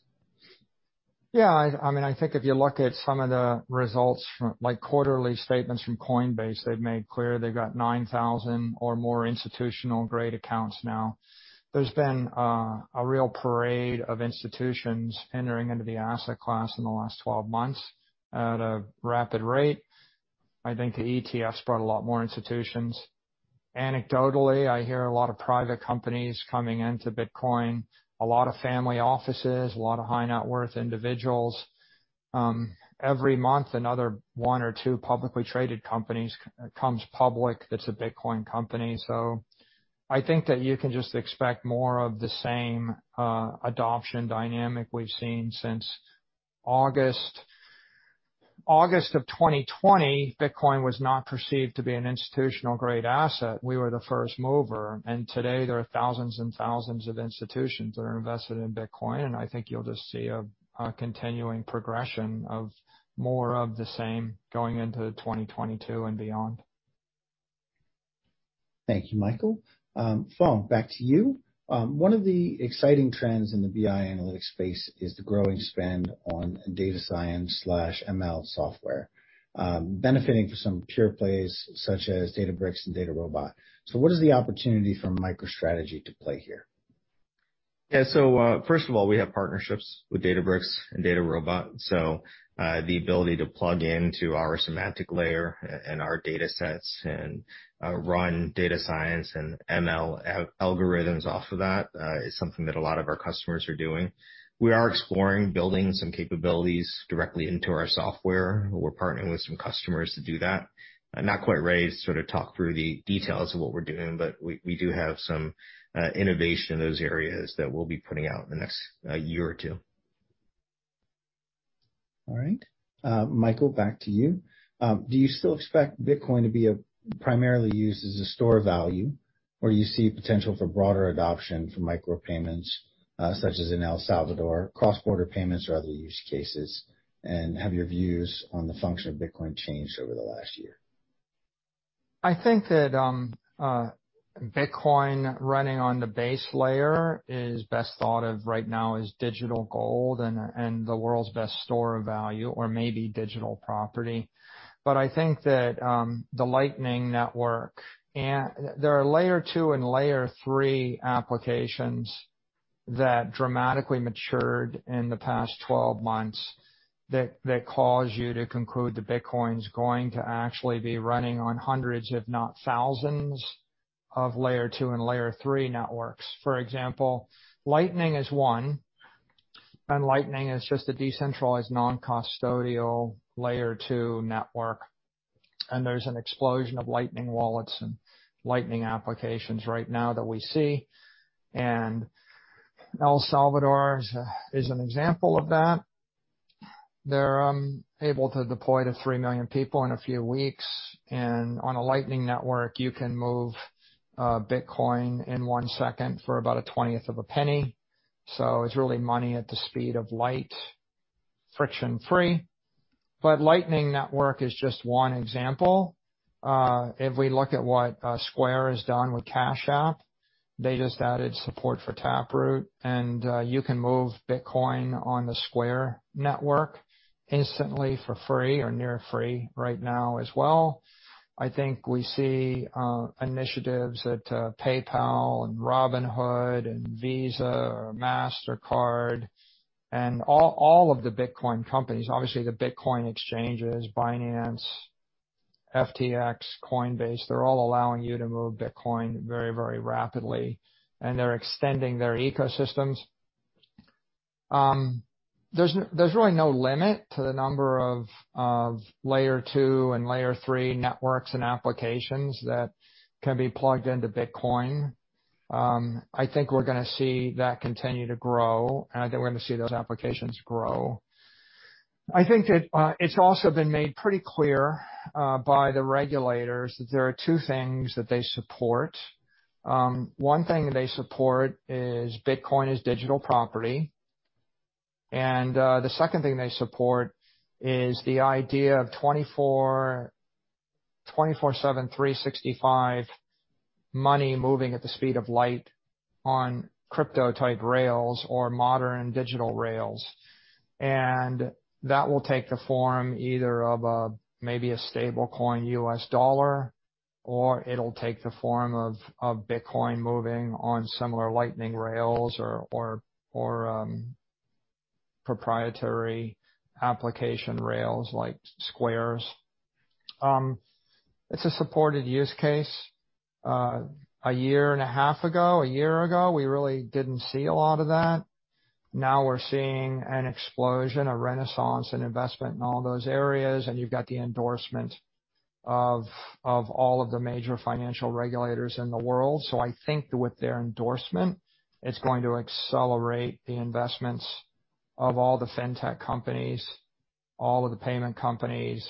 Yeah, I mean, I think if you look at some of the results from like quarterly statements from Coinbase, they've made clear they've got 9,000 or more institutional-grade accounts now. There's been a real parade of institutions entering into the asset class in the last 12 months at a rapid rate. I think the ETF brought a lot more institutions. Anecdotally, I hear a lot of private companies coming into Bitcoin, a lot of family offices, a lot of high net worth individuals. Every month, another one or two publicly traded companies comes public that's a Bitcoin company. I think that you can just expect more of the same adoption dynamic we've seen since August. August of 2020, Bitcoin was not perceived to be an institutional-grade asset. We were the first mover, and today there are thousands and thousands of institutions that are invested in Bitcoin. I think you'll just see a continuing progression of more of the same going into 2022 and beyond. Thank you, Michael. Phong, back to you. One of the exciting trends in the BI analytics space is the growing spend on data science/ML software, benefiting from some pure plays such as Databricks and DataRobot. What is the opportunity for MicroStrategy to play here? Yeah. First of all, we have partnerships with Databricks and DataRobot. The ability to plug into our semantic layer and our data sets and run data science and ML algorithms off of that is something that a lot of our customers are doing. We are exploring building some capabilities directly into our software. We're partnering with some customers to do that. Not quite ready to sort of talk through the details of what we're doing, but we do have some innovation in those areas that we'll be putting out in the next year or two. All right. Michael, back to you. Do you still expect Bitcoin to be primarily used as a store of value, or do you see potential for broader adoption for micro payments, such as in El Salvador, cross-border payments or other use cases? Have your views on the function of Bitcoin changed over the last year? I think that Bitcoin running on the base layer is best thought of right now as digital gold and the world's best store of value or maybe digital property. I think that the Lightning Network and there are layer 2 and layer 3 applications that dramatically matured in the past 12 months that cause you to conclude that Bitcoin's going to actually be running on hundreds, if not thousands, of layer 2 and layer 3 networks. For example, Lightning is one, and Lightning is just a decentralized non-custodial layer `2 network. There's an explosion of Lightning wallets and Lightning applications right now that we see. El Salvador is an example of that. They're able to deploy to 3 million people in a few weeks, and on a Lightning Network, you can move Bitcoin in one second for about a twentieth of a penny. So it's really money at the speed of light, friction-free. Lightning Network is just one example. If we look at what Square has done with Cash App, they just added support for Taproot, and you can move Bitcoin on the Square network instantly for free or near free right now as well. I think we see initiatives at PayPal, and Robinhood, and Visa or Mastercard and all of the Bitcoin companies, obviously the Bitcoin exchanges, Binance, FTX, Coinbase, they're all allowing you to move Bitcoin very, very rapidly, and they're extending their ecosystems. There's really no limit to the number of layer 2 and layer 3 networks and applications that can be plugged into Bitcoin. I think we're gonna see that continue to grow, and I think we're gonna see those applications grow. I think that it's also been made pretty clear by the regulators that there are two things that they support. One thing they support is Bitcoin as digital property. The second thing they support is the idea of 24/7 365 money moving at the speed of light on crypto-type rails or modern digital rails. That will take the form either of maybe a stablecoin U.S. dollar, or it'll take the form of Bitcoin moving on similar Lightning rails or proprietary application rails like Square's. It's a supported use case. A year and a half ago, a year ago, we really didn't see a lot of that. Now we're seeing an explosion, a renaissance in investment in all those areas, and you've got the endorsement of all of the major financial regulators in the world. I think that with their endorsement, it's going to accelerate the investments of all the fintech companies, all of the payment companies,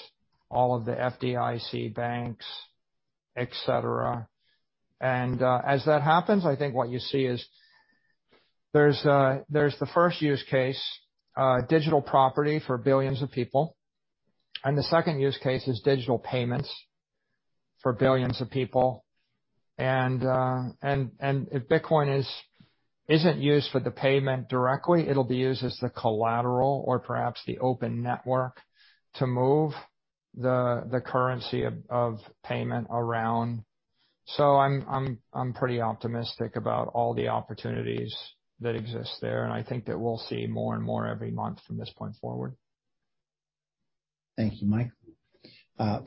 all of the FDIC banks, etc. As that happens, I think what you see is there's the first use case, digital property for billions of people, and the second use case is digital payments for billions of people. If Bitcoin isn't used for the payment directly, it'll be used as the collateral or perhaps the open network to move the currency of payment around. I'm pretty optimistic about all the opportunities that exist there, and I think that we'll see more and more every month from this point forward. Thank you, Mike.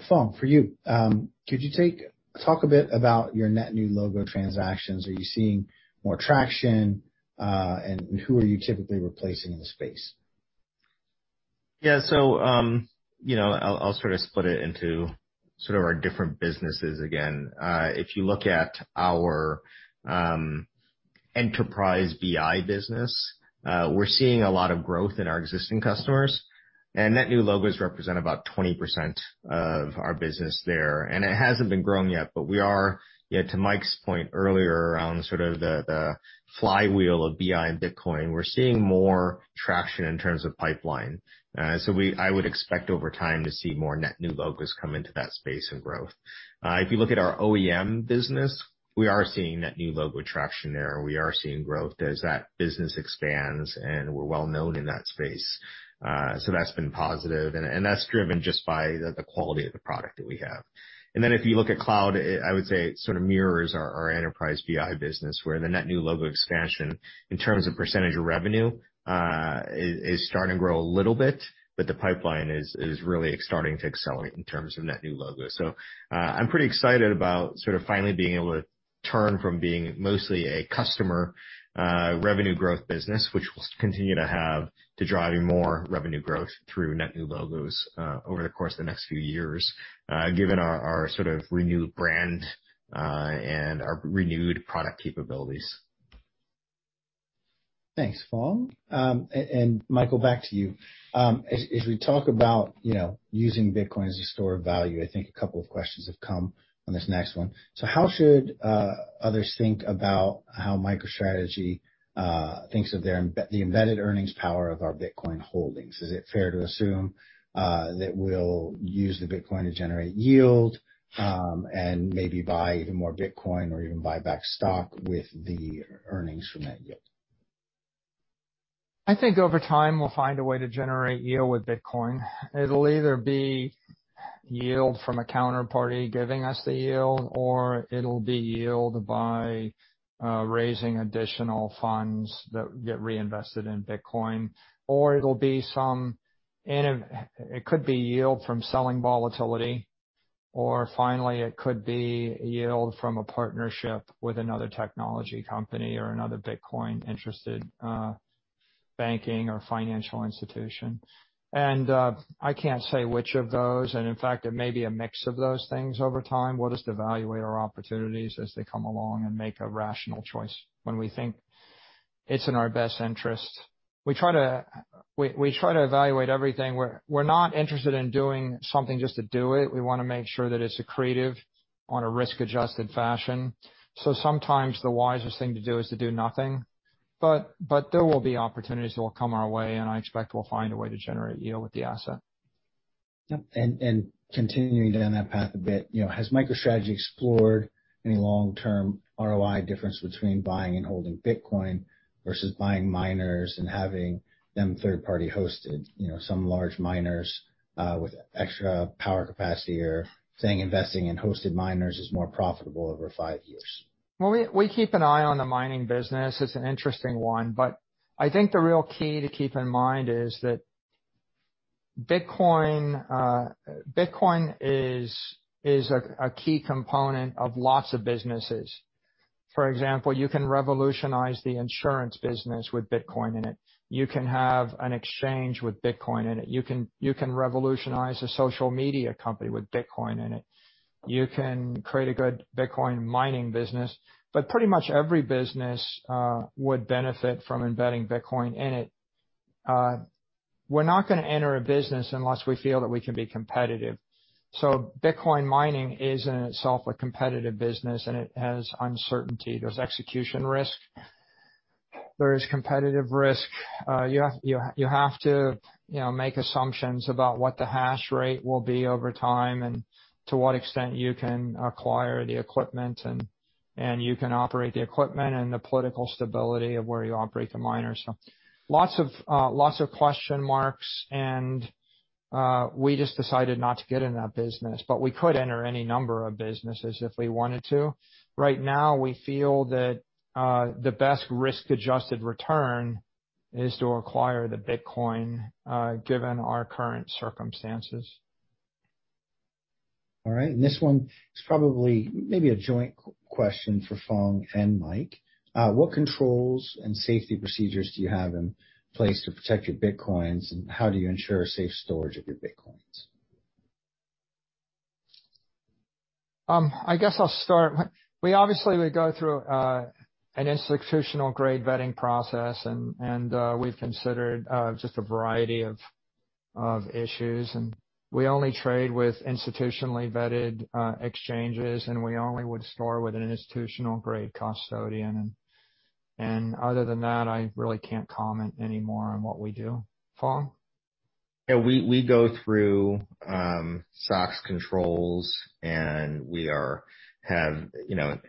Phong, for you. Could you talk a bit about your net new logo transactions? Are you seeing more traction? Who are you typically replacing in the space? Yeah. You know, I'll sort of split it into sort of our different businesses again. If you look at our enterprise BI business, we're seeing a lot of growth in our existing customers, and net new logos represent about 20% of our business there. It hasn't been growing yet, but yeah, to Mike's point earlier around sort of the flywheel of BI and Bitcoin, we're seeing more traction in terms of pipeline. I would expect over time to see more net new logos come into that space and growth. If you look at our OEM business, we are seeing net new logo traction there. We are seeing growth as that business expands, and we're well-known in that space. That's been positive, and that's driven just by the quality of the product that we have. If you look at cloud, it I would say sort of mirrors our enterprise BI business, where the net new logo expansion in terms of percentage of revenue is starting to grow a little bit, but the pipeline is really starting to accelerate in terms of net new logos. I'm pretty excited about sort of finally being able to turn from being mostly a customer revenue growth business, which we'll continue to have to driving more revenue growth through net new logos over the course of the next few years given our sort of renewed brand and our renewed product capabilities. Thanks, Phong. Michael, back to you. As we talk about, you know, using Bitcoin as a store of value, I think a couple of questions have come on this next one. How should others think about how MicroStrategy thinks of their embedded earnings power of our Bitcoin holdings? Is it fair to assume that we'll use the Bitcoin to generate yield, and maybe buy even more Bitcoin or even buy back stock with the earnings from that yield? I think over time we'll find a way to generate yield with Bitcoin. It'll either be yield from a counterparty giving us the yield, or it'll be yield by raising additional funds that get reinvested in Bitcoin. Or it could be yield from selling volatility, or finally, it could be yield from a partnership with another technology company or another Bitcoin-interested banking or financial institution. I can't say which of those, and in fact, it may be a mix of those things over time. We'll just evaluate our opportunities as they come along and make a rational choice when we think it's in our best interest. We try to evaluate everything. We're not interested in doing something just to do it. We wanna make sure that it's accretive on a risk-adjusted fashion. Sometimes the wisest thing to do is to do nothing. There will be opportunities that will come our way, and I expect we'll find a way to generate yield with the asset. Yep. Continuing down that path a bit, you know, has MicroStrategy explored any long-term ROI difference between buying and holding Bitcoin versus buying miners and having them third-party hosted? You know, some large miners with extra power capacity are saying investing in hosted miners is more profitable over five years. Well, we keep an eye on the mining business. It's an interesting one, but I think the real key to keep in mind is that Bitcoin is a key component of lots of businesses. For example, you can revolutionize the insurance business with Bitcoin in it. You can have an exchange with Bitcoin in it. You can revolutionize a social media company with Bitcoin in it. You can create a good Bitcoin mining business, but pretty much every business would benefit from embedding Bitcoin in it. We're not gonna enter a business unless we feel that we can be competitive. Bitcoin mining is, in itself, a competitive business, and it has uncertainty. There's execution risk. There is competitive risk. You have to, you know, make assumptions about what the hash rate will be over time and to what extent you can acquire the equipment, and you can operate the equipment and the political stability of where you operate the miner. Lots of question marks, and we just decided not to get in that business. We could enter any number of businesses if we wanted to. Right now, we feel that the best risk-adjusted return is to acquire the Bitcoin, given our current circumstances. All right. This one is probably maybe a joint question for Phong and Mike. What controls and safety procedures do you have in place to protect your Bitcoins, and how do you ensure safe storage of your Bitcoins? I guess I'll start. Obviously, we go through an institutional-grade vetting process, and we've considered just a variety of issues. We only trade with institutionally vetted exchanges, and we only would store with an institutional-grade custodian. Other than that, I really can't comment any more on what we do. Phong? Yeah. We go through SOX controls, and we have, you know,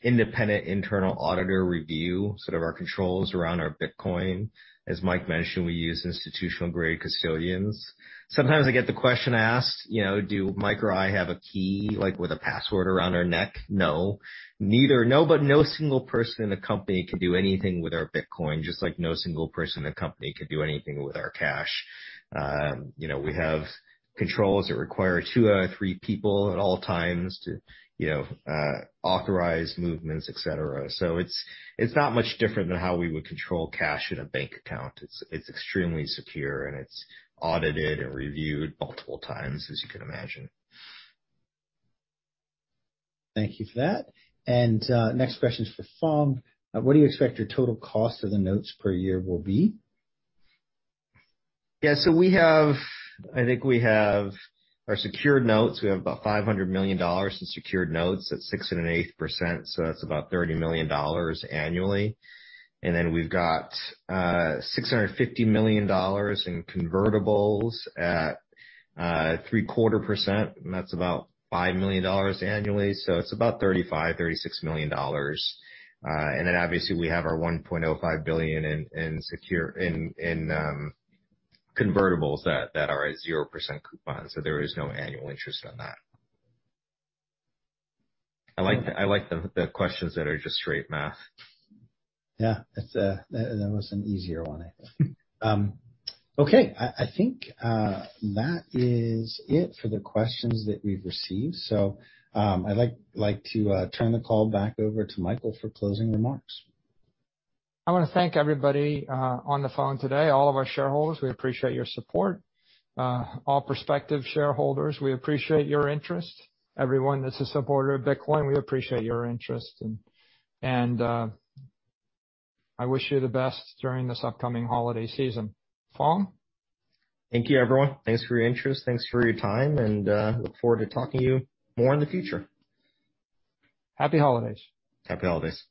independent internal auditor review sort of our controls around our Bitcoin. As Mike mentioned, we use institutional-grade custodians. Sometimes I get the question asked, you know, do Mike or I have a key, like, with a password around our neck? No. Neither. No, but no single person in the company can do anything with our Bitcoin, just like no single person in the company can do anything with our cash. You know, we have controls that require two out of three people at all times to, you know, authorize movements, etc. So it's not much different than how we would control cash in a bank account. It's extremely secure, and it's audited and reviewed multiple times, as you can imagine. Thank you for that. Next question is for Phong. What do you expect your total cost of the notes per year will be? Yeah. I think we have our secured notes. We have about $500 million in secured notes at 6.8%, so that's about $30 million annually. Then we've got $650 million in convertibles at 0.75%, and that's about $5 million annually. It's about $35 million-$36 million. We have our $1.05 billion in convertibles that are a 0% coupon, so there is no annual interest on that. I like the questions that are just straight math. Yeah. That was an easier one I think. Okay. I think that is it for the questions that we've received. I'd like to turn the call back over to Michael for closing remarks. I wanna thank everybody on the phone today, all of our shareholders. We appreciate your support. All prospective shareholders, we appreciate your interest. Everyone that's a supporter of Bitcoin, we appreciate your interest. I wish you the best during this upcoming holiday season. Phong? Thank you, everyone. Thanks for your interest. Thanks for your time, and I look forward to talking to you more in the future. Happy holidays. Happy holidays.